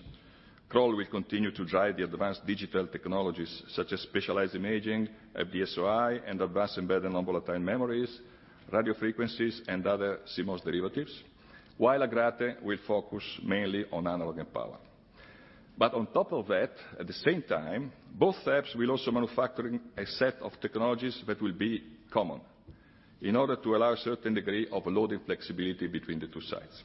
Crolles will continue to drive the advanced digital technologies such as specialized imaging, FD-SOI, and advanced embedded non-volatile memories, radio frequencies, and other CMOS derivatives, while Agrate will focus mainly on analog and power. On top of that, at the same time, both fabs will also manufacturing a set of technologies that will be common in order to allow a certain degree of loading flexibility between the two sites.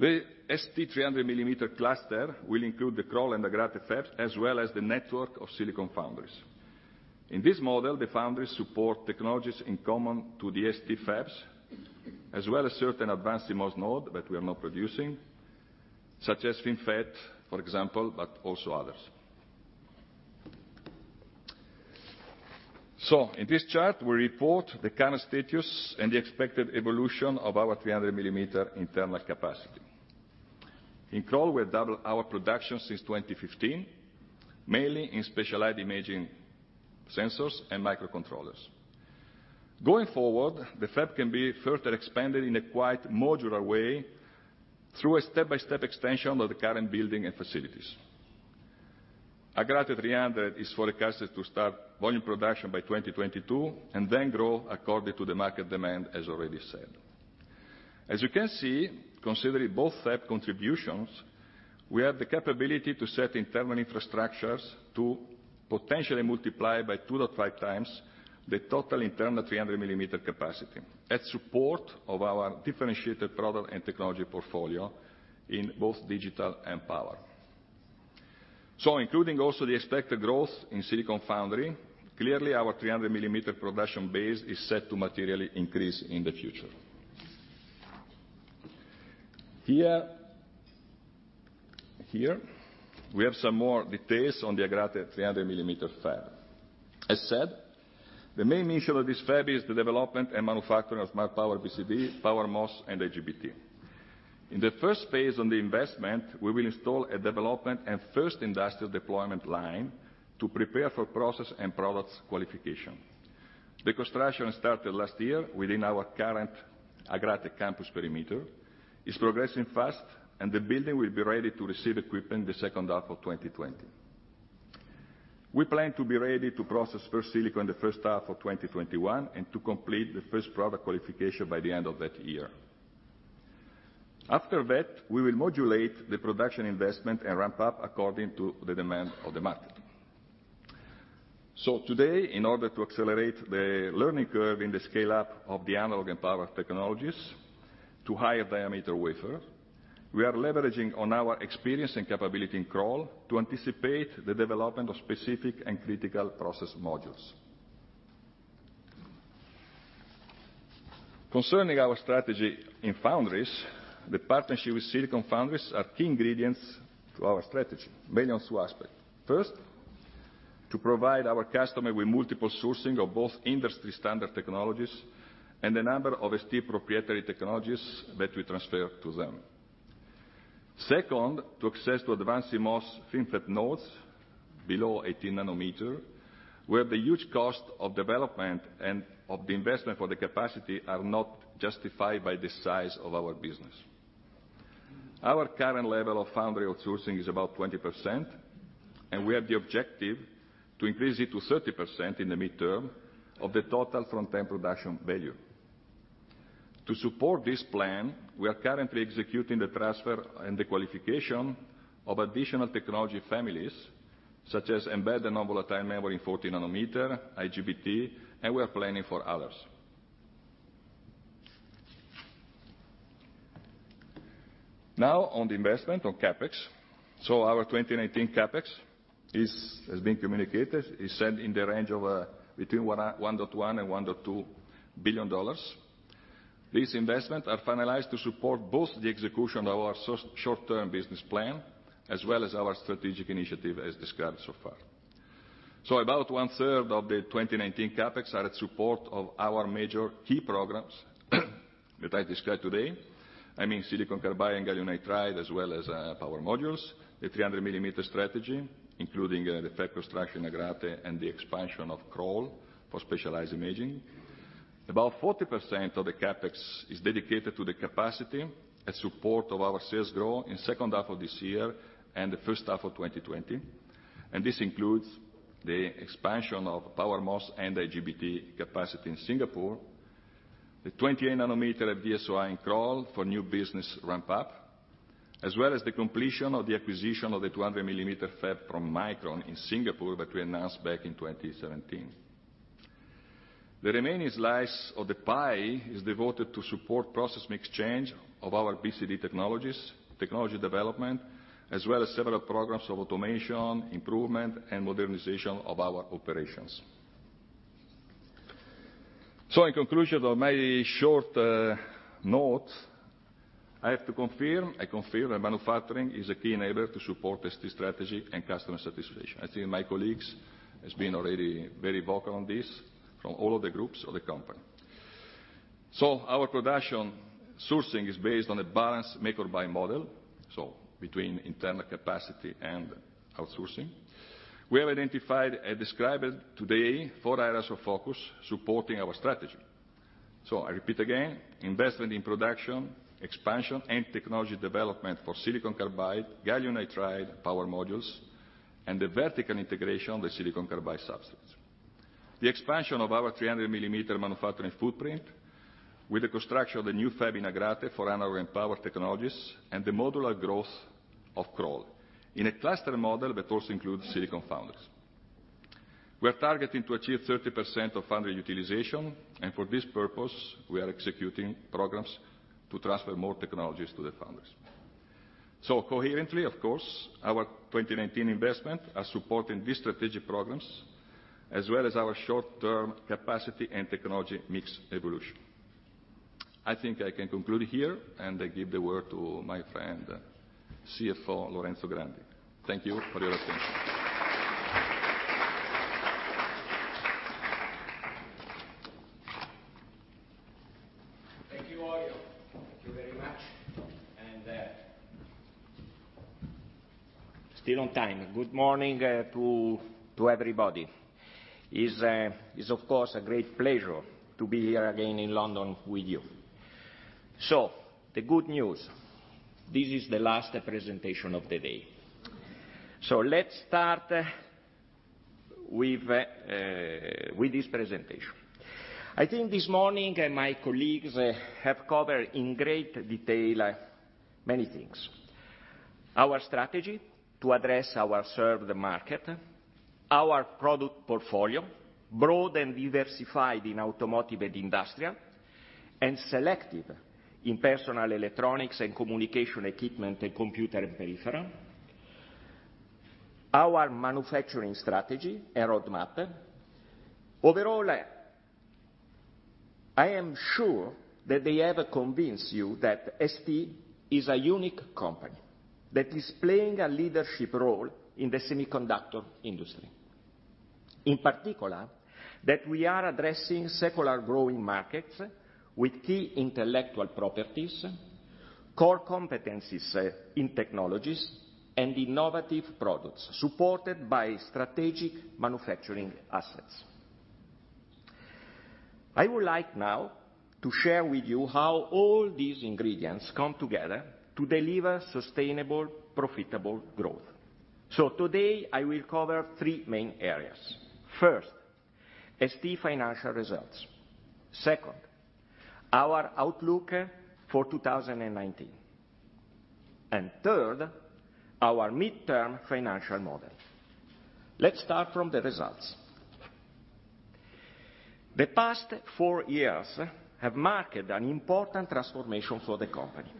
The ST 300 millimeter cluster will include the Crolles and Agrate fabs, as well as the network of Silicon Foundries. In this model, the foundries support technologies in common to the ST fabs, as well as certain advanced CMOS node that we are now producing, such as FinFET, for example, but also others. In this chart, we report the current status and the expected evolution of our 300 millimeter internal capacity. In Crolles, we have doubled our production since 2015, mainly in specialized imaging sensors and microcontrollers. Going forward, the fab can be further expanded in a quite modular way through a step-by-step extension of the current building and facilities. Agrate 300 is forecasted to start volume production by 2022, then grow according to the market demand as already said. As you can see, considering both fab contributions, we have the capability to set internal infrastructures to potentially multiply by 2.5 times the total internal 300 millimeter capacity at support of our differentiated product and technology portfolio in both digital and power. Including also the expected growth in Silicon Foundry, clearly our 300 millimeter production base is set to materially increase in the future. Here we have some more details on the Agrate 300 millimeter fab. As said, the main mission of this fab is the development and manufacturing of smart power BCD, power MOS, and IGBT. In the first phase on the investment, we will install a development and first industrial deployment line to prepare for process and product qualification. The construction started last year within our current Agrate campus perimeter, is progressing fast, and the building will be ready to receive equipment in the second half of 2020. We plan to be ready to process first silicon the first half of 2021, and to complete the first product qualification by the end of that year. After that, we will modulate the production investment and ramp up according to the demand of the market. Today, in order to accelerate the learning curve in the scale-up of the analog and power technologies to higher diameter wafer, we are leveraging on our experience and capability in Crolles to anticipate the development of specific and critical process modules. Concerning our strategy in foundries, the partnership with silicon foundries are key ingredients to our strategy, mainly on two aspects. First, to provide our customer with multiple sourcing of both industry standard technologies and a number of ST proprietary technologies that we transfer to them. Second, to access to advanced CMOS FinFET nodes below 18 nanometer, where the huge cost of development and of the investment for the capacity are not justified by the size of our business. Our current level of foundry outsourcing is about 20%, and we have the objective to increase it to 30% in the midterm of the total front-end production value. To support this plan, we are currently executing the transfer and the qualification of additional technology families, such as embedded non-volatile memory in 40 nanometer, IGBT, and we are planning for others. On the investment on CapEx. Our 2019 CapEx, as being communicated, is set in the range of between $1.1 billion and $1.2 billion. These investments are finalized to support both the execution of our short-term business plan as well as our strategic initiative as described so far. About one-third of the 2019 CapEx are in support of our major key programs that I described today. I mean silicon carbide and gallium nitride as well as power modules. The 300 millimeter strategy, including the fab construction in Agrate and the expansion of Crolles for specialized imaging. About 40% of the CapEx is dedicated to the capacity and support of our sales growth in second half of this year and the first half of 2020. This includes the expansion of power MOSFET and IGBT capacity in Singapore, the 28 nanometer FD-SOI in Crolles for new business ramp up, as well as the completion of the acquisition of the 200 millimeter fab from Micron in Singapore that we announced back in 2017. The remaining slice of the pie is devoted to support process mix change of our BCD technologies, technology development, as well as several programs of automation, improvement, and modernization of our operations. In conclusion of my short note, I confirm that manufacturing is a key enabler to support ST strategy and customer satisfaction. I think my colleagues has been already very vocal on this from all of the groups of the company. Our production sourcing is based on a balanced make or buy model, so between internal capacity and outsourcing. We have identified and described today four areas of focus supporting our strategy. I repeat again, investment in production, expansion, and technology development for silicon carbide, gallium nitride power modules, and the vertical integration of the silicon carbide substrates. The expansion of our 300 millimeter manufacturing footprint with the construction of the new fab in Agrate for analog and power technologies, and the modular growth of Crolles in a cluster model that also includes silicon foundries. We're targeting to achieve 30% of foundry utilization, and for this purpose, we are executing programs to transfer more technologies to the foundries. Coherently, of course, our 2019 investments are supporting these strategic programs as well as our short-term capacity and technology mix evolution. I think I can conclude here, and I give the word to my friend, CFO Lorenzo Grandi. Thank you for your attention. Thank you, Orio. Thank you very much. Still on time. Good morning to everybody. It's, of course, a great pleasure to be here again in London with you. The good news, this is the last presentation of the day. Let's start with this presentation. I think this morning my colleagues have covered in great detail many things. Our strategy to address our served market, our product portfolio, broad and diversified in automotive and industrial, and selective in personal electronics and communication equipment and computer peripheral, our manufacturing strategy and roadmap. Overall, I am sure that they have convinced you that ST is a unique company that is playing a leadership role in the semiconductor industry. In particular, that we are addressing secular growing markets with key intellectual properties, core competencies in technologies, and innovative products supported by strategic manufacturing assets. I would like now to share with you how all these ingredients come together to deliver sustainable, profitable growth. Today, I will cover three main areas. First, ST financial results. Second, our outlook for 2019. Third, our midterm financial model. Let's start from the results. The past four years have marked an important transformation for the company.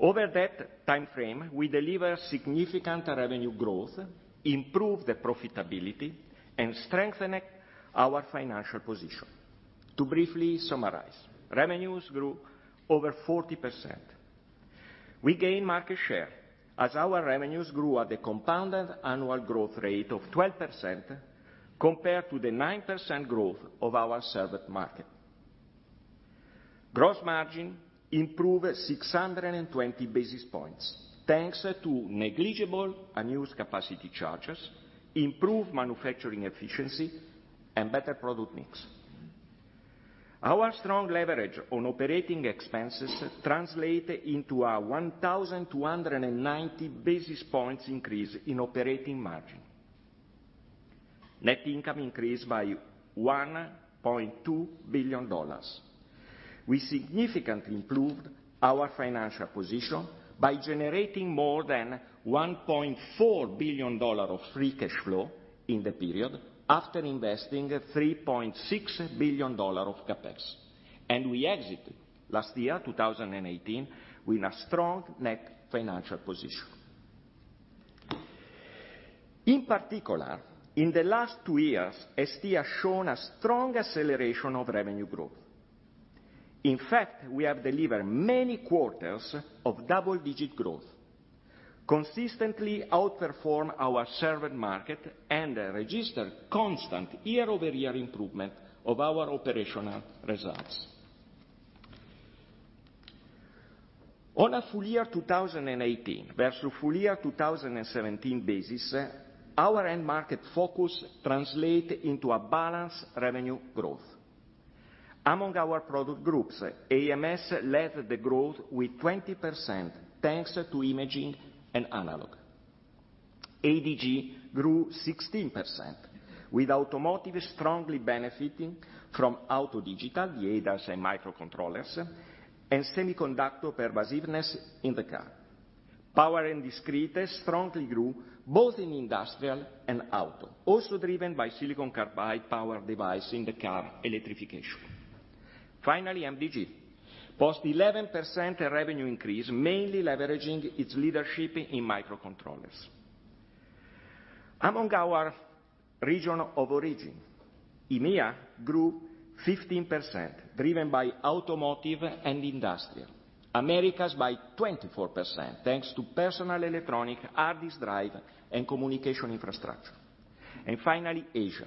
Over that timeframe, we deliver significant revenue growth, improved the profitability, and strengthen our financial position. To briefly summarize, revenues grew over 40%. We gained market share as our revenues grew at a compounded annual growth rate of 12% compared to the 9% growth of our served market. Gross margin improved 620 basis points, thanks to negligible unused capacity charges, improved manufacturing efficiency, and better product mix. Our strong leverage on operating expenses translate into a 1,290 basis points increase in operating margin. Net income increased by EUR 1.2 billion. We significantly improved our financial position by generating more than EUR 1.4 billion of free cash flow in the period after investing EUR 3.6 billion of CapEx. We exit last year, 2018, with a strong net financial position. In particular, in the last two years, ST has shown a strong acceleration of revenue growth. In fact, we have delivered many quarters of double-digit growth, consistently outperform our served market, and register constant year-over-year improvement of our operational results. On a full year 2018 versus full year 2017 basis, our end market focus translate into a balanced revenue growth. Among our product groups, AMS led the growth with 20%, thanks to imaging and analog. ADG grew 16%, with automotive strongly benefiting from auto digital, the ADAS and microcontrollers, and semiconductor pervasiveness in the car. Power and Discrete strongly grew both in industrial and auto, also driven by silicon carbide power device in the car electrification. Finally, MDG posted 11% revenue increase, mainly leveraging its leadership in microcontrollers. Among our region of origin, EMEIA grew 15%, driven by automotive and industrial. Americas by 24%, thanks to personal electronics, hard disk drive, and communication infrastructure. Asia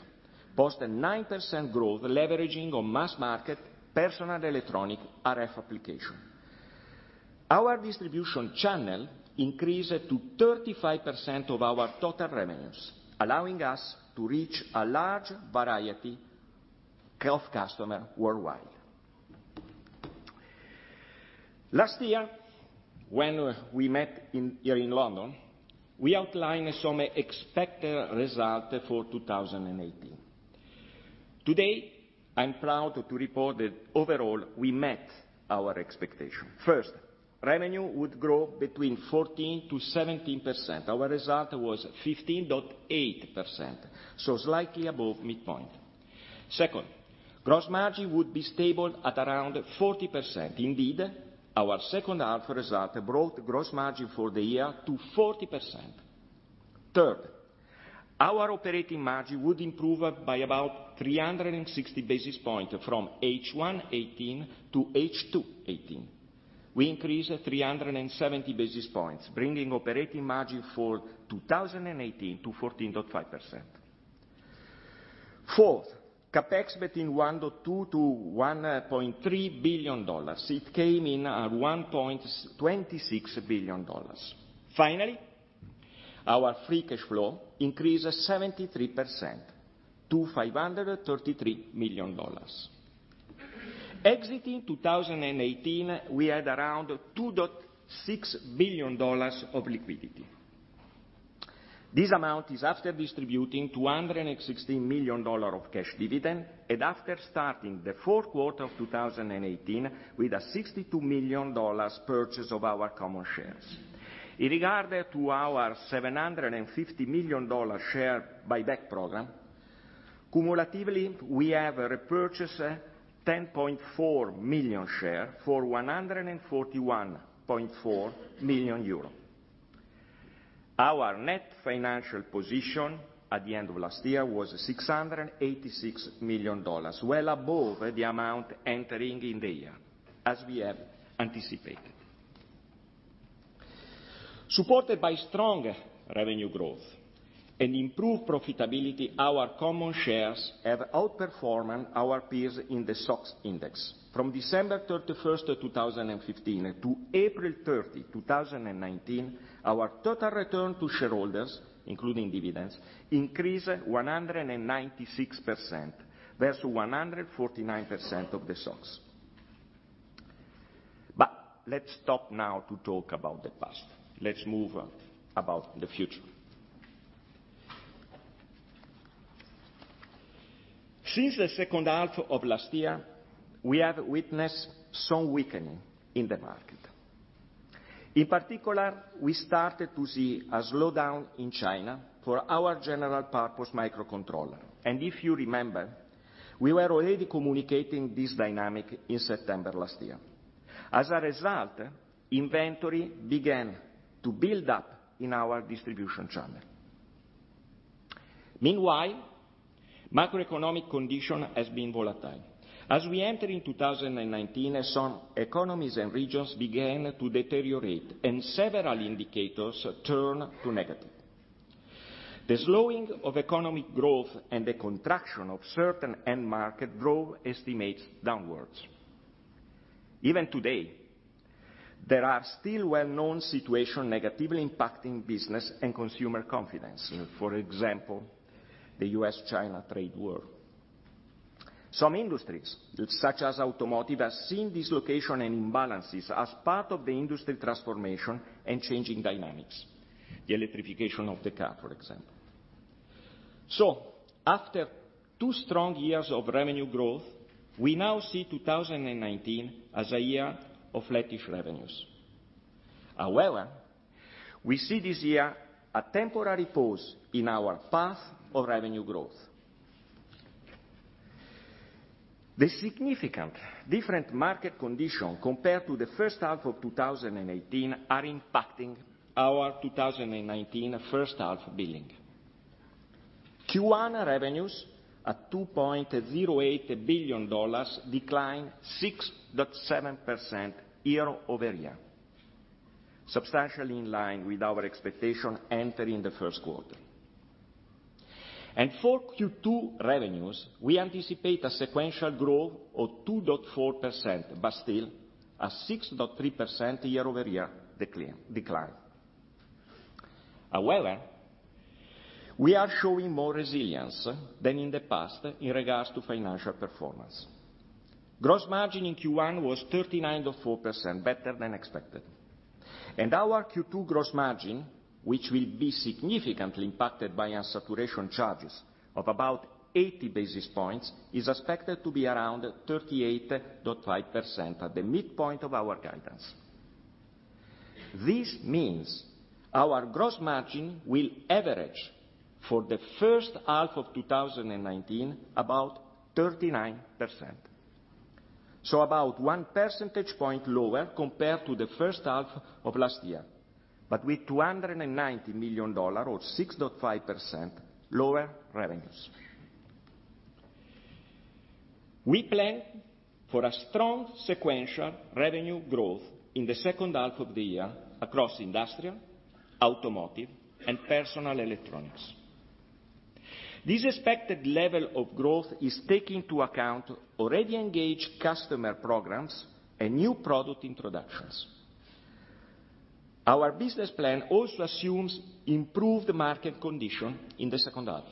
posted 9% growth leveraging on mass market personal electronics RF application. Our distribution channel increased to 35% of our total revenues, allowing us to reach a large variety of customer worldwide. Last year, when we met here in London, we outlined some expected result for 2018. Today, I'm proud to report that overall, we met our expectation. First, revenue would grow between 14%-17%. Our result was 15.8%, so slightly above midpoint. Second, gross margin would be stable at around 40%. Indeed, our second half result brought gross margin for the year to 40%. Third, our operating margin would improve by about 360 basis points from H1 2018 to H2 2018. We increased 370 basis points, bringing operating margin for 2018 to 14.5%. Fourth, CapEx between $1.2 billion-$1.3 billion. It came in at $1.26 billion. Finally, our free cash flow increased 73% to $533 million. Exiting 2018, we had around $2.6 billion of liquidity. This amount is after distributing $216 million of cash dividend and after starting the fourth quarter of 2018 with a $62 million purchase of our common shares. In regard to our $750 million share buyback program, cumulatively, we have repurchased 10.4 million shares for 141.4 million euro. Our net financial position at the end of last year was $686 million, well above the amount entering in the year as we have anticipated. Supported by strong revenue growth and improved profitability, our common shares have outperformed our peers in the SOX index. From December 31st, 2015 to April 30, 2019, our total return to shareholders, including dividends, increased 196% versus 149% of the SOX. Let's stop now to talk about the past. Let's move about the future. Since the second half of last year, we have witnessed some weakening in the market. In particular, we started to see a slowdown in China for our general purpose microcontroller, and if you remember, we were already communicating this dynamic in September last year. As a result, inventory began to build up in our distribution channel. Meanwhile, macroeconomic conditions has been volatile. As we enter in 2019, some economies and regions began to deteriorate and several indicators turned to negative. The slowing of economic growth and the contraction of certain end market drove estimates downwards. Even today, there are still well-known situations negatively impacting business and consumer confidence. For example, the U.S.-China trade war. Some industries, such as automotive, are seeing dislocation and imbalances as part of the industry transformation and changing dynamics. The electrification of the car, for example. After two strong years of revenue growth, we now see 2019 as a year of lattice revenues. However, we see this year a temporary pause in our path of revenue growth. The significant different market conditions compared to the first half of 2018 are impacting our 2019 first half billing. Q1 revenues at $2.08 billion, declined 6.7% year-over-year, substantially in line with our expectation entering the first quarter. For Q2 revenues, we anticipate a sequential growth of 2.4%, but still a 6.3% year-over-year decline. However, we are showing more resilience than in the past in regards to financial performance. Gross margin in Q1 was 39.4%, better than expected. Our Q2 gross margin, which will be significantly impacted by unloading charges of about 80 basis points, is expected to be around 38.5% at the midpoint of our guidance. This means our gross margin will average for the first half of 2019, about 39%. About one percentage point lower compared to the first half of last year, but with $290 million or 6.5% lower revenues. We plan for a strong sequential revenue growth in the second half of the year across industrial, automotive, and personal electronics. This expected level of growth is taking into account already engaged customer programs and new product introductions. Our business plan also assumes improved market condition in the second half.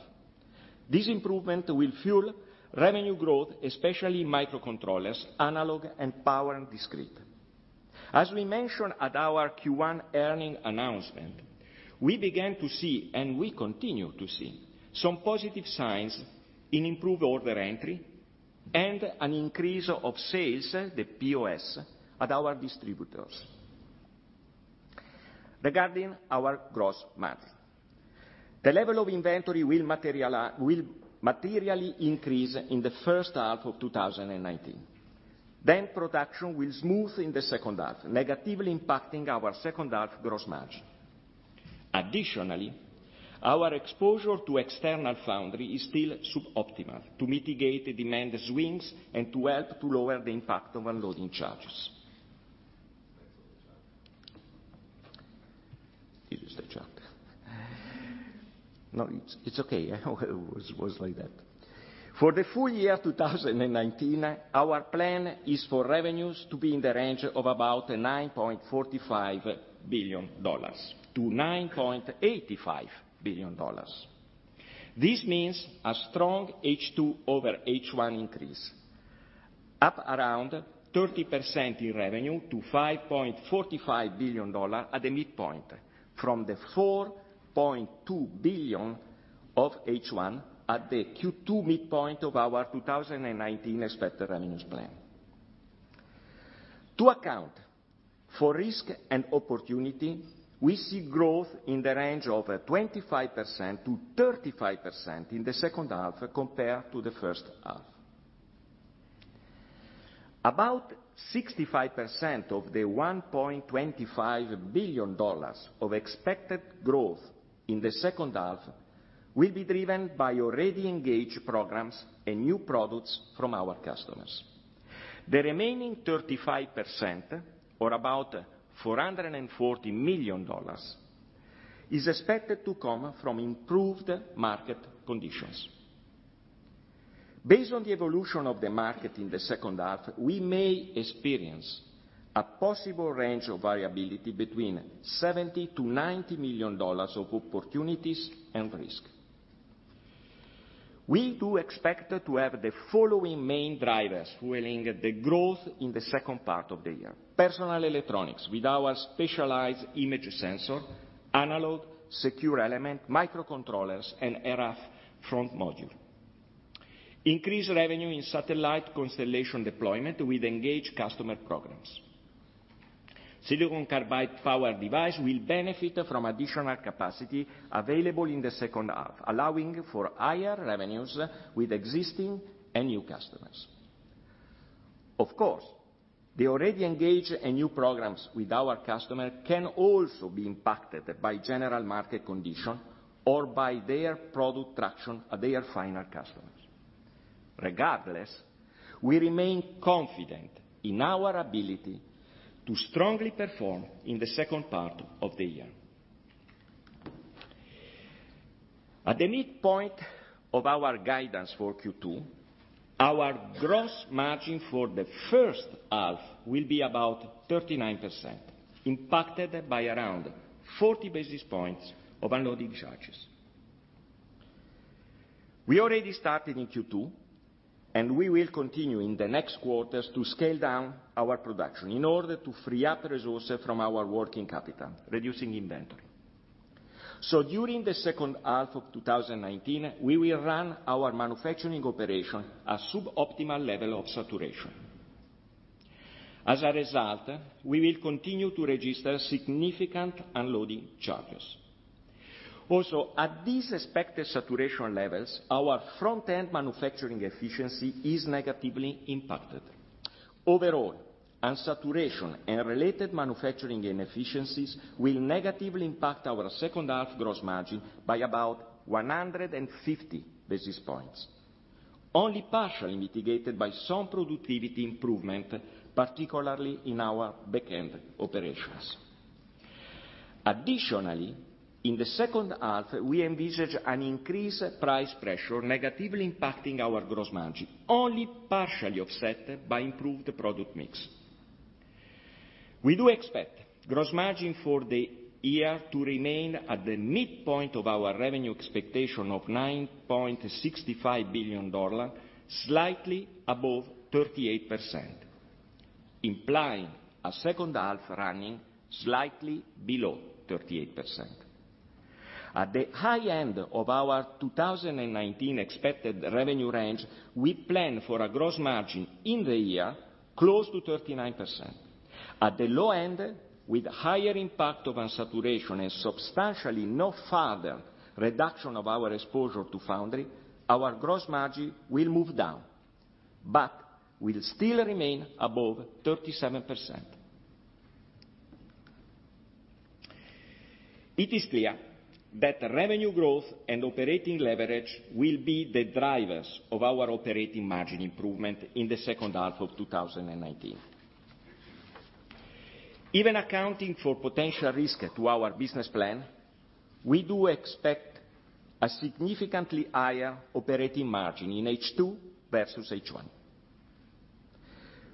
This improvement will fuel revenue growth, especially microcontrollers, analog and power and discrete. As we mentioned at our Q1 earning announcement, we began to see, and we continue to see, some positive signs in improved order entry and an increase of sales, the POS, at our distributors. Regarding our gross margin, the level of inventory will materially increase in the first half of 2019, production will smooth in the second half, negatively impacting our second half gross margin. Additionally, our exposure to external foundry is still suboptimal to mitigate the demand swings and to help to lower the impact of unloading charges. This is the chart. No, it's okay. It was like that. For the full year 2019, our plan is for revenues to be in the range of about $9.45 billion-$9.85 billion. This means a strong H2 over H1 increase, up around 30% in revenue to $5.45 billion at the midpoint from the $4.2 billion of H1 at the Q2 midpoint of our 2019 expected revenues plan. To account for risk and opportunity, we see growth in the range of 25%-35% in the second half compared to the first half. About 65% of the $1.25 billion of expected growth in the second half will be driven by already engaged programs and new products from our customers. The remaining 35%, or about $440 million, is expected to come from improved market conditions. Based on the evolution of the market in the second half, we may experience a possible range of variability between $70 million-$90 million of opportunities and risk. We do expect to have the following main drivers fueling the growth in the second part of the year. Personal electronics with our specialized image sensor, analog, secure element, microcontrollers, and RF front module. Increased revenue in satellite constellation deployment with engaged customer programs. Silicon carbide power device will benefit from additional capacity available in the second half, allowing for higher revenues with existing and new customers. The already engaged and new programs with our customer can also be impacted by general market condition or by their product traction at their final customers. Regardless, we remain confident in our ability to strongly perform in the second part of the year. At the midpoint of our guidance for Q2, our gross margin for the first half will be about 39%, impacted by around 40 basis points of unloading charges. We already started in Q2, we will continue in the next quarters to scale down our production in order to free up resources from our working capital, reducing inventory. During the second half of 2019, we will run our manufacturing operation at suboptimal level of saturation. As a result, we will continue to register significant unloading charges. Also, at these expected saturation levels, our front-end manufacturing efficiency is negatively impacted. Overall, unsaturation and related manufacturing inefficiencies will negatively impact our second half gross margin by about 150 basis points, only partially mitigated by some productivity improvement, particularly in our back-end operations. Additionally, in the second half, we envisage an increased price pressure negatively impacting our gross margin, only partially offset by improved product mix. We do expect gross margin for the year to remain at the midpoint of our revenue expectation of $9.65 billion, slightly above 38%, implying a second half running slightly below 38%. At the high end of our 2019 expected revenue range, we plan for a gross margin in the year close to 39%. At the low end, with higher impact of unsaturation and substantially no further reduction of our exposure to foundry, our gross margin will move down, will still remain above 37%. It is clear that revenue growth and operating leverage will be the drivers of our operating margin improvement in the second half of 2019. Even accounting for potential risk to our business plan, we do expect a significantly higher operating margin in H2 versus H1.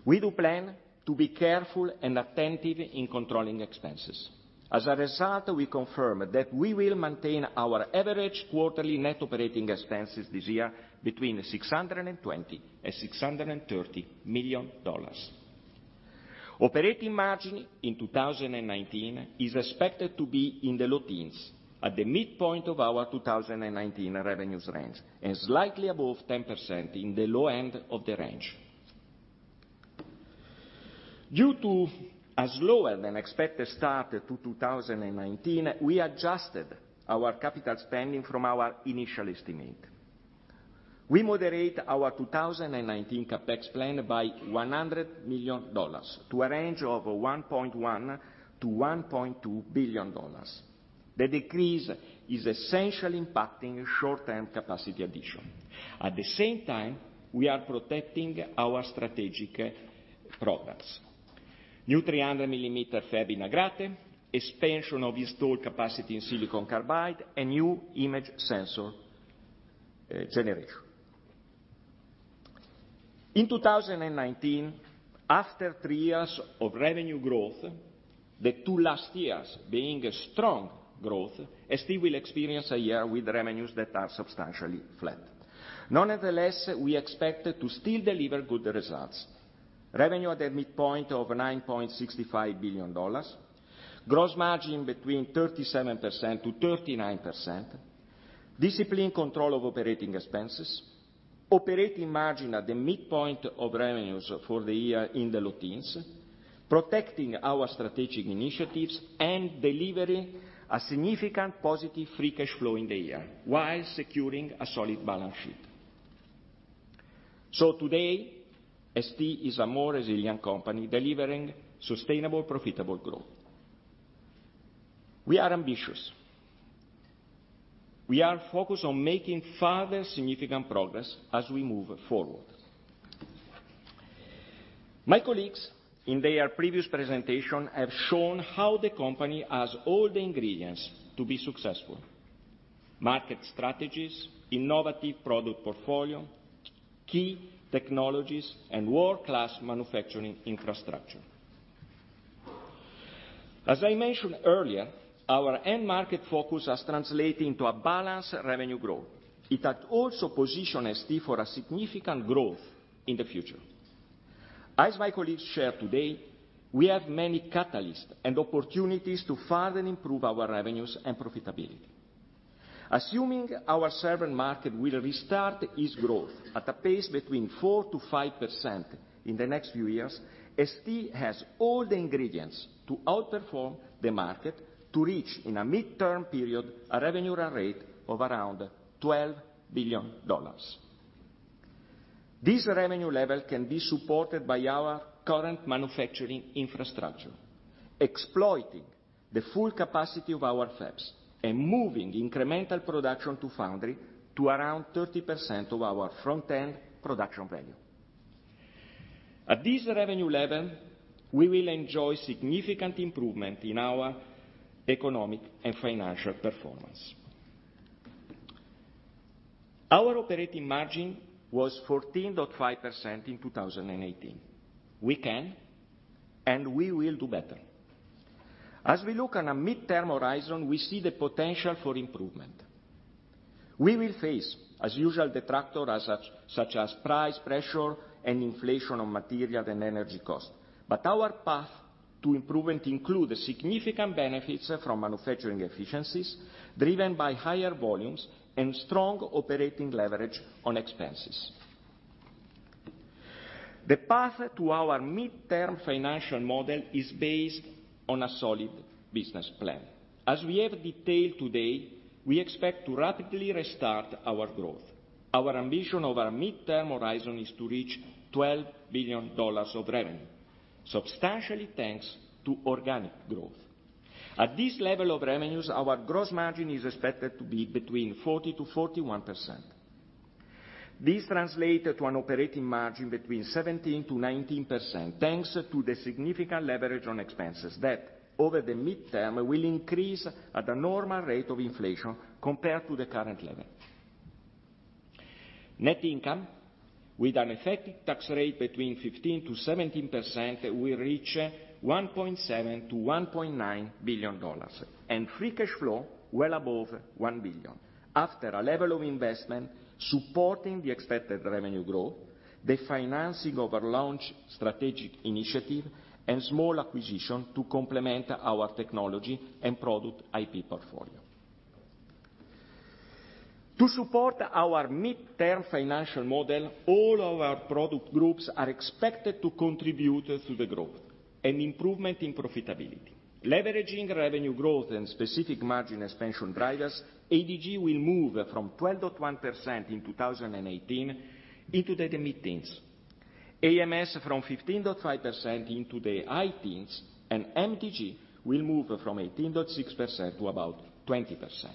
We do plan to be careful and attentive in controlling expenses. As a result, we confirm that we will maintain our average quarterly net operating expenses this year between $620 and $630 million. Operating margin in 2019 is expected to be in the low teens, at the midpoint of our 2019 revenues range, and slightly above 10% in the low end of the range. Due to a slower than expected start to 2019, we adjusted our capital spending from our initial estimate. We moderate our 2019 CapEx plan by $100 million to a range of $1.1 billion-$1.2 billion. The decrease is essentially impacting short-term capacity addition. At the same time, we are protecting our strategic products. New 300 millimeter fab in Agrate, expansion of installed capacity in Silicon Carbide, and new image sensor generation. In 2019, after three years of revenue growth, the two last years being strong growth, ST will experience a year with revenues that are substantially flat. Nonetheless, we expect to still deliver good results. Revenue at the midpoint of $9.65 billion, gross margin between 37%-39%, disciplined control of operating expenses, operating margin at the midpoint of revenues for the year in the low teens, protecting our strategic initiatives, and delivering a significant positive free cash flow in the year, while securing a solid balance sheet. Today, ST is a more resilient company, delivering sustainable profitable growth. We are ambitious. We are focused on making further significant progress as we move forward. My colleagues, in their previous presentation, have shown how the company has all the ingredients to be successful: market strategies, innovative product portfolio, key technologies, and world-class manufacturing infrastructure. I mentioned earlier, our end market focus has translated into a balanced revenue growth. It has also positioned ST for a significant growth in the future. As my colleagues shared today, we have many catalysts and opportunities to further improve our revenues and profitability. Assuming our servered market will restart its growth at a pace between 4%-5% in the next few years, ST has all the ingredients to outperform the market to reach, in a midterm period, a revenue run rate of around EUR 12 billion. This revenue level can be supported by our current manufacturing infrastructure, exploiting the full capacity of our fabs and moving incremental production to foundry to around 30% of our front-end production value. At this revenue level, we will enjoy significant improvement in our economic and financial performance. Our operating margin was 14.5% in 2018. We can, and we will do better. As we look on a midterm horizon, we see the potential for improvement. We will face, as usual, detractors such as price pressure and inflation of material and energy cost. Our path to improve and include the significant benefits from manufacturing efficiencies driven by higher volumes and strong operating leverage on expenses. The path to our midterm financial model is based on a solid business plan. As we have detailed today, we expect to rapidly restart our growth. Our ambition over a midterm horizon is to reach EUR 12 billion of revenue, substantially thanks to organic growth. At this level of revenues, our gross margin is expected to be between 40%-41%. This translates to an operating margin between 17%-19%, thanks to the significant leverage on expenses that over the midterm will increase at a normal rate of inflation compared to the current level. Net income with an effective tax rate between 15%-17%, we reach EUR 1.7 billion-EUR 1.9 billion, and free cash flow well above 1 billion. After a level of investment supporting the expected revenue growth, the financing of our launch strategic initiative and small acquisition to complement our technology and product IP portfolio. To support our midterm financial model, all our product groups are expected to contribute to the growth and improvement in profitability. Leveraging revenue growth and specific margin expansion drivers, ADG will move from 12.1% in 2018 into the mid-teens. AMS from 15.5% into the high teens, and MDG will move from 18.6% to about 20%.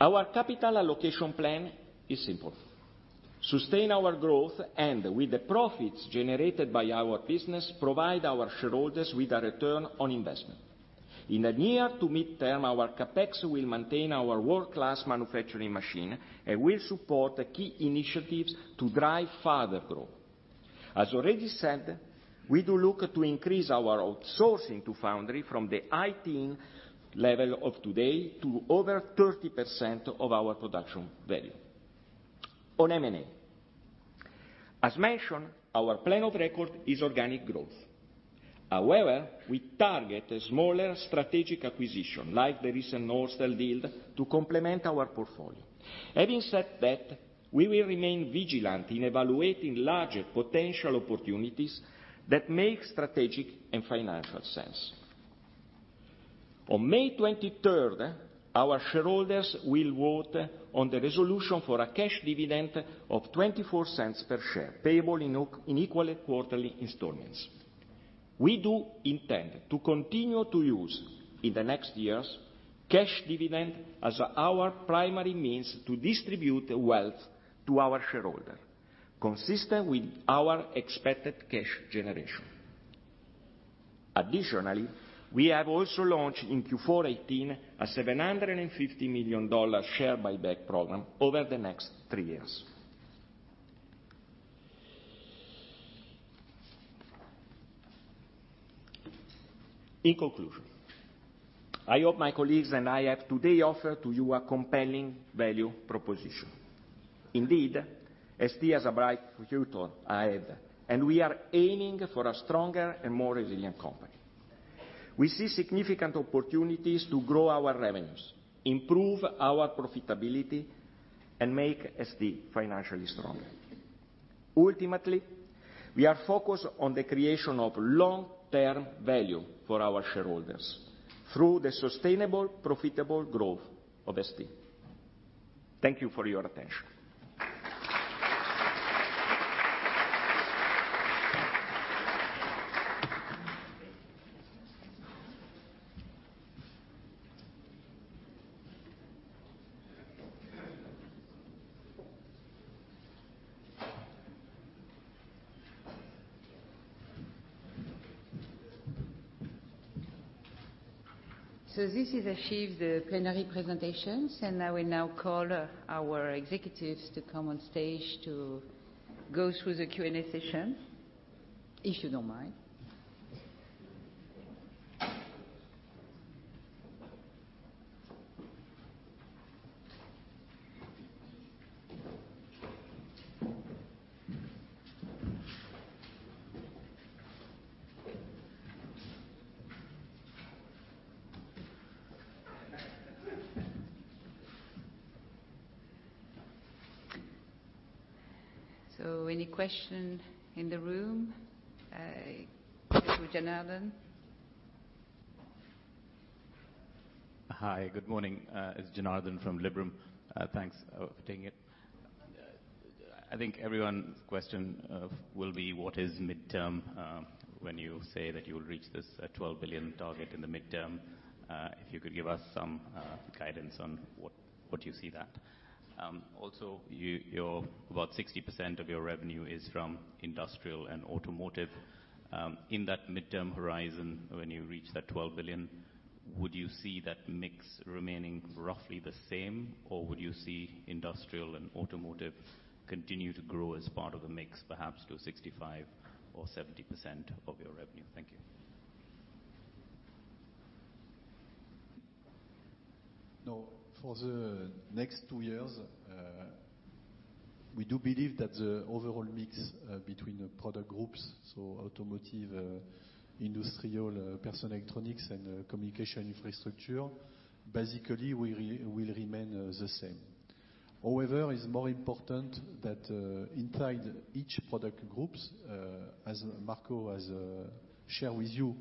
Our capital allocation plan is simple: sustain our growth and with the profits generated by our business, provide our shareholders with a return on investment. In the near to midterm, our CapEx will maintain our world-class manufacturing machine and will support the key initiatives to drive further growth. As already said, we do look to increase our outsourcing to foundry from the high-teen level of today to over 30% of our production value. On M&A, as mentioned, our plan of record is organic growth. However, we target a smaller strategic acquisition like the recent Norstel deal to complement our portfolio. Having said that, we will remain vigilant in evaluating larger potential opportunities that make strategic and financial sense. On May 23rd, our shareholders will vote on the resolution for a cash dividend of 0.24 per share, payable in equal quarterly installments. We do intend to continue to use, in the next years, cash dividend as our primary means to distribute wealth to our shareholder, consistent with our expected cash generation. Additionally, we have also launched in Q4 2018, a EUR 750 million share buyback program over the next three years. In conclusion, I hope my colleagues and I have today offered to you a compelling value proposition. Indeed, ST has a bright future ahead, and we are aiming for a stronger and more resilient company. We see significant opportunities to grow our revenues, improve our profitability, and make ST financially stronger. Ultimately, we are focused on the creation of long-term value for our shareholders through the sustainable profitable growth of ST. Thank you for your attention. This is achieved the plenary presentations, I will now call our executives to come on stage to go through the Q&A session. If you don't mind. Any question in the room? Janardan? Hi, good morning. It's Janardan from Liberum. Thanks for taking it. I think everyone's question will be, what is midterm, when you say that you'll reach this 12 billion target in the midterm? If you could give us some guidance on what you see that. Also, about 60% of your revenue is from industrial and automotive. In that midterm horizon, when you reach that 12 billion, would you see that mix remaining roughly the same, or would you see industrial and automotive continue to grow as part of the mix, perhaps to 65% or 70% of your revenue? Thank you. No. For the next two years, we do believe that the overall mix between product groups, so automotive, industrial, personal electronics, and communication infrastructure, basically will remain the same. However, it's more important that inside each product groups, as Marco has shared with you,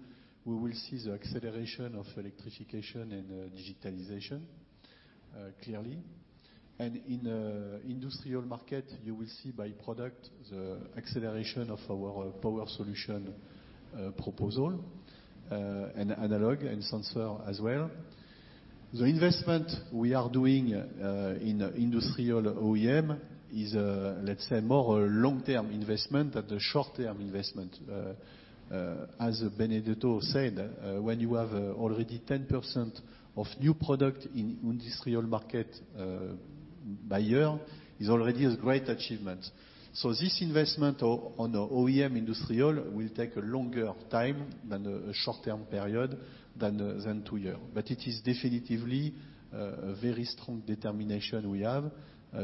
we will see the acceleration of electrification and digitalization, clearly. In industrial market, you will see by product, the acceleration of our power solution proposal, and analog and sensor as well. The investment we are doing in industrial OEM is, let's say, more long-term investment than the short-term investment. As Benedetto said, when you have already 10% of new product in industrial market buyer, is already a great achievement. This investment on OEM industrial will take a longer time than a short-term period than two year. It is definitively a very strong determination we have,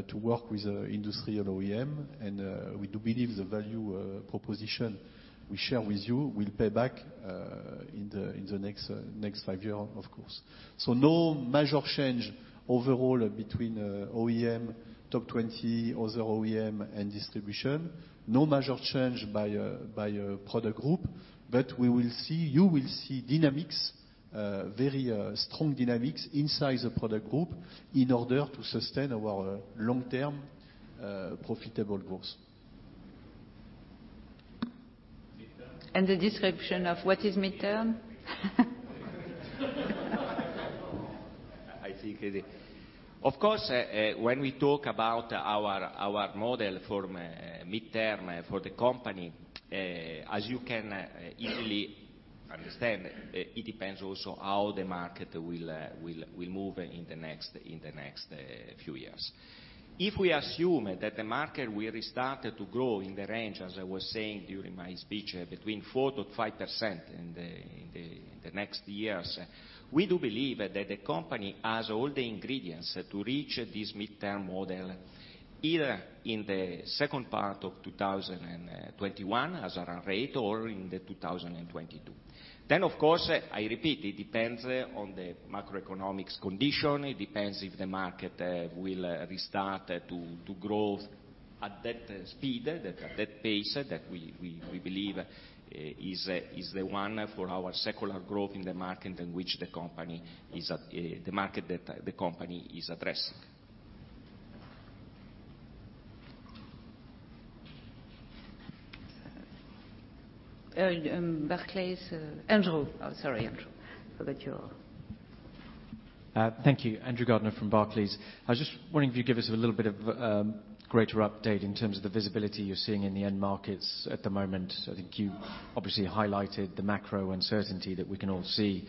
to work with industrial OEM, and we do believe the value proposition we share with you will pay back in the next five years, of course. No major change overall between OEM, top 20 other OEM, and distribution. No major change by product group, but you will see dynamics, very strong dynamics inside the product group in order to sustain our long-term profitable growth. Midterm? The description of what is midterm? Of course, when we talk about our model for midterm for the company, as you can easily understand, it depends also how the market will move in the next few years. If we assume that the market will restart to grow in the range, as I was saying during my speech, between 4%-5% in the next years, we do believe that the company has all the ingredients to reach this midterm model, either in the second part of 2021, as a run rate, or in 2022. Of course, I repeat, it depends on the macroeconomics condition. It depends if the market will restart to grow at that speed, at that pace that we believe is the one for our secular growth in the market in which the company is at, the market that the company is addressing. Barclays, Andrew. Sorry, Andrew. Forgot you're Thank you. Andrew Gardiner from Barclays. I was just wondering if you could give us a little bit of greater update in terms of the visibility you're seeing in the end markets at the moment. You obviously highlighted the macro uncertainty that we can all see.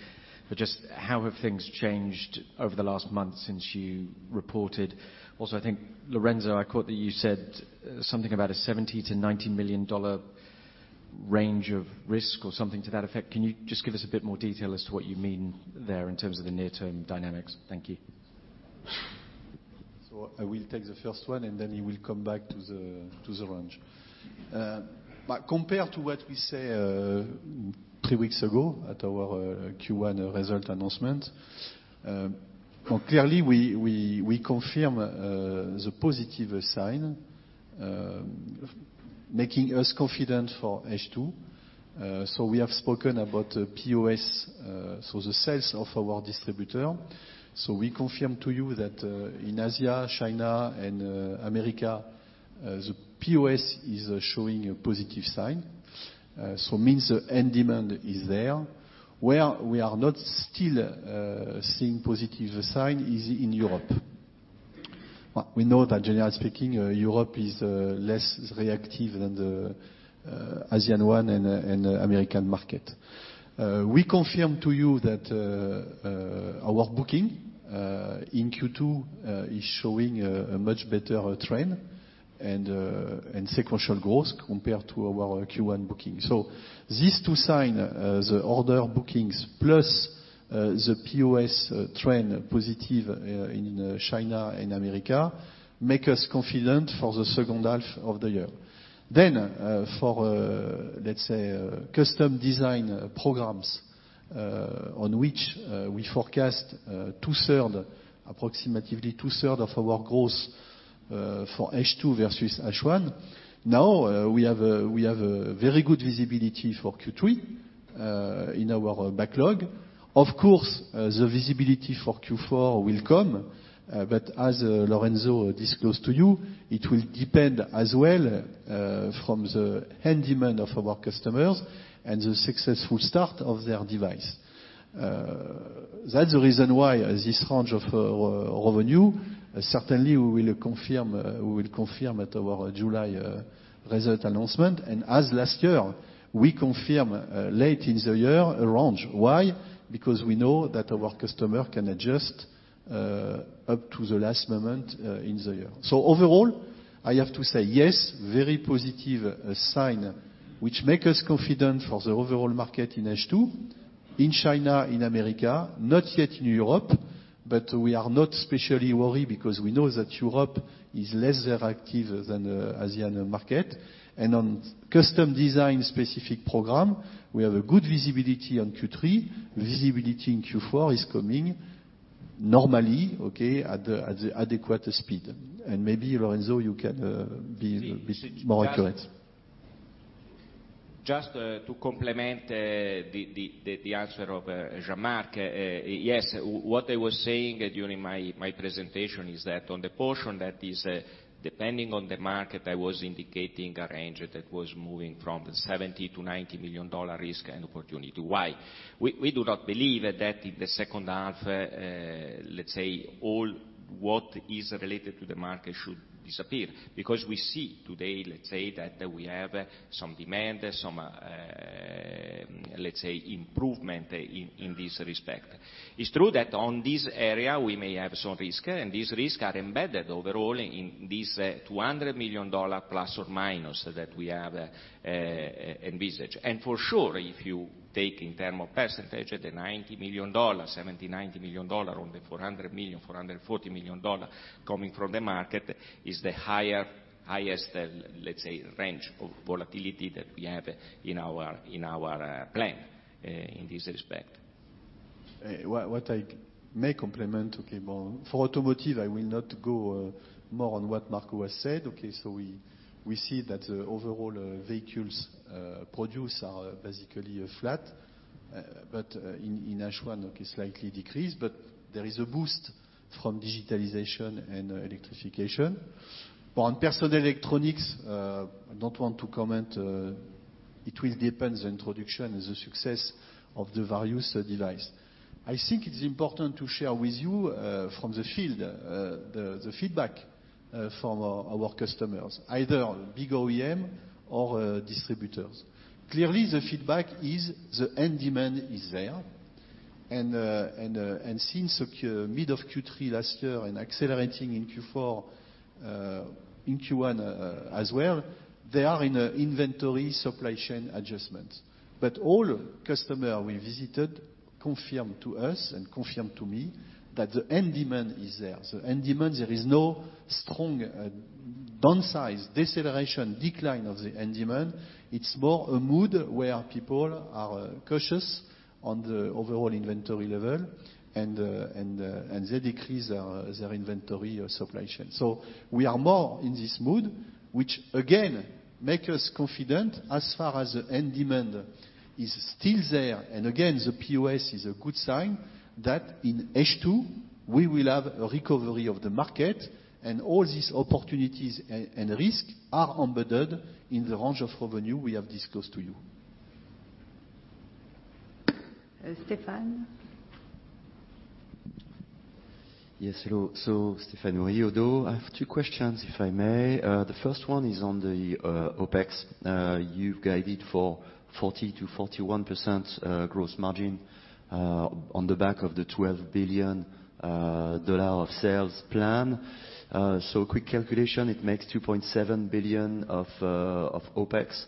Just how have things changed over the last month since you reported? Also, Lorenzo, I caught that you said something about a EUR 70 million-EUR 90 million range of risk, or something to that effect. Can you just give us a bit more detail as to what you mean there in terms of the near-term dynamics? Thank you. I will take the first one, and then he will come back to the range. Compared to what we said three weeks ago at our Q1 result announcement, clearly, we confirm the positive sign, making us confident for H2. We have spoken about the POS, the sales of our distributor. We confirm to you that, in Asia, China and America, the POS is showing a positive sign. Means the end demand is there. Where we are not still seeing positive sign is in Europe. We know that generally speaking, Europe is less reactive than the Asian one and American market. We confirm to you that our booking in Q2 is showing a much better trend and sequential growth compared to our Q1 booking. These two signs, the order bookings plus the POS trend positive in China and America, make us confident for the second half of the year. For let's say, custom design programs, on which we forecast approximately two-thirds of our growth for H2 versus H1. Now, we have a very good visibility for Q3, in our backlog. The visibility for Q4 will come, as Lorenzo disclosed to you, it will depend as well, from the end demand of our customers and the successful start of their device. That's the reason why this range of revenue, certainly we will confirm at our July result announcement. As last year, we confirm late in the year a range. Why? Because we know that our customer can adjust up to the last moment in the year. Overall, I have to say yes, very positive signs, which make us confident for the overall market in H2. In China, in America, not yet in Europe, but we are not especially worried because we know that Europe is less active than the Asian market. On custom design specific programs, we have a good visibility on Q3. Visibility in Q4 is coming normally, okay, at the adequate speed. Maybe Lorenzo, you can be a bit more accurate. Just to complement the answer of Jean-Marc. Yes. What I was saying during my presentation is that on the portion that is depending on the market, I was indicating a range that was moving from EUR 70 million-EUR 90 million risk and opportunity. Why? We do not believe that in the second half, let's say all what is related to the market should disappear, because we see today that we have some demand, some, let's say, improvement in this respect. It's true that on this area we may have some risk, and these risk are embedded overall in this EUR 200 million ± that we have envisaged. For sure, if you take in term of percentage, the EUR 90 million, 70 million, EUR 90 million on the 400 million, EUR 440 million coming from the market is the highest, let's say, range of volatility that we have in our plan, in this respect. What I may complement, okay. For automotive, I will not go more on what Marco has said. Okay. We see that overall vehicles produced are basically flat, but in H1, okay, slightly decreased, but there is a boost from digitalization and electrification. On personal electronics, I don't want to comment. It will depend the introduction and the success of the various device. I think it's important to share with you, from the field, the feedback from our customers, either big OEM or distributors. Clearly, the feedback is the end demand is there. Since mid of Q3 last year and accelerating in Q4, in Q1 as well, they are in a inventory supply chain adjustment. All customer we visited confirmed to us and confirmed to me that the end demand is there. The end demand, there is no strong downside, deceleration, decline of the end demand. It's more a mood where people are cautious on the overall inventory level and they decrease their inventory supply chain. We are more in this mood, which again, make us confident as far as the end demand is still there. Again, the POS is a good sign that in H2 we will have a recovery of the market and all these opportunities and risk are embedded in the range of revenue we have disclosed to you. Stéphane? Yes, hello. Stéphane Rioudaux. I have two questions, if I may. The first one is on the OPEX. You've guided for 40%-41%, gross margin, on the back of the EUR 12 billion of sales plan. Quick calculation, it makes 2.7 billion of OPEX,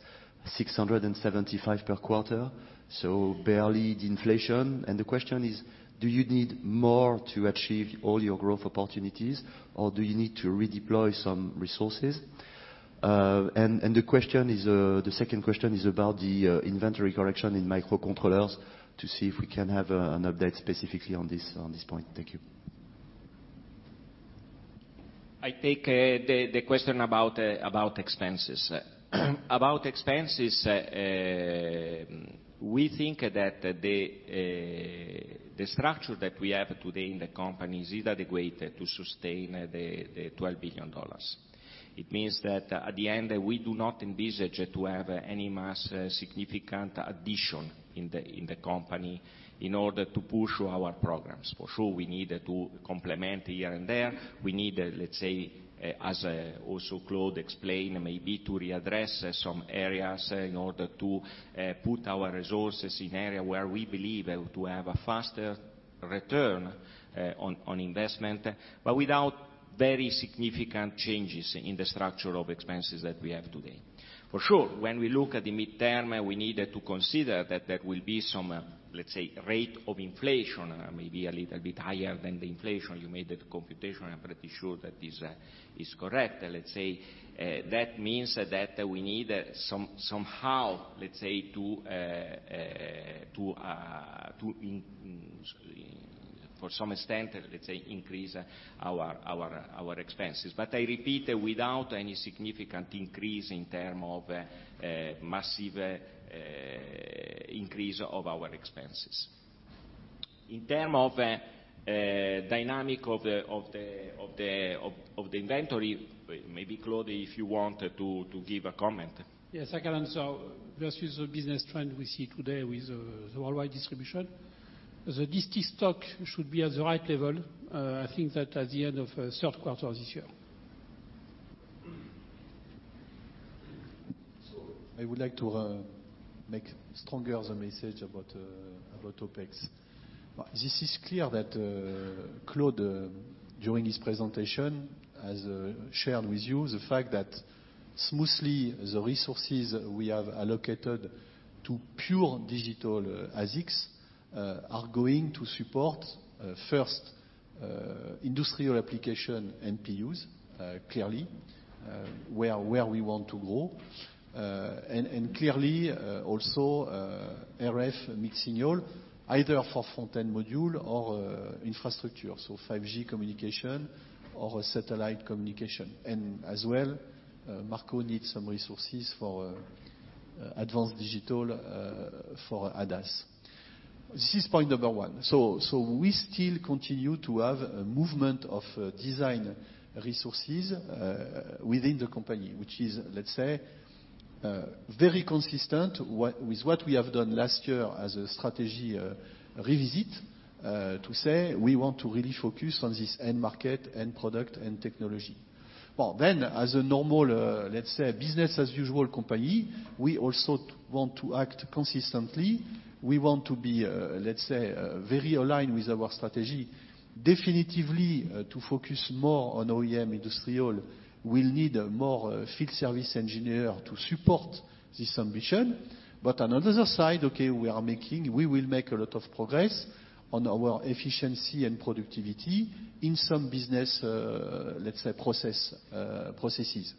675 million per quarter, barely the inflation. The question is, do you need more to achieve all your growth opportunities, or do you need to redeploy some resources? The second question is about the inventory correction in microcontrollers to see if we can have an update specifically on this point. Thank you. I take the question about expenses. About expenses, we think that the structure that we have today in the company is adequate to sustain the $12 billion. It means that at the end, we do not envisage to have any mass significant addition in the company in order to push our programs. For sure, we need to complement here and there. We need, let's say, as also Claude explained, maybe to readdress some areas in order to put our resources in area where we believe to have a faster return on investment, but without very significant changes in the structure of expenses that we have today. For sure, when we look at the midterm, we need to consider that there will be some, let's say, rate of inflation, maybe a little bit higher than the inflation. You made that computation. I'm pretty sure that this is correct. Let's say, that means that we need somehow, let's say, to some extent, let's say, increase our expenses. I repeat, without any significant increase in term of massive increase of our expenses. In term of dynamic of the inventory, maybe Claude, if you want to give a comment. Yes, I can answer. Versus the business trend we see today with the worldwide distribution. The disti stock should be at the right level, I think that at the end of third quarter this year. I would like to make stronger the message about OpEx. This is clear that Claude, during his presentation, has shared with you the fact that smoothly, the resources we have allocated to pure digital ASICs are going to support first industrial application NPUs, clearly, where we want to go. Clearly, also, RF mixed signal, either for front-end module or infrastructure. 5G communication or satellite communication. As well, Marco needs some resources for advanced digital for ADAS. This is point number one. We still continue to have a movement of design resources within the company, which is, let's say, very consistent with what we have done last year as a strategy revisit, to say we want to really focus on this end market, end product, and technology. Well, as a normal, let's say, business as usual company, we also want to act consistently. We want to be, let's say, very aligned with our strategy. Definitely to focus more on OEM industrial, we'll need more field service engineer to support this ambition. On the other side, okay, we will make a lot of progress on our efficiency and productivity in some business, let's say, processes.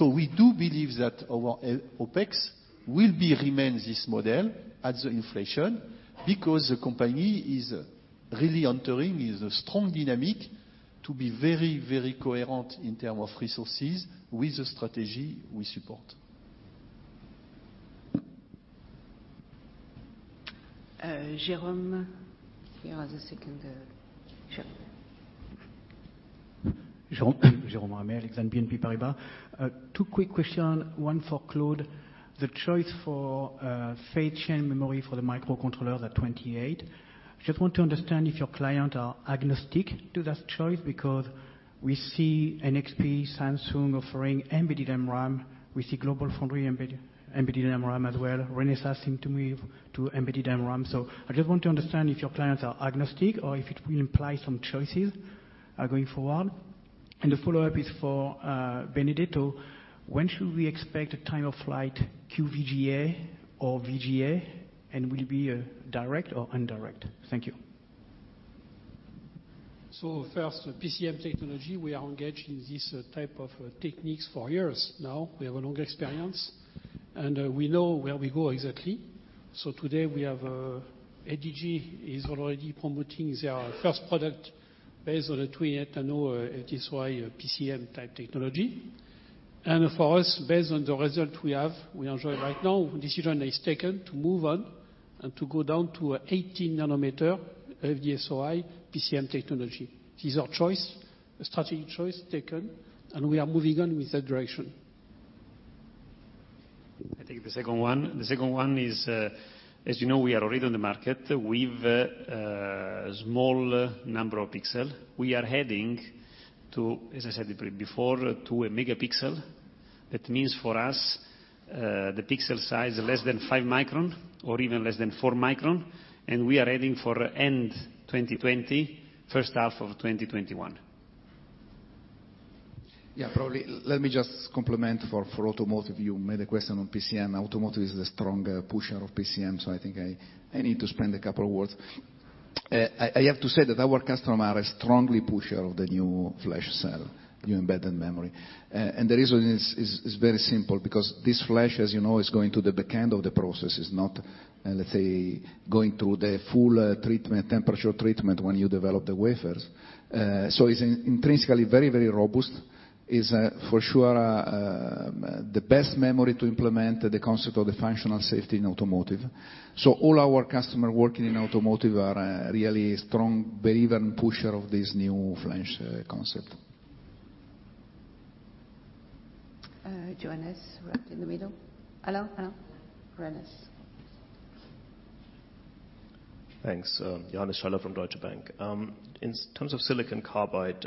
We do believe that our OpEx will be remain this model at the inflation, because the company is really entering with a strong dynamic to be very coherent in term of resources with the strategy we support. Jerome, you are the second Jerome. Jerome Amer, BNP Paribas. Two quick question, one for Claude. The choice for phase-change memory for the microcontrollers at 28. Just want to understand if your client are agnostic to that choice because we see NXP, Samsung offering embedded MRAM, we see GlobalFoundries embedded MRAM as well, Renesas seem to move to embedded MRAM. I just want to understand if your clients are agnostic or if it will imply some choices going forward. The follow-up is for Benedetto. When should we expect a Time-of-Flight QVGA or VGA, and will it be a direct or indirect? Thank you. First, PCM technology, we are engaged in this type of techniques for years now. We have a long experience, we know where we go exactly. Today we have ADG is already promoting their first product based on a 28 nano FD-SOI PCM type technology. For us, based on the result we have, we enjoy right now, decision is taken to move on to go down to 18 nanometer FD-SOI PCM technology. This is our choice, a strategic choice taken, we are moving on with that direction. I take the second one. The second one is, as you know, we are already on the market with a small number of pixel. We are heading to, as I said before, to a megapixel. That means for us, the pixel size less than five micron or even less than four micron, and we are heading for end 2020, first half of 2021. Probably. Let me just complement for automotive. You made a question on PCM. Automotive is the strong pusher of PCM. I think I need to spend a couple of words. I have to say that our customer are a strongly pusher of the new flash cell, new embedded memory. The reason is very simple, because this flash, as you know, is going to the back end of the process, is not, let's say, going through the full treatment, temperature treatment when you develop the wafers. It's intrinsically very robust. Is, for sure, the best memory to implement the concept of the functional safety in automotive. All our customer working in automotive are a really strong believer and pusher of this new flash concept. Johannes, right in the middle. Hello? Hello. Johannes. Thanks. Johannes Schaller from Deutsche Bank. In terms of silicon carbide,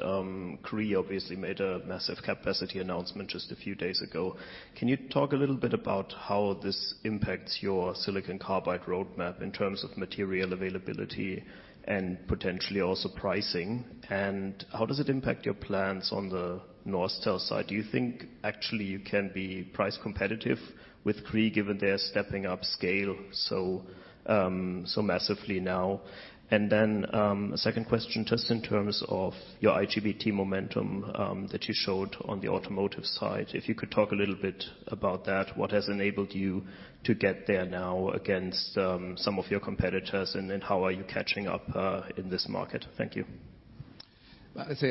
Cree obviously made a massive capacity announcement just a few days ago. Can you talk a little bit about how this impacts your silicon carbide roadmap in terms of material availability and potentially also pricing? How does it impact your plans on the Norstel side? Do you think actually you can be price competitive with Cree given they're stepping up scale so massively now? Second question, just in terms of your IGBT momentum that you showed on the automotive side. If you could talk a little bit about that, what has enabled you to get there now against some of your competitors, and then how are you catching up in this market? Thank you.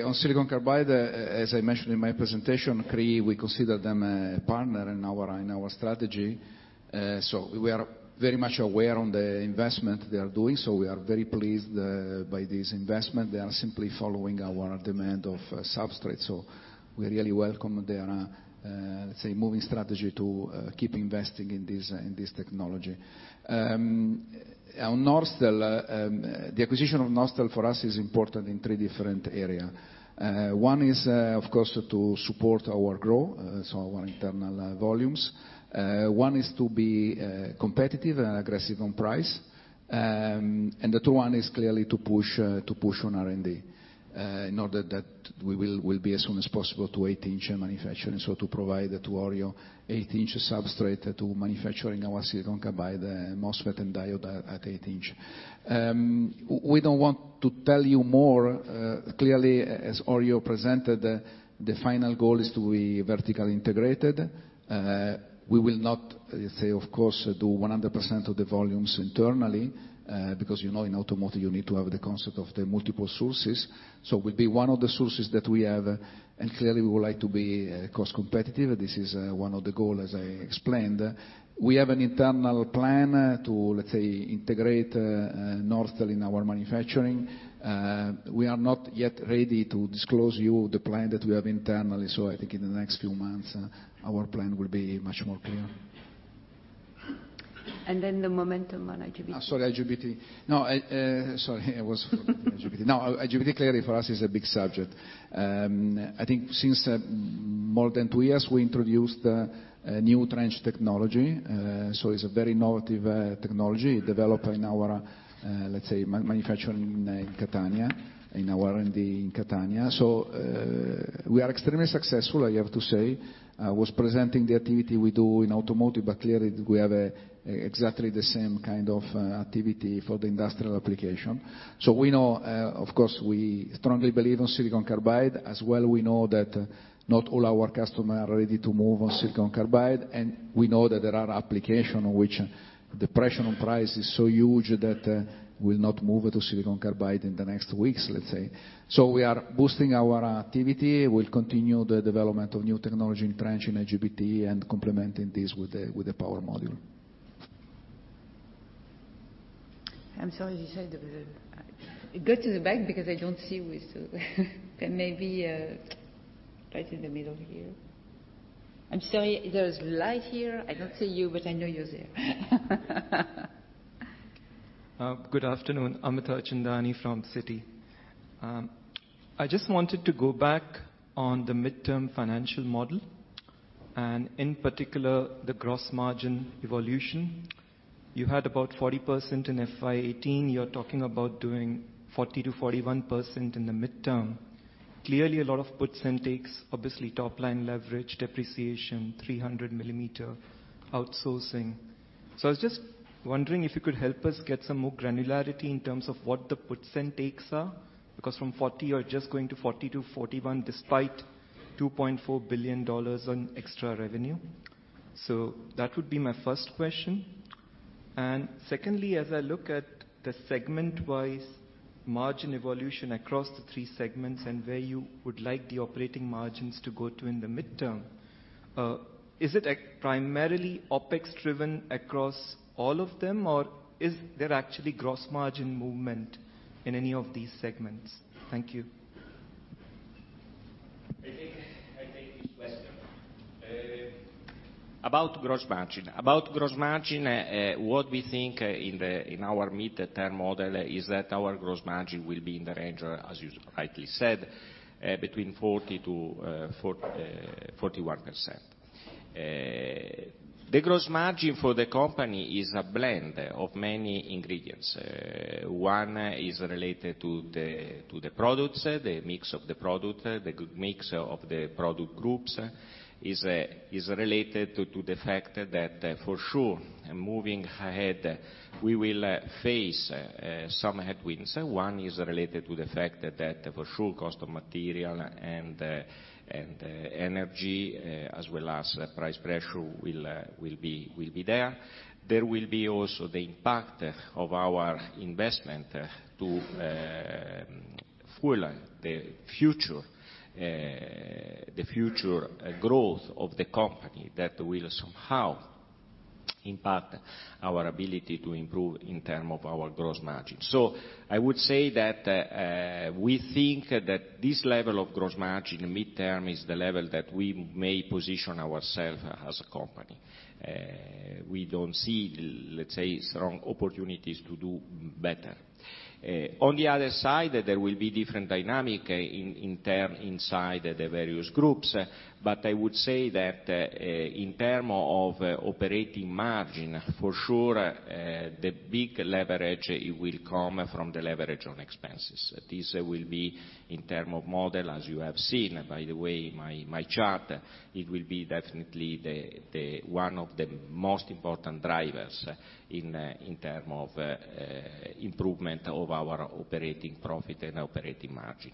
On silicon carbide, as I mentioned in my presentation, Cree, we consider them a partner in our strategy. We are very much aware on the investment they are doing. We are very pleased by this investment. They are simply following our demand of substrates. We really welcome their, let's say, moving strategy to keep investing in this technology. On Norstel, the acquisition of Norstel for us is important in three different area. One is, of course, to support our growth, so our internal volumes. One is to be competitive and aggressive on price. The third one is clearly to push on R&D, in order that we will be as soon as possible to 8-inch manufacturing, so to provide to Orio 8-inch substrate to manufacturing our silicon carbide MOSFET and diode at 8-inch. We don't want to tell you more. Clearly, as Orio presented, the final goal is to be vertically integrated. We will not, say of course, do 100% of the volumes internally, because you know in automotive you need to have the concept of the multiple sources. We'll be one of the sources that we have, and clearly we would like to be cost competitive. This is one of the goal, as I explained. We have an internal plan to, let's say, integrate Norstel in our manufacturing. We are not yet ready to disclose you the plan that we have internally. I think in the next few months, our plan will be much more clear. The momentum on IGBT. Sorry, IGBT. Sorry, I was forgetting IGBT. IGBT clearly for us is a big subject. I think since more than two years, we introduced a new trench technology. It's a very innovative technology developed in our, let's say, manufacturing in Catania, in our R&D in Catania. We are extremely successful, I have to say. I was presenting the activity we do in automotive, but clearly we have exactly the same kind of activity for the industrial application. We know, of course, we strongly believe in silicon carbide. As well, we know that not all our customer are ready to move on silicon carbide, and we know that there are application which the pressure on price is so huge that will not move to silicon carbide in the next weeks, let's say. We are boosting our activity. We'll continue the development of new technology in trench, in IGBT, and complementing this with the power module. I'm sorry. You said go to the back because I don't see who is. Maybe right in the middle here. I'm sorry, there's light here. I don't see you, but I know you're there. Good afternoon. Amit Harchandani from Citi. I just wanted to go back on the midterm financial model, and in particular, the gross margin evolution. You had about 40% in FY 2018. You're talking about doing 40%-41% in the midterm. Clearly a lot of puts and takes. Obviously top line leverage, depreciation, 300 millimeter outsourcing. I was just wondering if you could help us get some more granularity in terms of what the puts and takes are, because from 40, you are just going to 40 to 41 despite EUR 2.4 billion on extra revenue. That would be my first question. Secondly, as I look at the segment-wise margin evolution across the three segments and where you would like the operating margins to go to in the midterm, is it primarily OpEx driven across all of them, or is there actually gross margin movement in any of these segments? Thank you. I take this question. About gross margin, what we think in our mid-term model is that our gross margin will be in the range, as you rightly said, between 40%-41%. The gross margin for the company is a blend of many ingredients. One is related to the products, the mix of the product, the good mix of the product groups, is related to the fact that for sure, moving ahead, we will face some headwinds. One is related to the fact that for sure, cost of material and energy, as well as price pressure will be there. There will be also the impact of our investment to fuel the future growth of the company that will somehow impact our ability to improve in term of our gross margin. I would say that we think that this level of gross margin midterm is the level that we may position ourself as a company. We don't see, let's say, strong opportunities to do better. On the other side, there will be different dynamic in term inside the various groups. I would say that in term of operating margin, for sure, the big leverage will come from the leverage on expenses. This will be in term of model, as you have seen, by the way, my chart, it will be definitely one of the most important drivers in term of improvement of our operating profit and operating margin.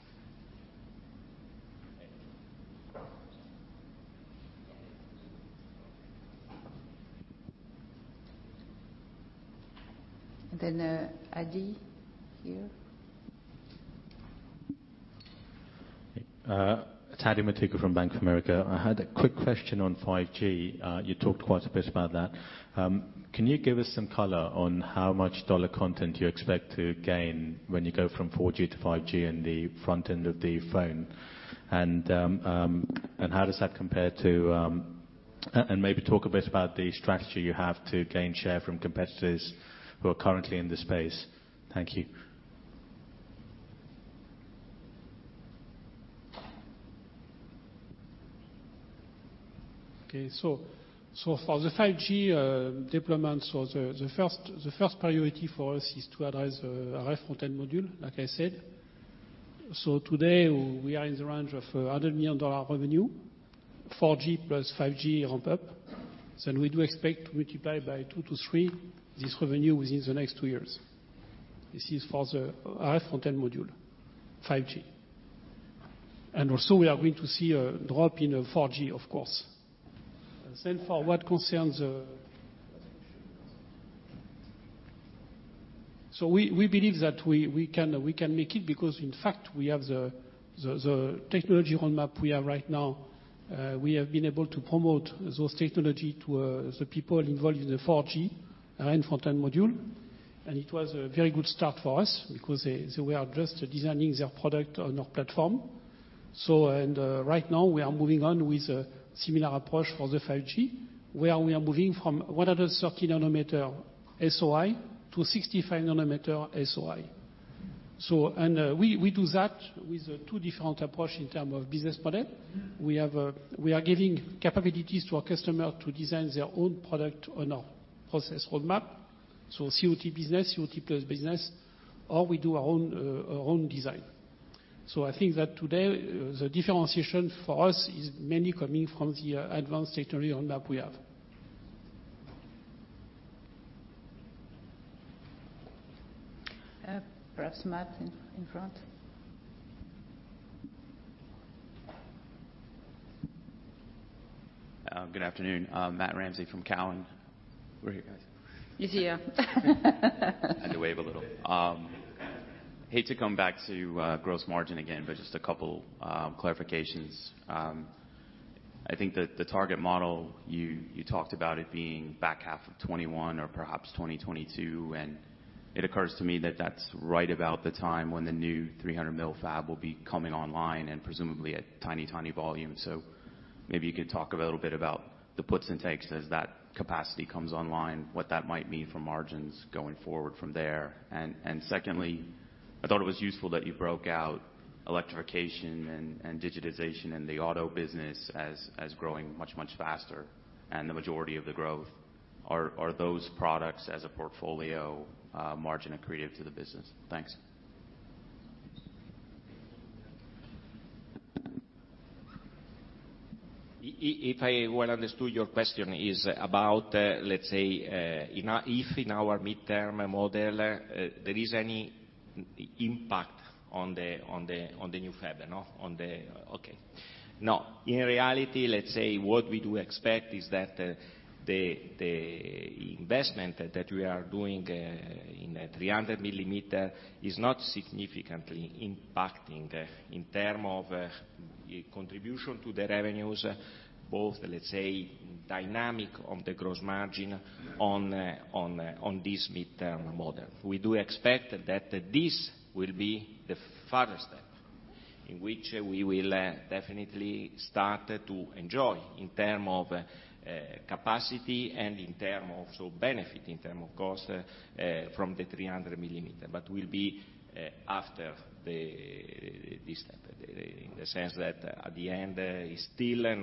Adi, you. Adithya Metuku from Bank of America. I had a quick question on 5G. You talked quite a bit about that. Can you give us some color on how much dollar content you expect to gain when you go from 4G to 5G in the front end of the phone? Maybe talk a bit about the strategy you have to gain share from competitors who are currently in this space. Thank you. Okay. For the 5G deployment, the first priority for us is to address RF front end module, like I said. Today, we are in the range of $100 million revenue, 4G plus 5G ramp up. We do expect to multiply by 2 to 3 this revenue within the next 2 years. This is for the RF front end module, 5G. Also we are going to see a drop in 4G, of course. For what concerns the. We believe that we can make it because, in fact, we have the technology roadmap we have right now. We have been able to promote those technology to the people involved in the 4G RF front end module, it was a very good start for us because they were just designing their product on our platform. Right now, we are moving on with a similar approach for the 5G, where we are moving from 130 nanometer SOI to 65 nanometer SOI. We do that with 2 different approach in terms of business model. We are giving capabilities to our customer to design their own product on our process roadmap. COT business, COT plus business, or we do our own design. I think that today, the differentiation for us is mainly coming from the advanced technology roadmap we have. Perhaps Matt in front. Good afternoon. Matthew Ramsay from Cowen. Where are you guys? He's here. Had to wave a little. Hate to come back to gross margin again, just a couple clarifications. I think that the target model, you talked about it being back half of 2021 or perhaps 2022, it occurs to me that that's right about the time when the new 300 mil fab will be coming online and presumably at tiny volume. Maybe you could talk a little bit about the puts and takes as that capacity comes online, what that might mean for margins going forward from there. Secondly, I thought it was useful that you broke out electrification and digitization in the auto business as growing much, much faster and the majority of the growth. Are those products as a portfolio margin accretive to the business? Thanks. If I well understood, your question is about, let's say, if in our midterm model, there is any impact on the new fab. No? Okay. No. In reality, let's say what we do expect is that the investment that we are doing in 300 millimeter is not significantly impacting in terms of contribution to the revenues, both, let's say, dynamic of the gross margin on this midterm model. We do expect that this will be the further step in which we will definitely start to enjoy in terms of capacity and in terms of benefit, in terms of cost from the 300 millimeter. Will be after this step, in the sense that at the end, it's still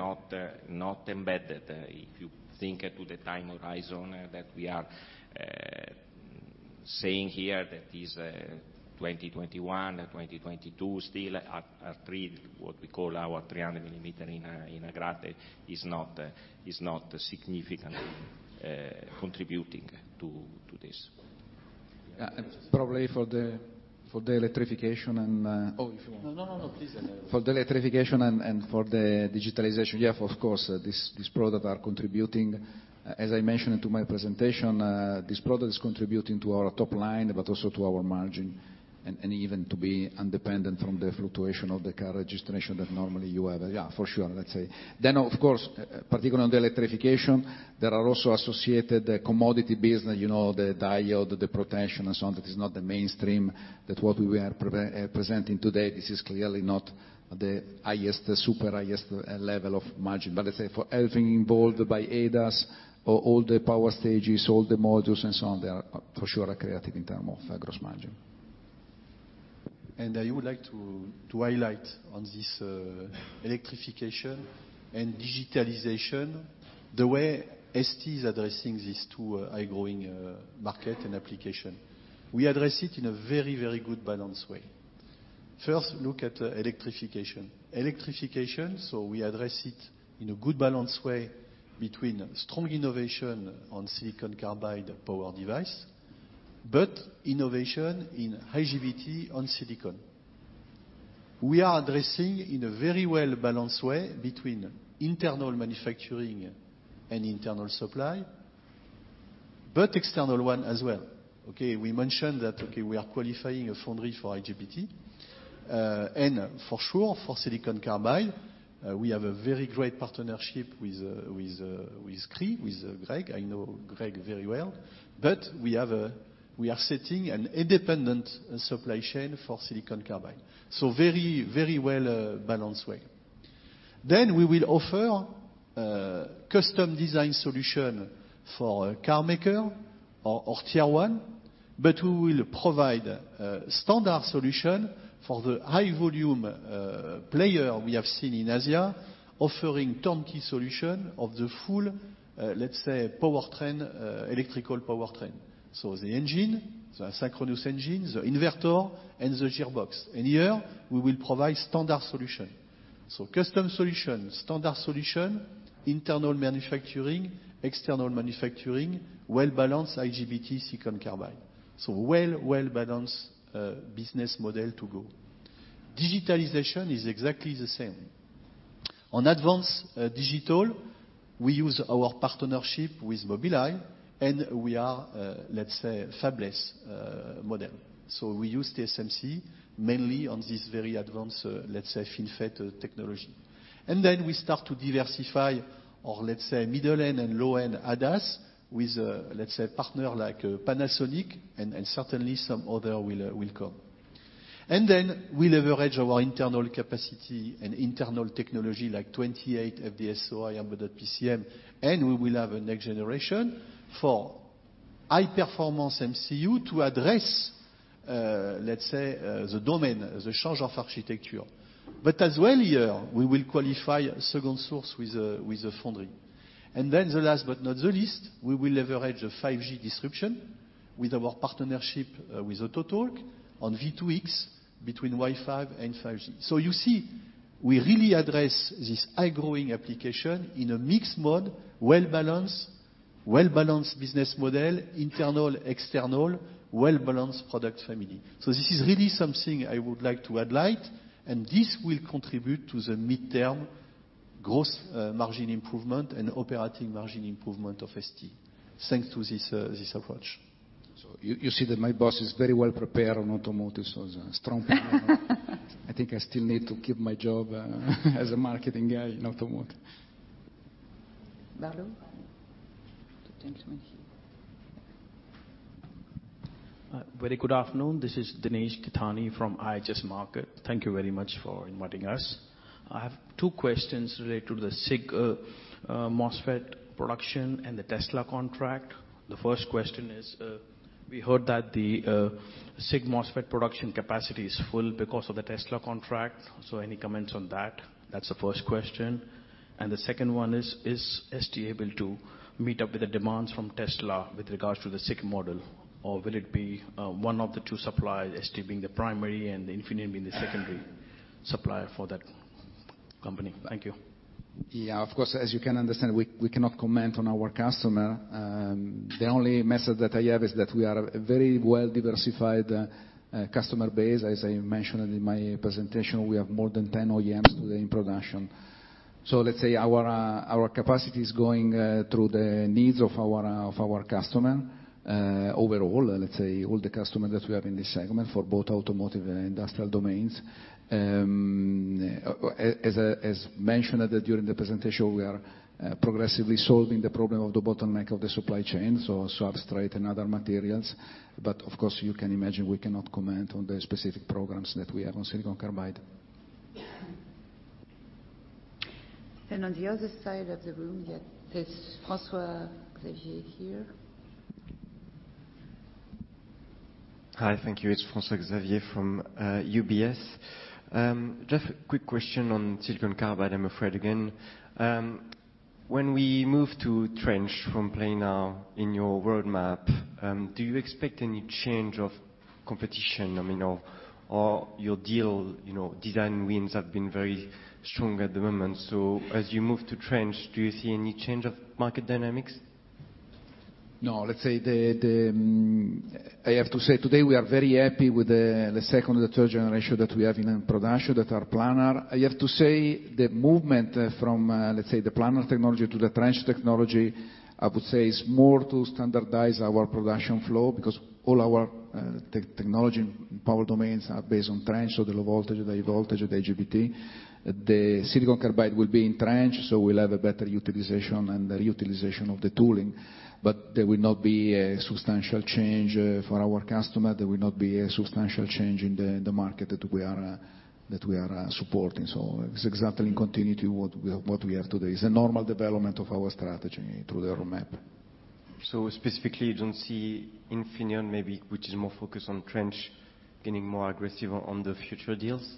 not embedded. If you think to the time horizon that we are saying here, that is 2021, 2022, still at what we call our 300 millimeter in aggregate is not significantly contributing to this. Probably for the electrification and. Oh, if you want. No, please. For the electrification and for the digitalization, yeah, of course, this product are contributing. As I mentioned into my presentation, this product is contributing to our top line, but also to our margin and even to be independent from the fluctuation of the car registration that normally you have. Yeah, for sure, let's say. Of course, particularly on the electrification, there are also associated commodity business, the diode, the protection and so on, that is not the mainstream that what we are presenting today. This is clearly not the super highest level of margin. Let's say for everything involved by ADAS, all the power stages, all the modules and so on, they are for sure accretive in term of gross margin. I would like to highlight on this electrification and digitalization, the way ST is addressing these two high-growing market and application. We address it in a very good balanced way. First, look at electrification. Electrification, we address it in a good balanced way between strong innovation on silicon carbide power device, but innovation in IGBT on silicon. We are addressing in a very well-balanced way between internal manufacturing and internal supply, but external one as well. We mentioned that we are qualifying a foundry for IGBT. For sure, for silicon carbide, we have a very great partnership with Cree, with Greg. I know Greg very well, but we are setting an independent supply chain for silicon carbide. Very well-balanced way. We will offer custom design solution for a car maker or tier 1, but we will provide a standard solution for the high volume player we have seen in Asia offering turnkey solution of the full, let's say, electrical powertrain. The engine, the asynchronous engine, the inverter, and the gearbox. Here we will provide standard solution. Custom solution, standard solution, internal manufacturing, external manufacturing, well-balanced IGBT silicon carbide. Well balanced business model to go. Digitalization is exactly the same. On advanced digital, we use our partnership with Mobileye and we are, let's say, fabless model. We use TSMC mainly on this very advanced, let's say, FinFET technology. We start to diversify our, let's say, middle-end and low-end ADAS with, let's say, partner like Panasonic, and certainly some other will come. We leverage our internal capacity and internal technology like 28 FD-SOI, [ePCM], and we will have a next generation for high performance MCU to address, let's say, the domain, the change of architecture. As well here, we will qualify a second source with a foundry. The last but not the least, we will leverage a 5G disruption with our partnership with Autotalks on V2X between Wi-Fi and 5G. You see, we really address this high-growing application in a mixed mode, well-balanced business model, internal, external, well-balanced product family. This is really something I would like to add light, and this will contribute to the midterm gross margin improvement and operating margin improvement of ST, thanks to this approach. You see that my boss is very well prepared on automotive, it's a strong point. I think I still need to keep my job as a marketing guy in automotive. Barlow? The gentleman here. Very good afternoon. This is Dinesh Kathani from IHS Markit. Thank you very much for inviting us. I have two questions related to the SiC MOSFET production and the Tesla contract. The first question is, we heard that the SiC MOSFET production capacity is full because of the Tesla contract. Any comments on that? That's the first question. The second one is ST able to meet up with the demands from Tesla with regards to the SiC MOSFET? Or will it be one of the two suppliers, ST being the primary and Infineon being the secondary supplier for that company? Thank you. Of course, as you can understand, we cannot comment on our customer. The only message that I have is that we are a very well-diversified customer base. As I mentioned in my presentation, we have more than 10 OEMs today in production. Let's say our capacity is going through the needs of our customer, overall, let's say all the customers that we have in this segment for both automotive and industrial domains. As mentioned during the presentation, we are progressively solving the problem of the bottleneck of the supply chain, so substrate and other materials. Of course, you can imagine we cannot comment on the specific programs that we have on silicon carbide. On the other side of the room, there's François-Xavier Bouvignies here. Hi, thank you. It's François-Xavier Bouvignies from UBS. Just a quick question on silicon carbide, I'm afraid, again. When we move to trench from planar in your roadmap, do you expect any change of competition? Your design wins have been very strong at the moment. As you move to trench, do you see any change of market dynamics? No. I have to say, today we are very happy with the second or the third generation that we have in production that are planar. I have to say, the movement from, let's say, the planar technology to the trench technology, I would say, is more to standardize our production flow because all our technology power domains are based on trench, the low voltage, the high voltage, the IGBT. The silicon carbide will be in trench, we'll have a better utilization and reutilization of the tooling. There will not be a substantial change for our customer. There will not be a substantial change in the market that we are supporting. It's exactly in continuity what we have today. It's a normal development of our strategy through the roadmap. Specifically, you don't see Infineon maybe, which is more focused on trench, getting more aggressive on the future deals?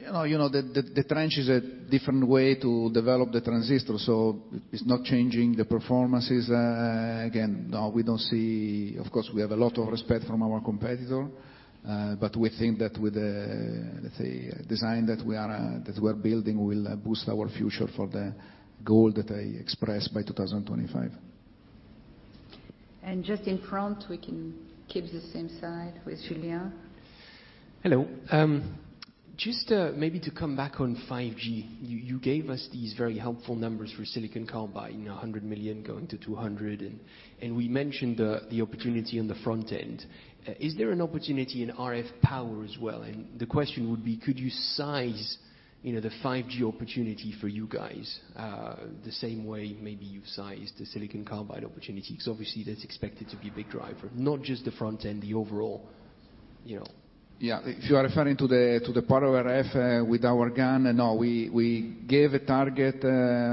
The trench is a different way to develop the transistor, it's not changing the performances. Again, no, we don't see, of course, we have a lot of respect from our competitor, we think that with the design that we are building will boost our future for the goal that I expressed by 2025. Just in front, we can keep the same side with Julia. Hello. Just maybe to come back on 5G. You gave us these very helpful numbers for silicon carbide, 100 million going to 200 million, and we mentioned the opportunity on the front end. Is there an opportunity in RF power as well? The question would be, could you size the 5G opportunity for you guys, the same way maybe you sized the silicon carbide opportunity? Because obviously, that's expected to be a big driver, not just the front end, the overall. Yeah. If you are referring to the part of RF with our GaN, no, we gave a target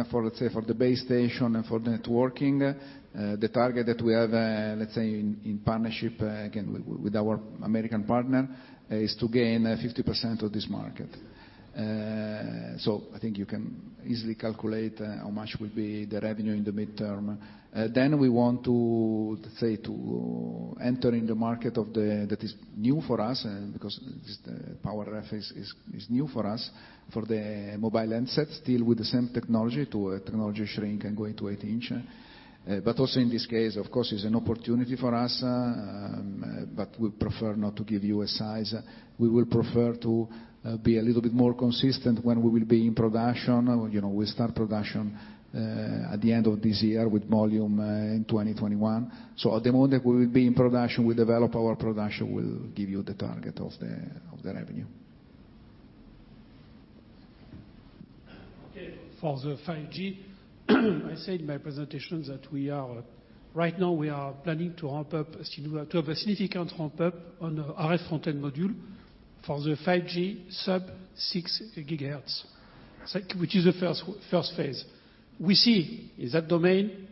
for, let's say, for the base station and for networking. The target that we have, let's say, in partnership again, with our American partner, is to gain 50% of this market. I think you can easily calculate how much will be the revenue in the midterm. We want to, let's say, to enter in the market that is new for us because the power RF is new for us, for the mobile handsets, still with the same technology, to a technology shrink and going to eight inch. Also in this case, of course, it's an opportunity for us, but we prefer not to give you a size. We will prefer to be a little bit more consistent when we will be in production. We start production at the end of this year with volume in 2021. At the moment we will be in production, we develop our production, we'll give you the target of the revenue. Okay. For the 5G, I said in my presentation that right now we are planning to have a significant ramp up on the RF front end module for the 5G sub-6 gigahertz, which is the first phase. We see in that domain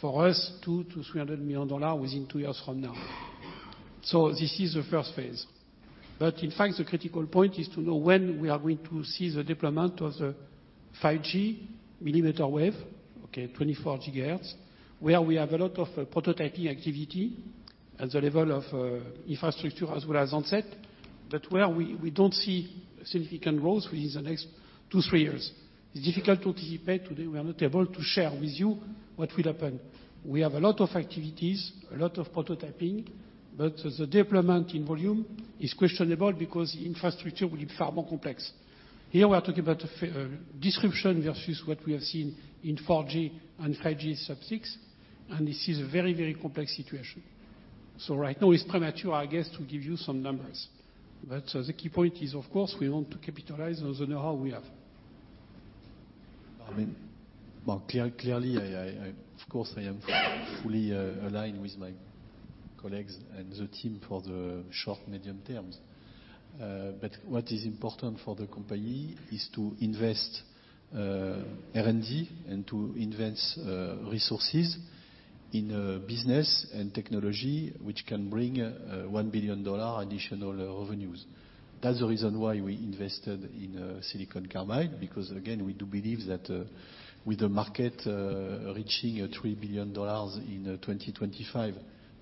for us, EUR 200 million-EUR 300 million within two years from now. This is the first phase. In fact, the critical point is to know when we are going to see the deployment of the 5G millimeter wave, 24 gigahertz, where we have a lot of prototyping activity at the level of infrastructure as well as onset. Where we don't see significant growth within the next two, three years. It's difficult to anticipate today. We are not able to share with you what will happen. We have a lot of activities, a lot of prototyping. The deployment in volume is questionable because the infrastructure will be far more complex. Here we are talking about a disruption versus what we have seen in 4G and 5G sub-6. This is a very complex situation. Right now it's premature, I guess, to give you some numbers. The key point is, of course, we want to capitalize on the know-how we have. Well, clearly, of course, I am fully aligned with my colleagues and the team for the short, medium terms. What is important for the company is to invest R&D and to invest resources in business and technology, which can bring EUR 1 billion additional revenues. That's the reason why we invested in Silicon Carbide, because again, we do believe that with the market reaching EUR 3 billion in 2025,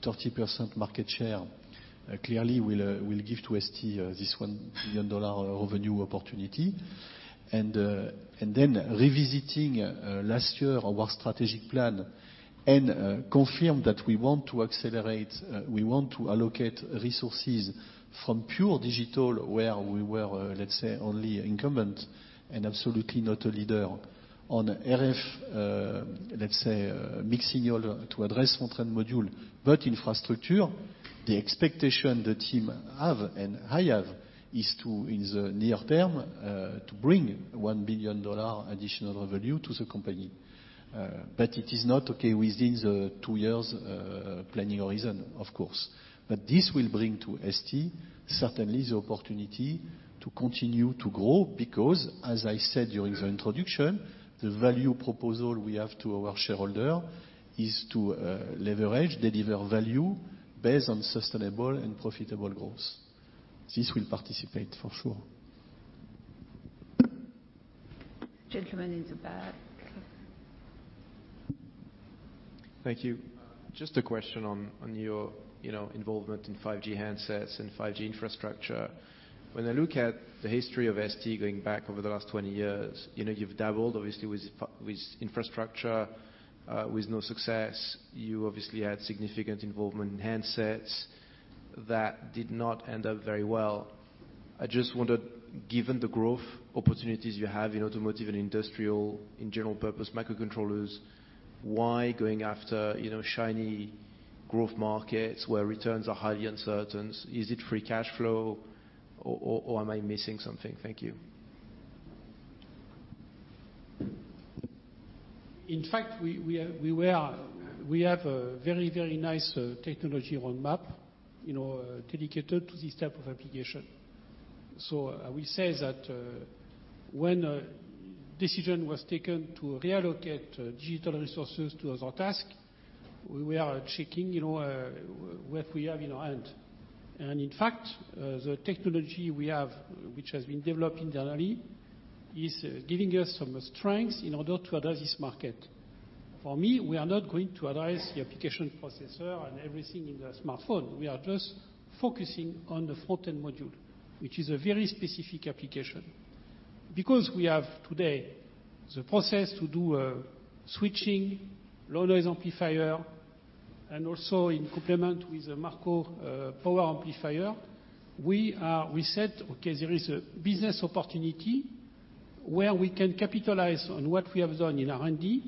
30% market share clearly will give to ST this EUR 1 billion revenue opportunity. Revisiting last year our strategic plan and confirm that we want to accelerate, we want to allocate resources from pure digital where we were, let's say, only incumbent and absolutely not a leader on RF, let's say, mix signal to address front-end module. Infrastructure, the expectation the team have and I have is to, in the near term, to bring EUR 1 billion additional revenue to the company. It is not okay within the two years planning horizon, of course. This will bring to ST certainly the opportunity to continue to grow because as I said during the introduction, the value proposal we have to our shareholder is to leverage, deliver value based on sustainable and profitable growth. This will participate for sure. Gentleman in the back. Thank you. Just a question on your involvement in 5G handsets and 5G infrastructure. When I look at the history of ST going back over the last 20 years, you've dabbled obviously with infrastructure, with no success. You obviously had significant involvement in handsets that did not end up very well. I just wondered, given the growth opportunities you have in automotive and industrial, in general purpose microcontrollers, why going after shiny growth markets where returns are highly uncertain? Is it free cash flow or am I missing something? Thank you. In fact, we have a very nice technology roadmap dedicated to this type of application. I will say that when a decision was taken to reallocate digital resources to other task, we are checking what we have in our hand. In fact, the technology we have, which has been developed internally, is giving us some strength in order to address this market. For me, we are not going to address the application processor and everything in the smartphone. We are just focusing on the front-end module, which is a very specific application. Because we have today the process to do a switching low-noise amplifier, and also in complement with Marco power amplifier, we said, okay, there is a business opportunity where we can capitalize on what we have done in R&D,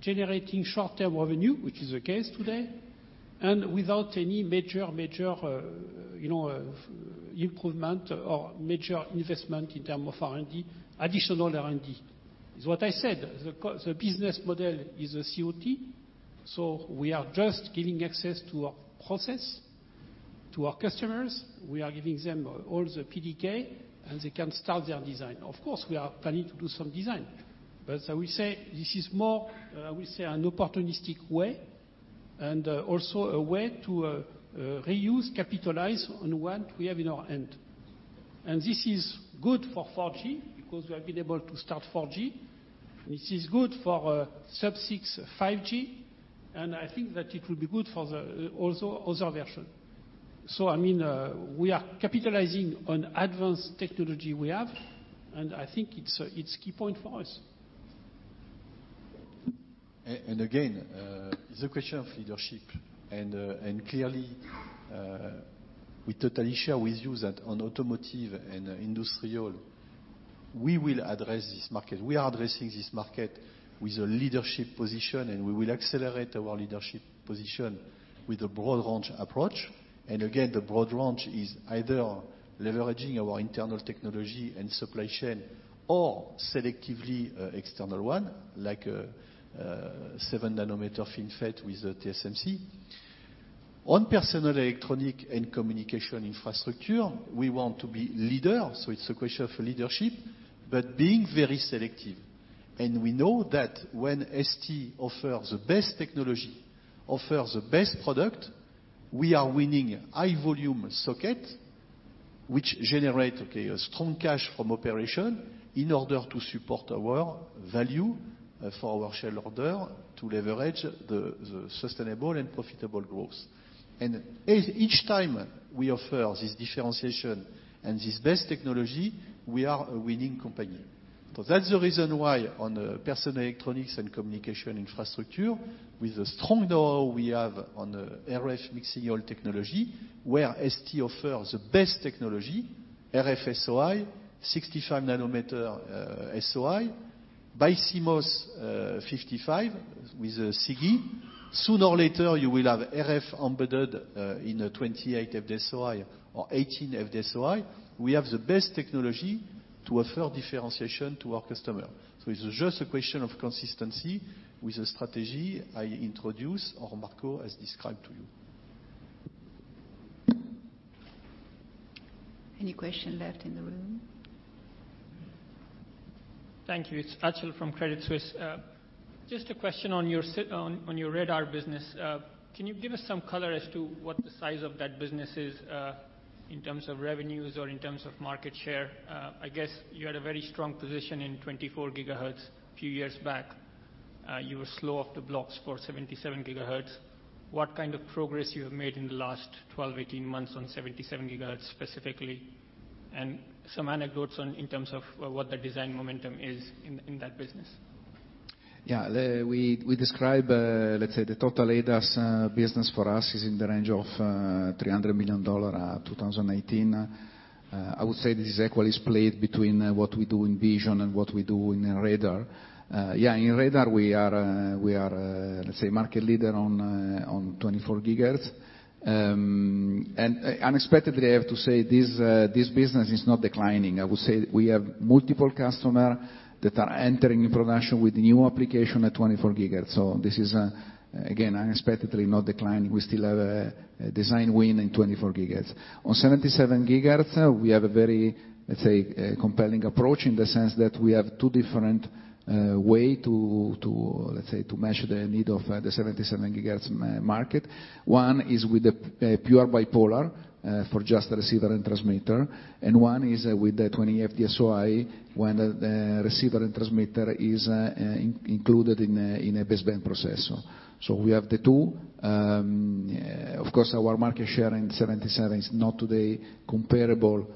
generating short-term revenue, which is the case today, and without any major improvement or major investment in terms of additional R&D. Is what I said, the business model is a COT, so we are just giving access to our process to our customers. We are giving them all the PDK, and they can start their design. Of course, we are planning to do some design. As we say, this is more, I will say, an opportunistic way and also a way to reuse, capitalize on what we have in our hand. This is good for 4G because we have been able to start 4G. This is good for sub-6 5G, I think that it will be good for the also other version. We are capitalizing on advanced technology we have, I think it's key point for us. Again, it's a question of leadership. Clearly, we totally share with you that on automotive and industrial, we will address this market. We are addressing this market with a leadership position, we will accelerate our leadership position with a broad range approach. Again, the broad range is either leveraging our internal technology and supply chain or selectively external one, like a seven nanometer FinFET with the TSMC. On personal electronic and communication infrastructure, we want to be leader, so it's a question of leadership, but being very selective. We know that when ST offers the best technology, offers the best product, we are winning high volume socket, which generate a strong cash from operation in order to support our value for our shareholder to leverage the sustainable and profitable growth. Each time we offer this differentiation and this best technology, we are a winning company. That's the reason why on personal electronics and communication infrastructure, with the strong know we have on RF mixing technology, where ST offers the best technology, RF SOI, 65 nanometer SOI, BiCMOS 55 with SiGe. Sooner or later you will have RF embedded in a 28 FD-SOI or 18 FD-SOI. We have the best technology to offer differentiation to our customer. It's just a question of consistency with the strategy I introduce or Marco has described to you. Any question left in the room? Thank you. It's Achal from Credit Suisse. Just a question on your radar business. Can you give us some color as to what the size of that business is, in terms of revenues or in terms of market share? I guess you had a very strong position in 24 GHz a few years back. You were slow off the blocks for 77 GHz. What kind of progress you have made in the last 12, 18 months on 77 GHz specifically? Some anecdotes in terms of what the design momentum is in that business. We describe, let's say, the total ADAS business for us is in the range of EUR 300 million 2018. I would say this is equally split between what we do in vision and what we do in radar. In radar, we are let's say market leader on 24 GHz. Unexpectedly, I have to say, this business is not declining. I would say we have multiple customer that are entering in production with new application at 24 GHz. This is, again, unexpectedly not declining. We still have a design win in 24 GHz. On 77 GHz, we have a very, let's say, compelling approach in the sense that we have two different way, let's say, to measure the need of the 77 GHz market. One is with the pure bipolar, for just receiver and transmitter, and one is with the 20nm FD-SOI, when the receiver and transmitter is included in a baseband processor. We have the two. Of course, our market share in 77 GHz is not today comparable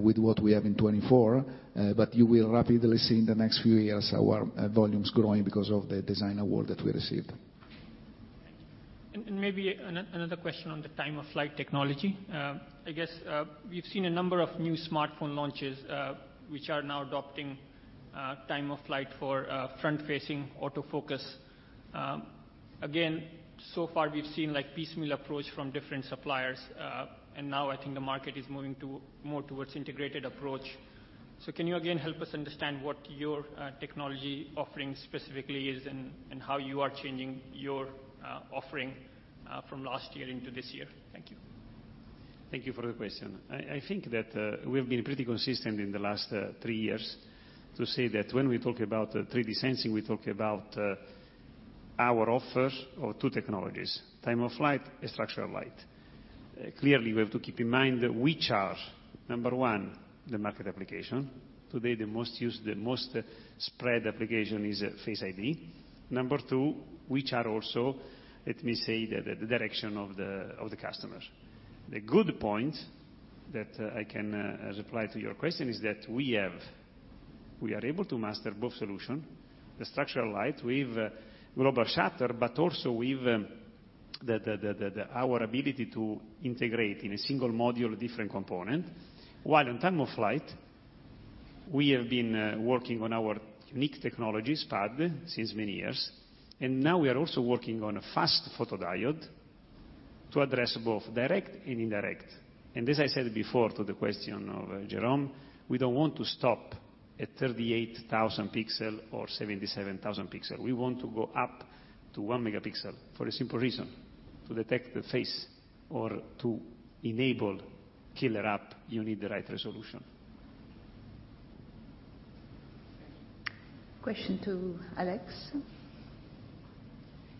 with what we have in 24 GHz, but you will rapidly see in the next few years our volumes growing because of the design award that we received. Thank you. Maybe another question on the time of flight technology. I guess, we've seen a number of new smartphone launches, which are now adopting time of flight for front-facing autofocus. So far we've seen piecemeal approach from different suppliers, and now I think the market is moving more towards integrated approach. Can you again help us understand what your technology offering specifically is and how you are changing your offering from last year into this year? Thank you. Thank you for the question. I think that we've been pretty consistent in the last 3 years to say that when we talk about 3D sensing, we talk about our offers of two technologies: time of flight and structural light. Clearly, we have to keep in mind which are, number one, the market application. Today, the most spread application is Face ID. Number two, which are also, let me say, the direction of the customers. The good point that I can reply to your question is that we are able to master both solution, the structural light with global shutter, but also with our ability to integrate in a single module different component, while in time-of-flight, we have been working on our unique technologies, SPAD, since many years, and now we are also working on a fast photodiode to address both direct and indirect. As I said before to the question of Jerome, we don't want to stop at 38,000 pixel or 77,000 pixel. We want to go up to 1 megapixel for a simple reason, to detect the face or to enable killer app, you need the right resolution. Question to Alex.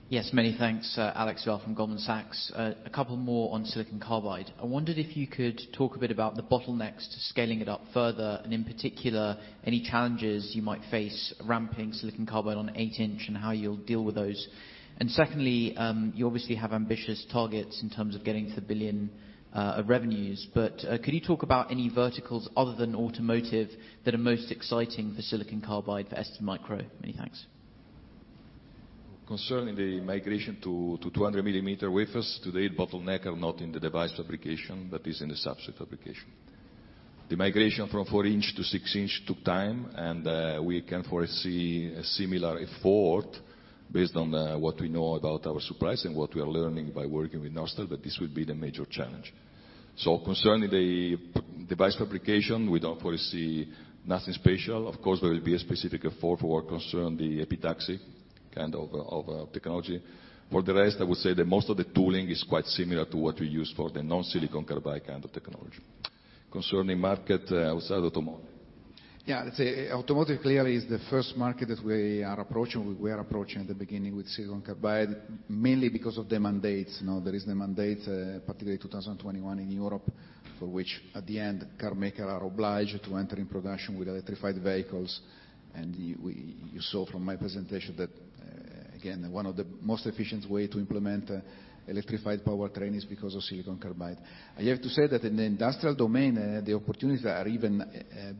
Yes, many thanks. Alex Duval from Goldman Sachs. A couple more on silicon carbide. I wondered if you could talk a bit about the bottlenecks to scaling it up further, and in particular, any challenges you might face ramping silicon carbide on eight-inch, and how you'll deal with those. Secondly, you obviously have ambitious targets in terms of getting to billion of revenues, but could you talk about any verticals other than automotive that are most exciting for silicon carbide for STMicro? Many thanks. Concerning the migration to 200 millimeter wafers, today, bottleneck are not in the device fabrication, but is in the substrate fabrication. The migration from 4 inch to 6 inch took time, and we can foresee a similar effort based on what we know about our suppliers and what we are learning by working with Norstel, but this will be the major challenge. Concerning the device fabrication, we don't foresee nothing special. Of course, there will be a specific effort for what concern the epitaxy kind of technology. For the rest, I would say that most of the tooling is quite similar to what we use for the non-silicon carbide kind of technology. Concerning market outside automotive. Yeah. Automotive clearly is the first market that we are approaching, we were approaching at the beginning with silicon carbide, mainly because of the mandates. There is the mandate, particularly 2021 in Europe, for which at the end, carmaker are obliged to enter in production with electrified vehicles. You saw from my presentation that, again, one of the most efficient way to implement electrified powertrain is because of silicon carbide. I have to say that in the industrial domain, the opportunities are even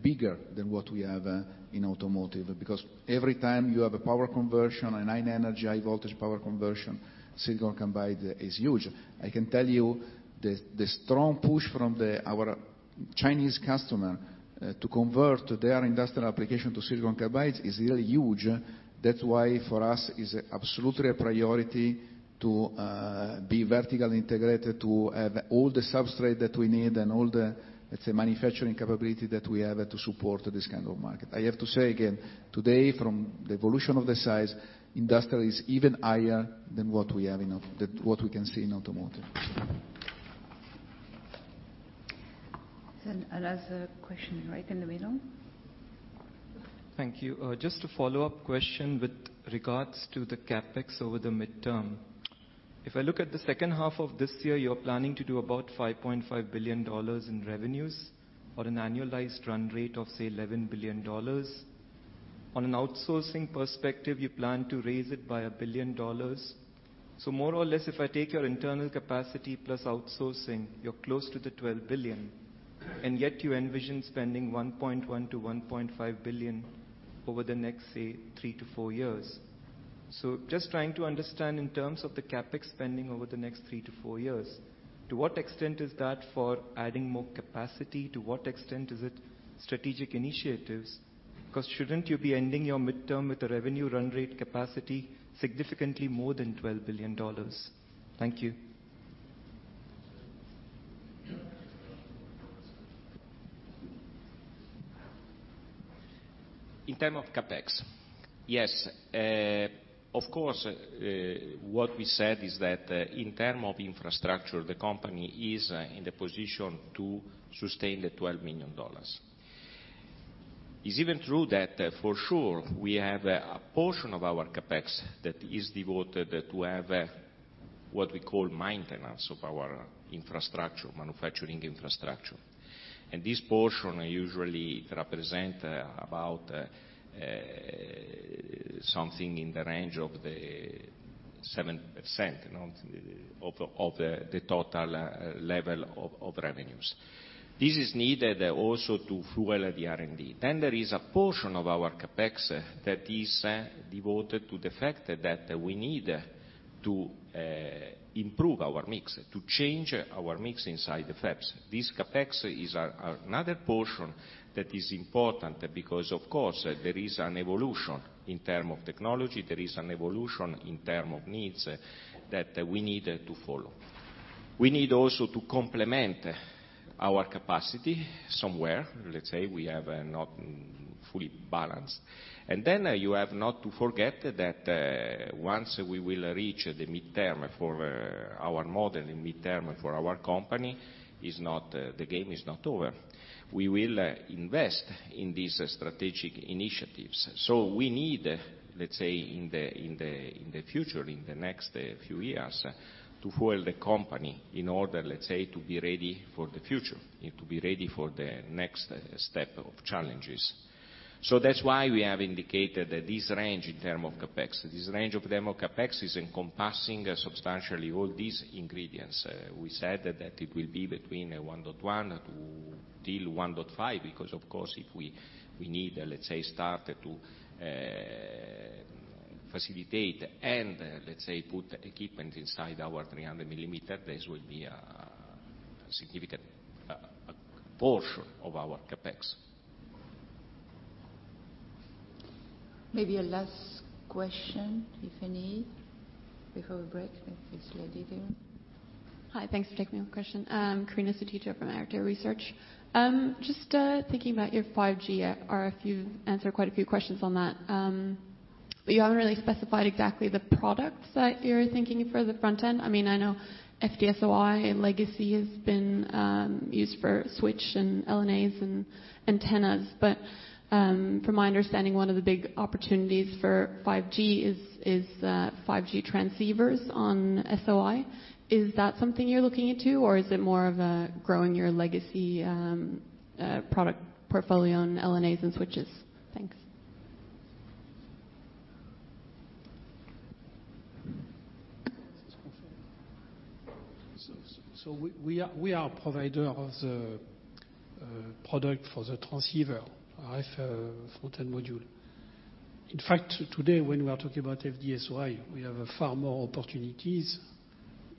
bigger than what we have in automotive, because every time you have a power conversion, a high energy, high voltage power conversion, silicon carbide is huge. I can tell you the strong push from our Chinese customer to convert their industrial application to silicon carbide is really huge. That's why for us it's absolutely a priority to be vertically integrated to have all the substrate that we need and all the, let's say, manufacturing capability that we have to support this kind of market. I have to say again, today, from the evolution of the size, industrial is even higher than what we can see in automotive. Another question right in the middle. Thank you. Just a follow-up question with regards to the CapEx over the midterm. If I look at the second half of this year, you're planning to do about $5.5 billion in revenues on an annualized run rate of, say, $11 billion. On an outsourcing perspective, you plan to raise it by $1 billion. More or less, if I take your internal capacity plus outsourcing, you're close to the $12 billion, and yet you envision spending $1.1 billion-$1.5 billion over the next, say, three to four years. Just trying to understand in terms of the CapEx spending over the next three to four years, to what extent is that for adding more capacity? To what extent is it strategic initiatives? Shouldn't you be ending your midterm with a revenue run rate capacity significantly more than $12 billion? Thank you. In term of CapEx. Yes. Of course, what we said is that in term of infrastructure, the company is in the position to sustain the $12 million. It's even true that for sure, we have a portion of our CapEx that is devoted to have what we call maintenance of our infrastructure, manufacturing infrastructure. This portion usually represent about something in the range of the 7% of the total level of revenues. This is needed also to fuel the R&D. There is a portion of our CapEx that is devoted to the fact that we need to improve our mix, to change our mix inside the fabs. This CapEx is another portion that is important because, of course, there is an evolution in term of technology, there is an evolution in term of needs that we need to follow. We need also to complement our capacity somewhere. Let's say we have not fully balanced. You have not to forget that once we will reach the midterm for our model and midterm for our company, the game is not over. We will invest in these strategic initiatives. We need, let's say, in the future, in the next few years to fuel the company in order, let's say, to be ready for the future and to be ready for the next step of challenges. That's why we have indicated that this range in term of CapEx, this range of term of CapEx is encompassing substantially all these ingredients. We said that it will be between $1.1 billion to till $1.5 billion because, of course, if we need, let's say, start to Facilitate and, let's say, put equipment inside our 300 millimeter. This will be a significant portion of our CapEx. Maybe a last question, if any, before we break. This lady here. Hi. Thanks for taking my question. Karina Satito from ARCT Research. Just thinking about your 5G RF, you've answered quite a few questions on that. You haven't really specified exactly the products that you're thinking for the front end. I know FD-SOI and legacy has been used for switch and LNAs and antennas, from my understanding, one of the big opportunities for 5G is 5G transceivers on SOI. Is that something you're looking into, or is it more of growing your legacy product portfolio on LNAs and switches? Thanks. We are a provider of the product for the transceiver, RF front-end module. In fact, today, when we are talking about FD-SOI, we have far more opportunities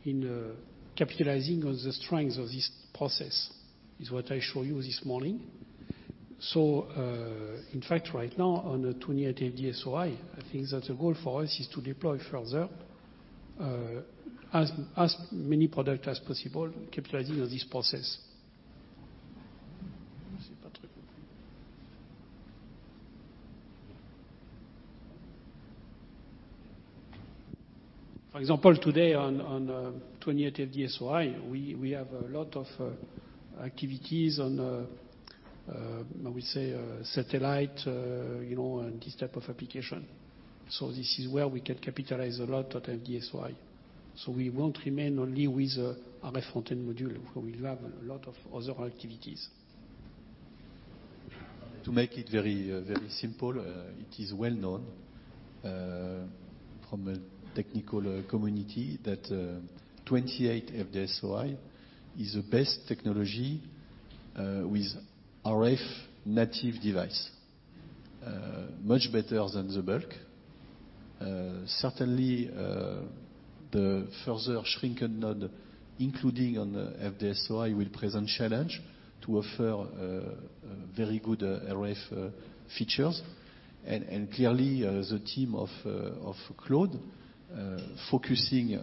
in capitalizing on the strengths of this process, is what I show you this morning. In fact, right now, on the 28 FD-SOI, I think that the goal for us is to deploy further as many product as possible capitalizing on this process. For example, today on 28 FD-SOI, we have a lot of activities on, we say, satellite, and this type of application. This is where we can capitalize a lot at FD-SOI. We won't remain only with RF front-end module. We will have a lot of other activities. To make it very simple, it is well known from a technical community that 28 FD-SOI is the best technology with RF native device. Much better than the bulk. Certainly, the further shrink and node, including on the FD-SOI, will present challenge to offer very good RF features. Clearly, the team of Claude, focusing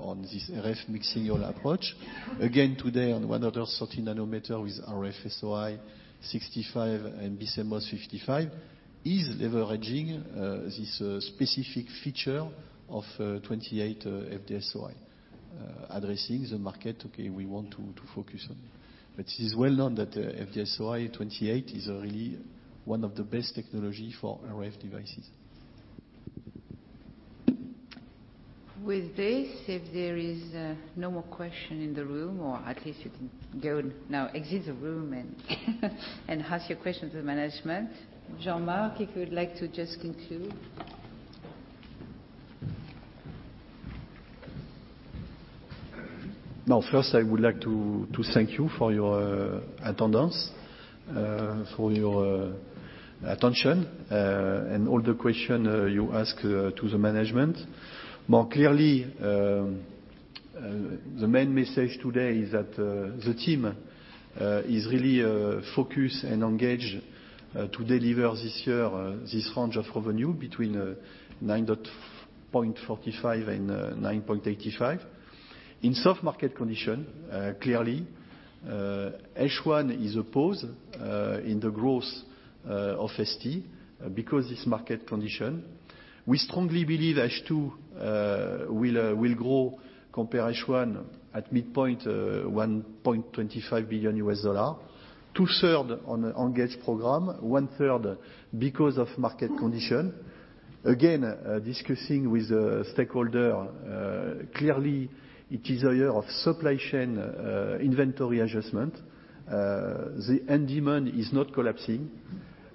on this RF mixing approach. Again, today, on 130 nanometer with RF SOI 65 and BiCMOS 55 is leveraging this specific feature of 28 FD-SOI, addressing the market, okay, we want to focus on. It is well known that FD-SOI 28 is really one of the best technology for RF devices. With this, if there is no more question in the room, or at least you can go now, exit the room and ask your question to the management. Jean-Marc, if you would like to just conclude. First, I would like to thank you for your attendance, for your attention, and all the question you ask to the management. Clearly, the main message today is that the team is really focused and engaged to deliver this year, this range of revenue between $9.45 and $9.85. In soft market condition, clearly, H1 is a pause in the growth of ST because this market condition. We strongly believe H2 will grow compare H1 at midpoint $1.25 billion. Two third on engaged program, one third because of market condition. Again, discussing with the stakeholder, clearly, it is a year of supply chain inventory adjustment. The end demand is not collapsing.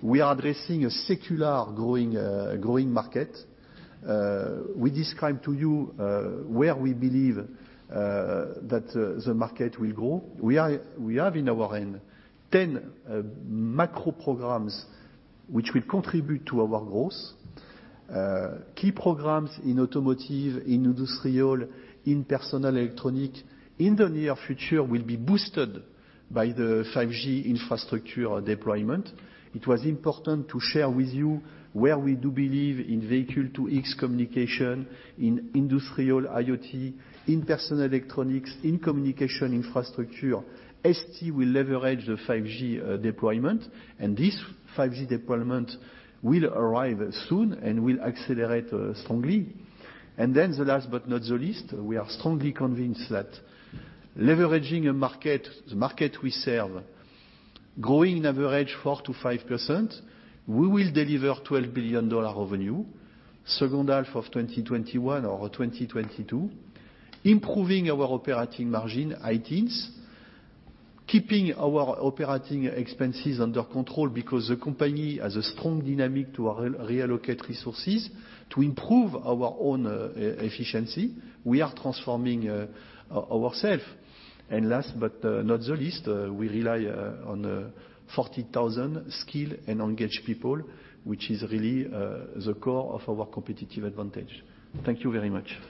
We are addressing a secular growing market. We described to you where we believe that the market will grow. We have in our hand 10 macro programs which will contribute to our growth. Key programs in automotive, in industrial, in personal electronic, in the near future, will be boosted by the 5G infrastructure deployment. It was important to share with you where we do believe in vehicle to X communication, in industrial IoT, in personal electronics, in communication infrastructure. ST will leverage the 5G deployment. This 5G deployment will arrive soon and will accelerate strongly. The last but not the least, we are strongly convinced that leveraging a market, the market we serve, growing average 4%-5%, we will deliver $12 billion revenue second half of 2021 or 2022, improving our operating margin high teens, keeping our operating expenses under control because the company has a strong dynamic to reallocate resources to improve our own efficiency. We are transforming ourself. Last but not the least, we rely on 40,000 skilled and engaged people, which is really the core of our competitive advantage. Thank you very much.